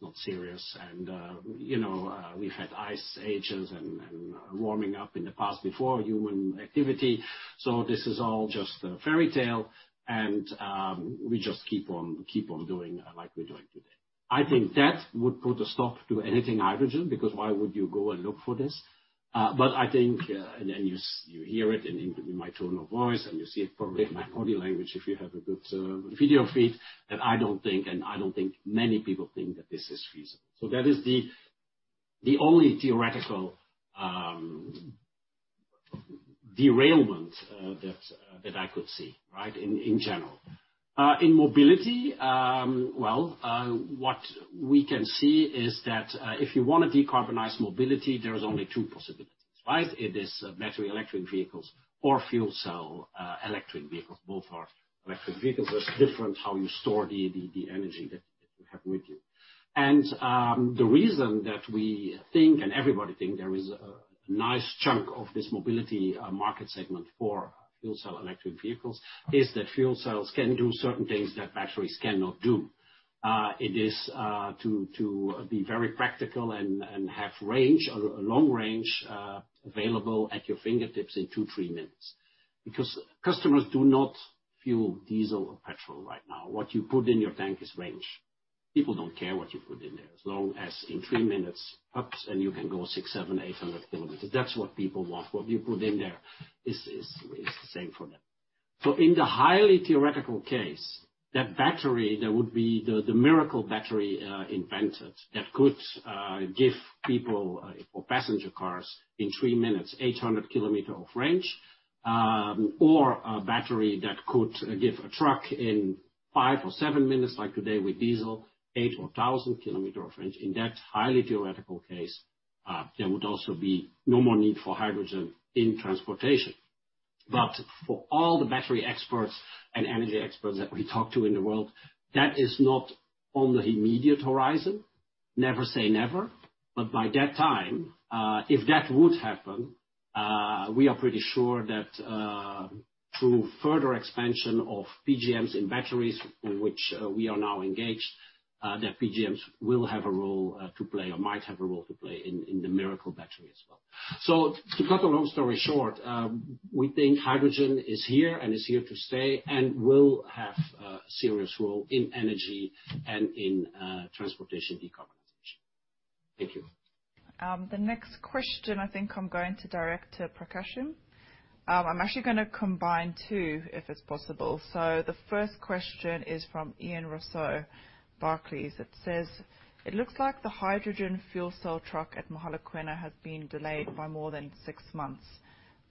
not serious. We've had ice ages and warming up in the past before human activity, so this is all just a fairy tale and we just keep on doing like we're doing today. I think that would put a stop to anything hydrogen, because why would you go and look for this? I think, and you hear it in my tone of voice, and you see it probably in my body language if you have a good video feed, that I don't think, and I don't think many people think that this is feasible. That is the only theoretical derailment that I could see, right. In general. In mobility, well, what we can see is that, if you want to decarbonize mobility, there is only two possibilities, right. It is battery electric vehicles or fuel cell electric vehicles. Both are electric vehicles. That's different how you store the energy that you have with you. The reason that we think, and everybody think there is a nice chunk of this mobility market segment for fuel cell electric vehicles is that fuel cells can do certain things that batteries cannot do. It is to be very practical and have range, a long range, available at your fingertips in two, three minutes. Customers do not fuel diesel or petrol right now. What you put in your tank is range. People don't care what you put in there, as long as in three minutes, and you can go 6, 7, 800 km. That's what people want. What you put in there is the same for them. In the highly theoretical case, that battery that would be the miracle battery invented that could give people or passenger cars in three minutes, 800 km of range, or a battery that could give a truck in five or seven minutes, like today with diesel, 800 km of range. In that highly theoretical case, there would also be no more need for hydrogen in transportation. For all the battery experts and energy experts that we talk to in the world, that is not on the immediate horizon. Never say never, but by that time, if that would happen, we are pretty sure that through further expansion of PGMs in batteries, in which we are now engaged, that PGMs will have a role to play or might have a role to play in the miracle battery as well. To cut a long story short, we think hydrogen is here and is here to stay and will have a serious role in energy and in transportation decarbonization. Thank you. The next question, I think I'm going to direct to Prakashim. I'm actually going to combine two if it's possible. The first question is from Ian Rossouw, Barclays. It says, "It looks like the hydrogen fuel cell truck at Mogalakwena has been delayed by more than six months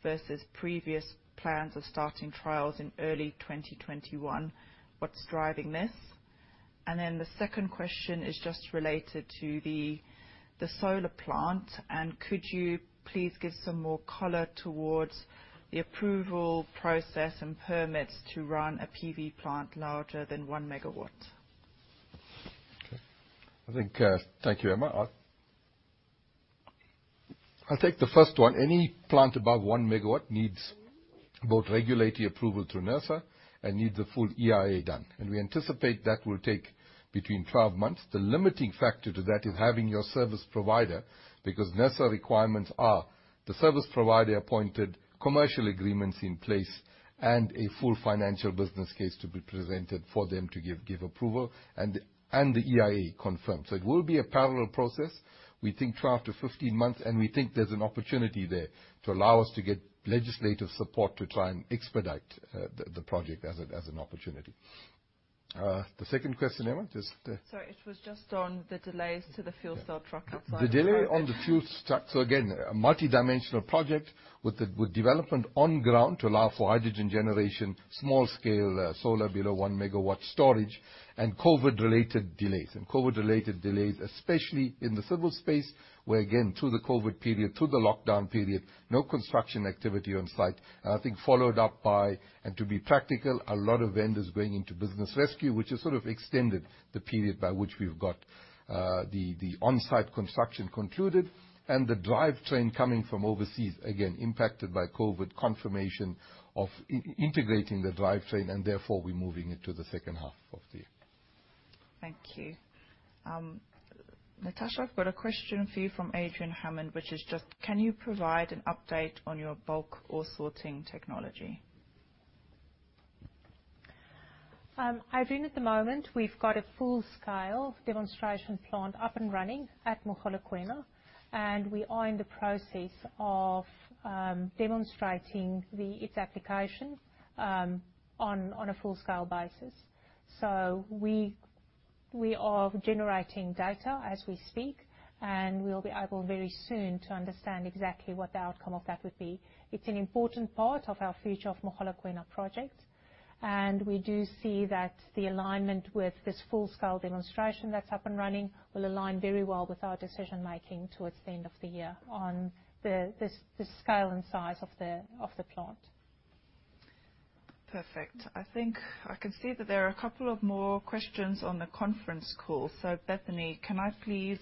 versus previous plans of starting trials in early 2021. What's driving this?" The second question is just related to the solar plant, and could you please give some more color towards the approval process and permits to run a PV plant larger than 1 MW? Okay. Thank you, Emma. I'll take the first one. Any plant above 1 MW needs both regulatory approval through NERSA and needs a full EIA done. We anticipate that will take between 12 months. The limiting factor to that is having your service provider, because NERSA requirements are the service provider appointed, commercial agreements in place, and a full financial business case to be presented for them to give approval, and the EIA confirmed. It will be a parallel process, we think 12 to 15 months. We think there's an opportunity there to allow us to get legislative support to try and expedite the project as an opportunity. The second question, Emma? Sorry, it was just on the delays to the fuel cell truck outside. The delay on the fuel truck, again, a multidimensional project with development on ground to allow for hydrogen generation, small scale, solar below 1 MW storage and COVID related delays. COVID related delays, especially in the civil space, where, again, through the COVID period, through the lockdown period, no construction activity on site. I think followed up by, and to be practical, a lot of vendors going into business rescue, which has sort of extended the period by which we've got the on-site construction concluded and the drivetrain coming from overseas, again, impacted by COVID confirmation of integrating the drivetrain, and therefore we're moving it to the second half of the year. Thank you. Natascha, I've got a question for you from Adrian Hammond, which is just, can you provide an update on your bulk ore sorting technology? Adrian, at the moment, we've got a full-scale demonstration plant up and running at Mogalakwena, and we are in the process of demonstrating its application, on a full-scale basis. We are generating data as we speak, and we'll be able very soon to understand exactly what the outcome of that would be. It's an important part of our future of Mogalakwena project, and we do see that the alignment with this full-scale demonstration that's up and running will align very well with our decision-making towards the end of the year on the scale and size of the plant. Perfect. I think I can see that there are a couple of more questions on the conference call. Bethany, can I please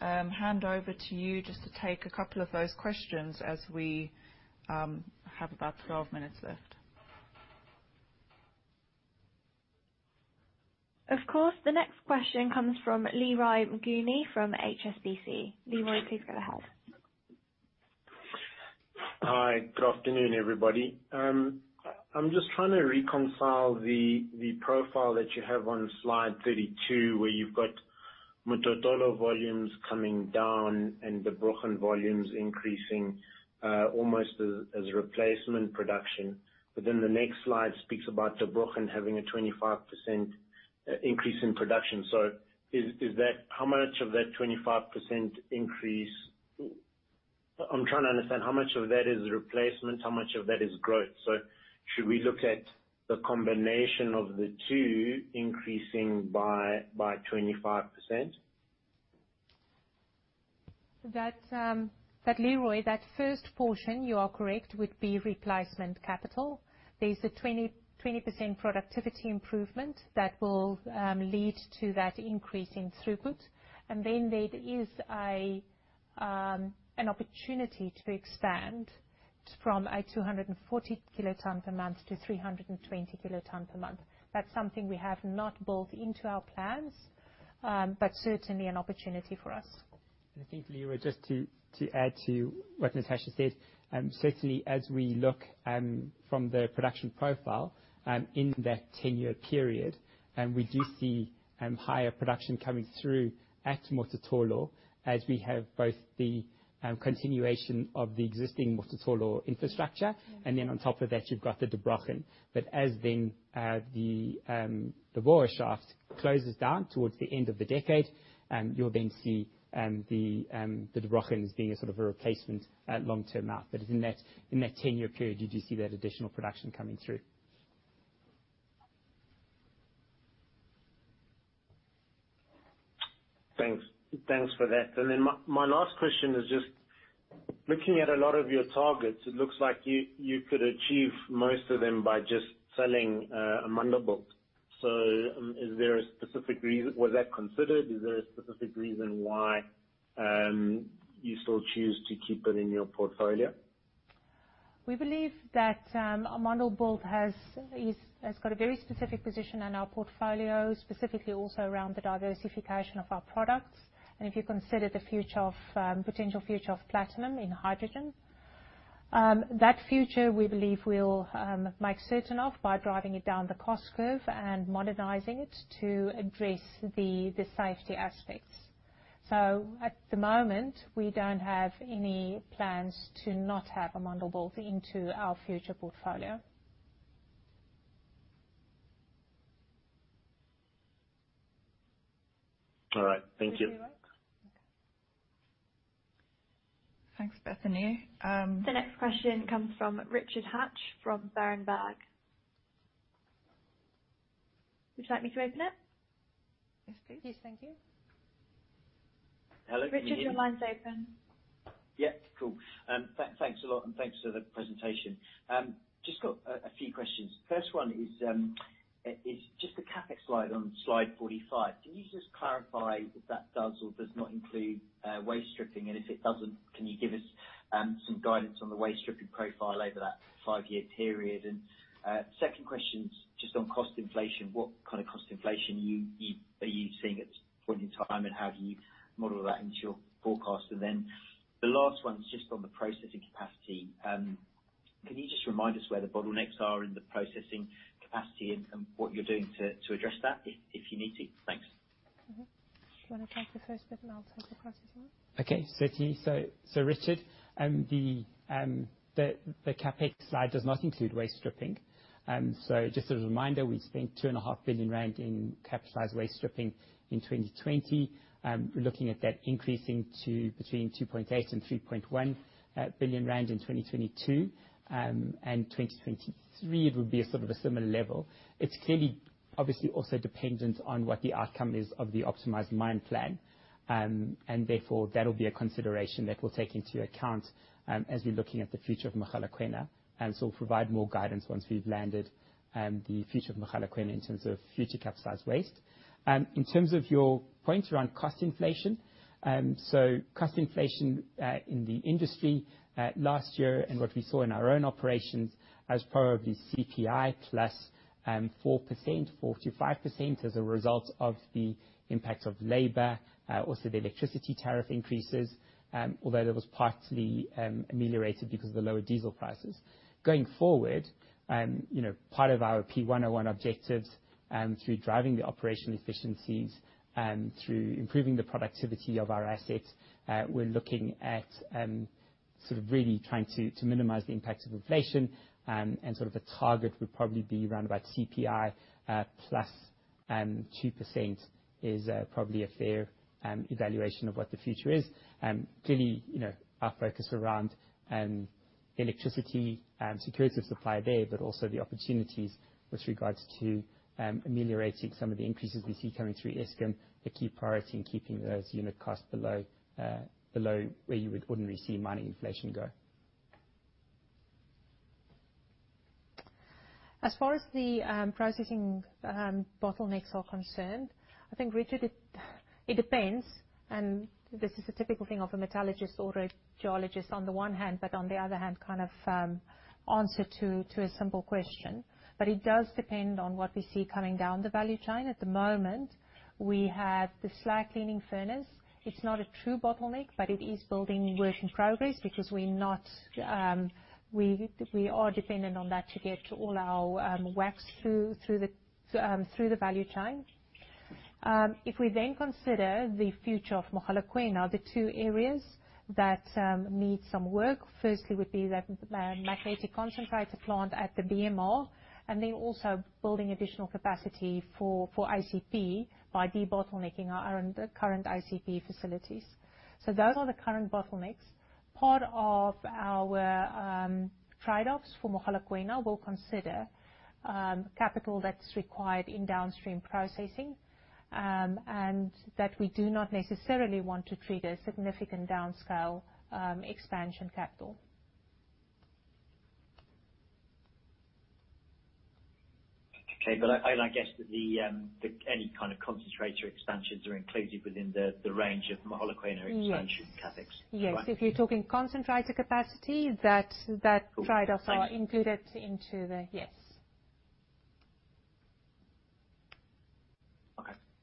hand over to you just to take a couple of those questions as we have about 12 minutes left. Of course. The next question comes from Leroy Mnguni from HSBC. Leroy, please go ahead. Hi. Good afternoon, everybody. I'm just trying to reconcile the profile that you have on slide 32, where you've got Mototolo volumes coming down and the Der Brochen volumes increasing, almost as replacement production. The next slide speaks about the Der Brochen having a 25% increase in production. How much of that 25% increase, I'm trying to understand how much of that is replacement, how much of that is growth? Should we look at the combination of the two increasing by 25%? Leroy, that first portion you are correct, would be replacement capital. There's a 20% productivity improvement that will lead to that increase in throughput. Then there is an opportunity to expand from a 240 kiloton per month to 320 kiloton per month. That's something we have not built into our plans, but certainly an opportunity for us. I think, Leroy, just to add to what Natascha said, certainly as we look from the production profile. In that 10-year period, we do see higher production coming through at Mototolo as we have both the continuation of the existing Mototolo infrastructure, and then on top of that, you've got the Der Brochen. As the Borwa shaft closes down towards the end of the decade, you'll then see the Der Brochen as being a replacement long-term asset. In that 10-year period, you do see that additional production coming through. Thanks for that. My last question is just looking at a lot of your targets, it looks like you could achieve most of them by just selling Amandelbult. Was that considered? Is there a specific reason why you still choose to keep it in your portfolio? We believe that Amandelbult has got a very specific position in our portfolio, specifically also around the diversification of our products, and if you consider the potential future of platinum in hydrogen. That future we believe we will make certain of by driving it down the cost curve and modernizing it to address the safety aspects. At the moment, we don't have any plans to not have Amandelbult into our future portfolio. All right. Thank you. With you, right? Okay. Thanks, Bethany. The next question comes from Richard Hatch from Berenberg. Would you like me to open it? Yes, please. Yes, thank you. Hello. Richard, your line's open. Yeah. Cool. Thanks a lot. Thanks for the presentation. Just got a few questions. First one is just the CapEx slide on slide 45. Can you just clarify if that does or does not include waste stripping? If it doesn't, can you give us some guidance on the waste stripping profile over that five-year period? Second question is just on cost inflation. What kind of cost inflation are you seeing at this point in time, and how do you model that into your forecast? The last one is just on the processing capacity. Can you just remind us where the bottlenecks are in the processing capacity and what you're doing to address that, if you need to? Thanks. Mm-hmm. Do you want to take the first bit and I'll take the processing one? Okay. Certainly. Richard, the CapEx slide does not include waste stripping. Just a reminder, we spent 2.5 billion rand in capitalized waste stripping in 2020. We are looking at that increasing to between 2.8 billion and 3.1 billion rand in 2022. 2023, it would be a sort of a similar level. It's clearly, obviously, also dependent on what the outcome is of the optimized mine plan. Therefore, that'll be a consideration that we'll take into account as we're looking at the future of Mogalakwena. We'll provide more guidance once we've landed the future of Mogalakwena in terms of future capitalized waste. Cost inflation, in the industry, last year, and what we saw in our own operations as part of the CPI plus 4%, 45% as a result of the impact of labor. The electricity tariff increases, although that was partly ameliorated because of the lower diesel prices. Going forward, part of our P101 objectives, through driving the operational efficiencies and through improving the productivity of our assets, we're looking at really trying to minimize the impact of inflation. The target would probably be around about CPI, plus 2% is probably a fair evaluation of what the future is. Clearly, our focus around electricity, security of supply there, but also the opportunities with regards to ameliorating some of the increases we see coming through Eskom, a key priority in keeping those unit costs below where you would ordinarily see mining inflation go. As far as the processing bottlenecks are concerned, I think, Richard, it depends, and this is a typical thing of a metallurgist or a geologist on the one hand, but on the other hand, kind of answer to a simple question. It does depend on what we see coming down the value chain. At the moment, we have the slag cleaning furnace. It's not a true bottleneck, but it is building work in progress because we are dependent on that to get all our wax through the value chain. We consider the future of Mogalakwena, the two areas that need some work, firstly, would be that magnetic concentrator plant at the BMR, and then also building additional capacity for ACP by de-bottlenecking our own current ACP facilities. Those are the current bottlenecks. Part of our trade-offs for Mogalakwena will consider capital that's required in downstream processing, and that we do not necessarily want to treat a significant downscale expansion capital. Okay. I guess that any kind of concentrator expansions are included within the range of Mogalakwena expansion CapEx, correct? Yes. If you're talking concentrator capacity are included into the Yes.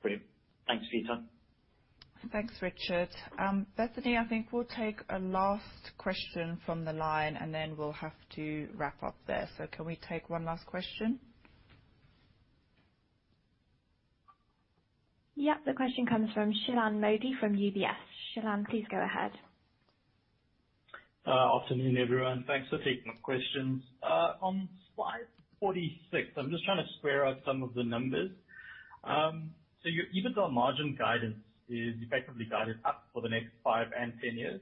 Brilliant. Thanks for your time. Thanks, Richard. Bethany, I think we'll take a last question from the line, and then we'll have to wrap up there. Can we take one last question? Yeah. The question comes from Shilan Modi from UBS. Shilan, please go ahead. Afternoon, everyone. Thanks for taking the questions. On slide 46, I'm just trying to square out some of the numbers. Even though our margin guidance is effectively guided up for the next five and 10 years,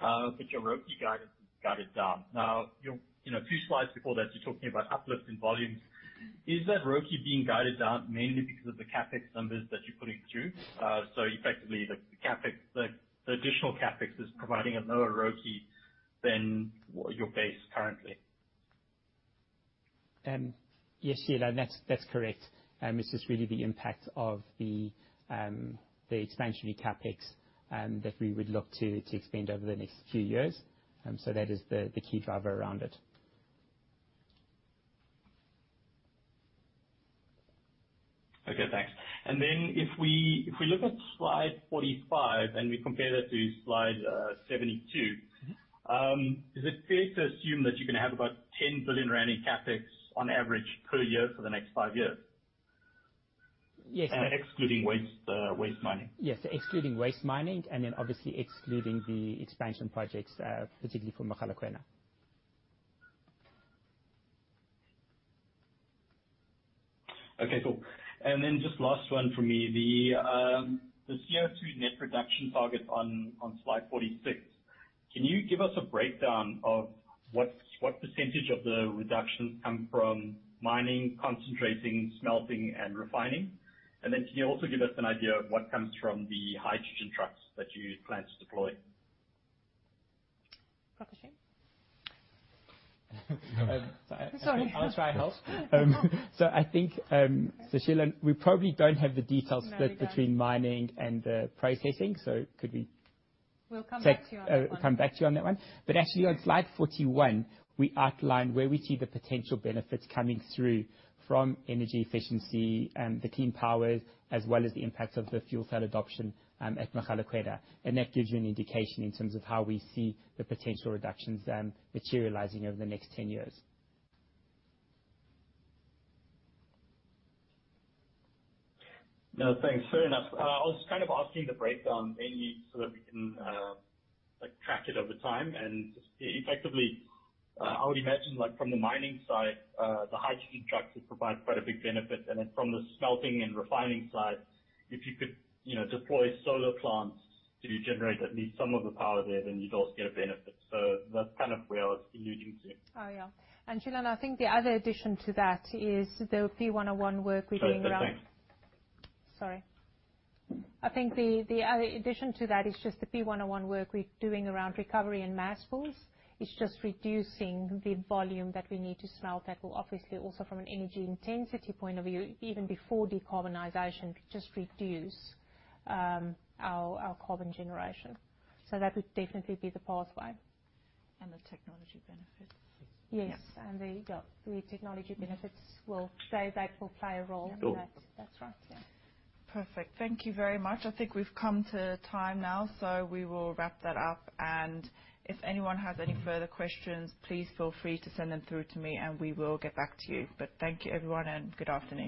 but your ROIC guidance is guided down. A few slides before that, you're talking about uplifts in volumes. Is that ROIC being guided down mainly because of the CapEx numbers that you're putting through? Effectively, the additional CapEx is providing a lower ROIC than your base currently. Yes, Shilan. That's correct. It's just really the impact of the expansionary CapEx that we would look to expand over the next few years. That is the key driver around it. Okay, thanks. If we look at slide 45 and we compare that to slide 72. Is it fair to assume that you're gonna have about 10 billion rand in CapEx on average per year for the next five years? Yes. Excluding waste mining. Yes, excluding waste mining and then obviously excluding the expansion projects, particularly for Mogalakwena. Okay, cool. Just last one from me. The CO2 net reduction target on slide 46. Can you give us a breakdown of what percentage of the reductions come from mining, concentrating, smelting, and refining? Can you also give us an idea of what comes from the hydrogen trucks that you plan to deploy? Prakashim? Sorry. I'll try and help. Shilan, we probably don't have the details. No, we don't. split between mining and processing, so. We'll come back to you on that one. Come back to you on that one. Actually, on slide 41, we outlined where we see the potential benefits coming through from energy efficiency and the clean power, as well as the impacts of the fuel cell adoption, at Mogalakwena. That gives you an indication in terms of how we see the potential reductions then materializing over the next 10 years. No, thanks. Fair enough. I was kind of asking the breakdown mainly so that we can track it over time. Effectively, I would imagine from the mining side, the hydrogen trucks would provide quite a big benefit. From the smelting and refining side, if you could deploy solar plants to generate at least some of the power there, then you'd also get a benefit. That's kind of where I was alluding to. Oh, yeah. Shilan, I think the other addition to that is the P101 work we're doing around. Sorry. Thanks. Sorry. I think the other addition to that is just the P101 work we're doing around recovery and mass flows. It's just reducing the volume that we need to smelt that will obviously also from an energy intensity point of view, even before decarbonization, just reduce our carbon generation. That would definitely be the pathway. The technology benefits. Yes. The technology benefits will play a role in that. Cool. That's right. Yeah. Perfect. Thank you very much. I think we've come to time now, so we will wrap that up, and if anyone has any further questions, please feel free to send them through to me and we will get back to you. Thank you, everyone, and good afternoon.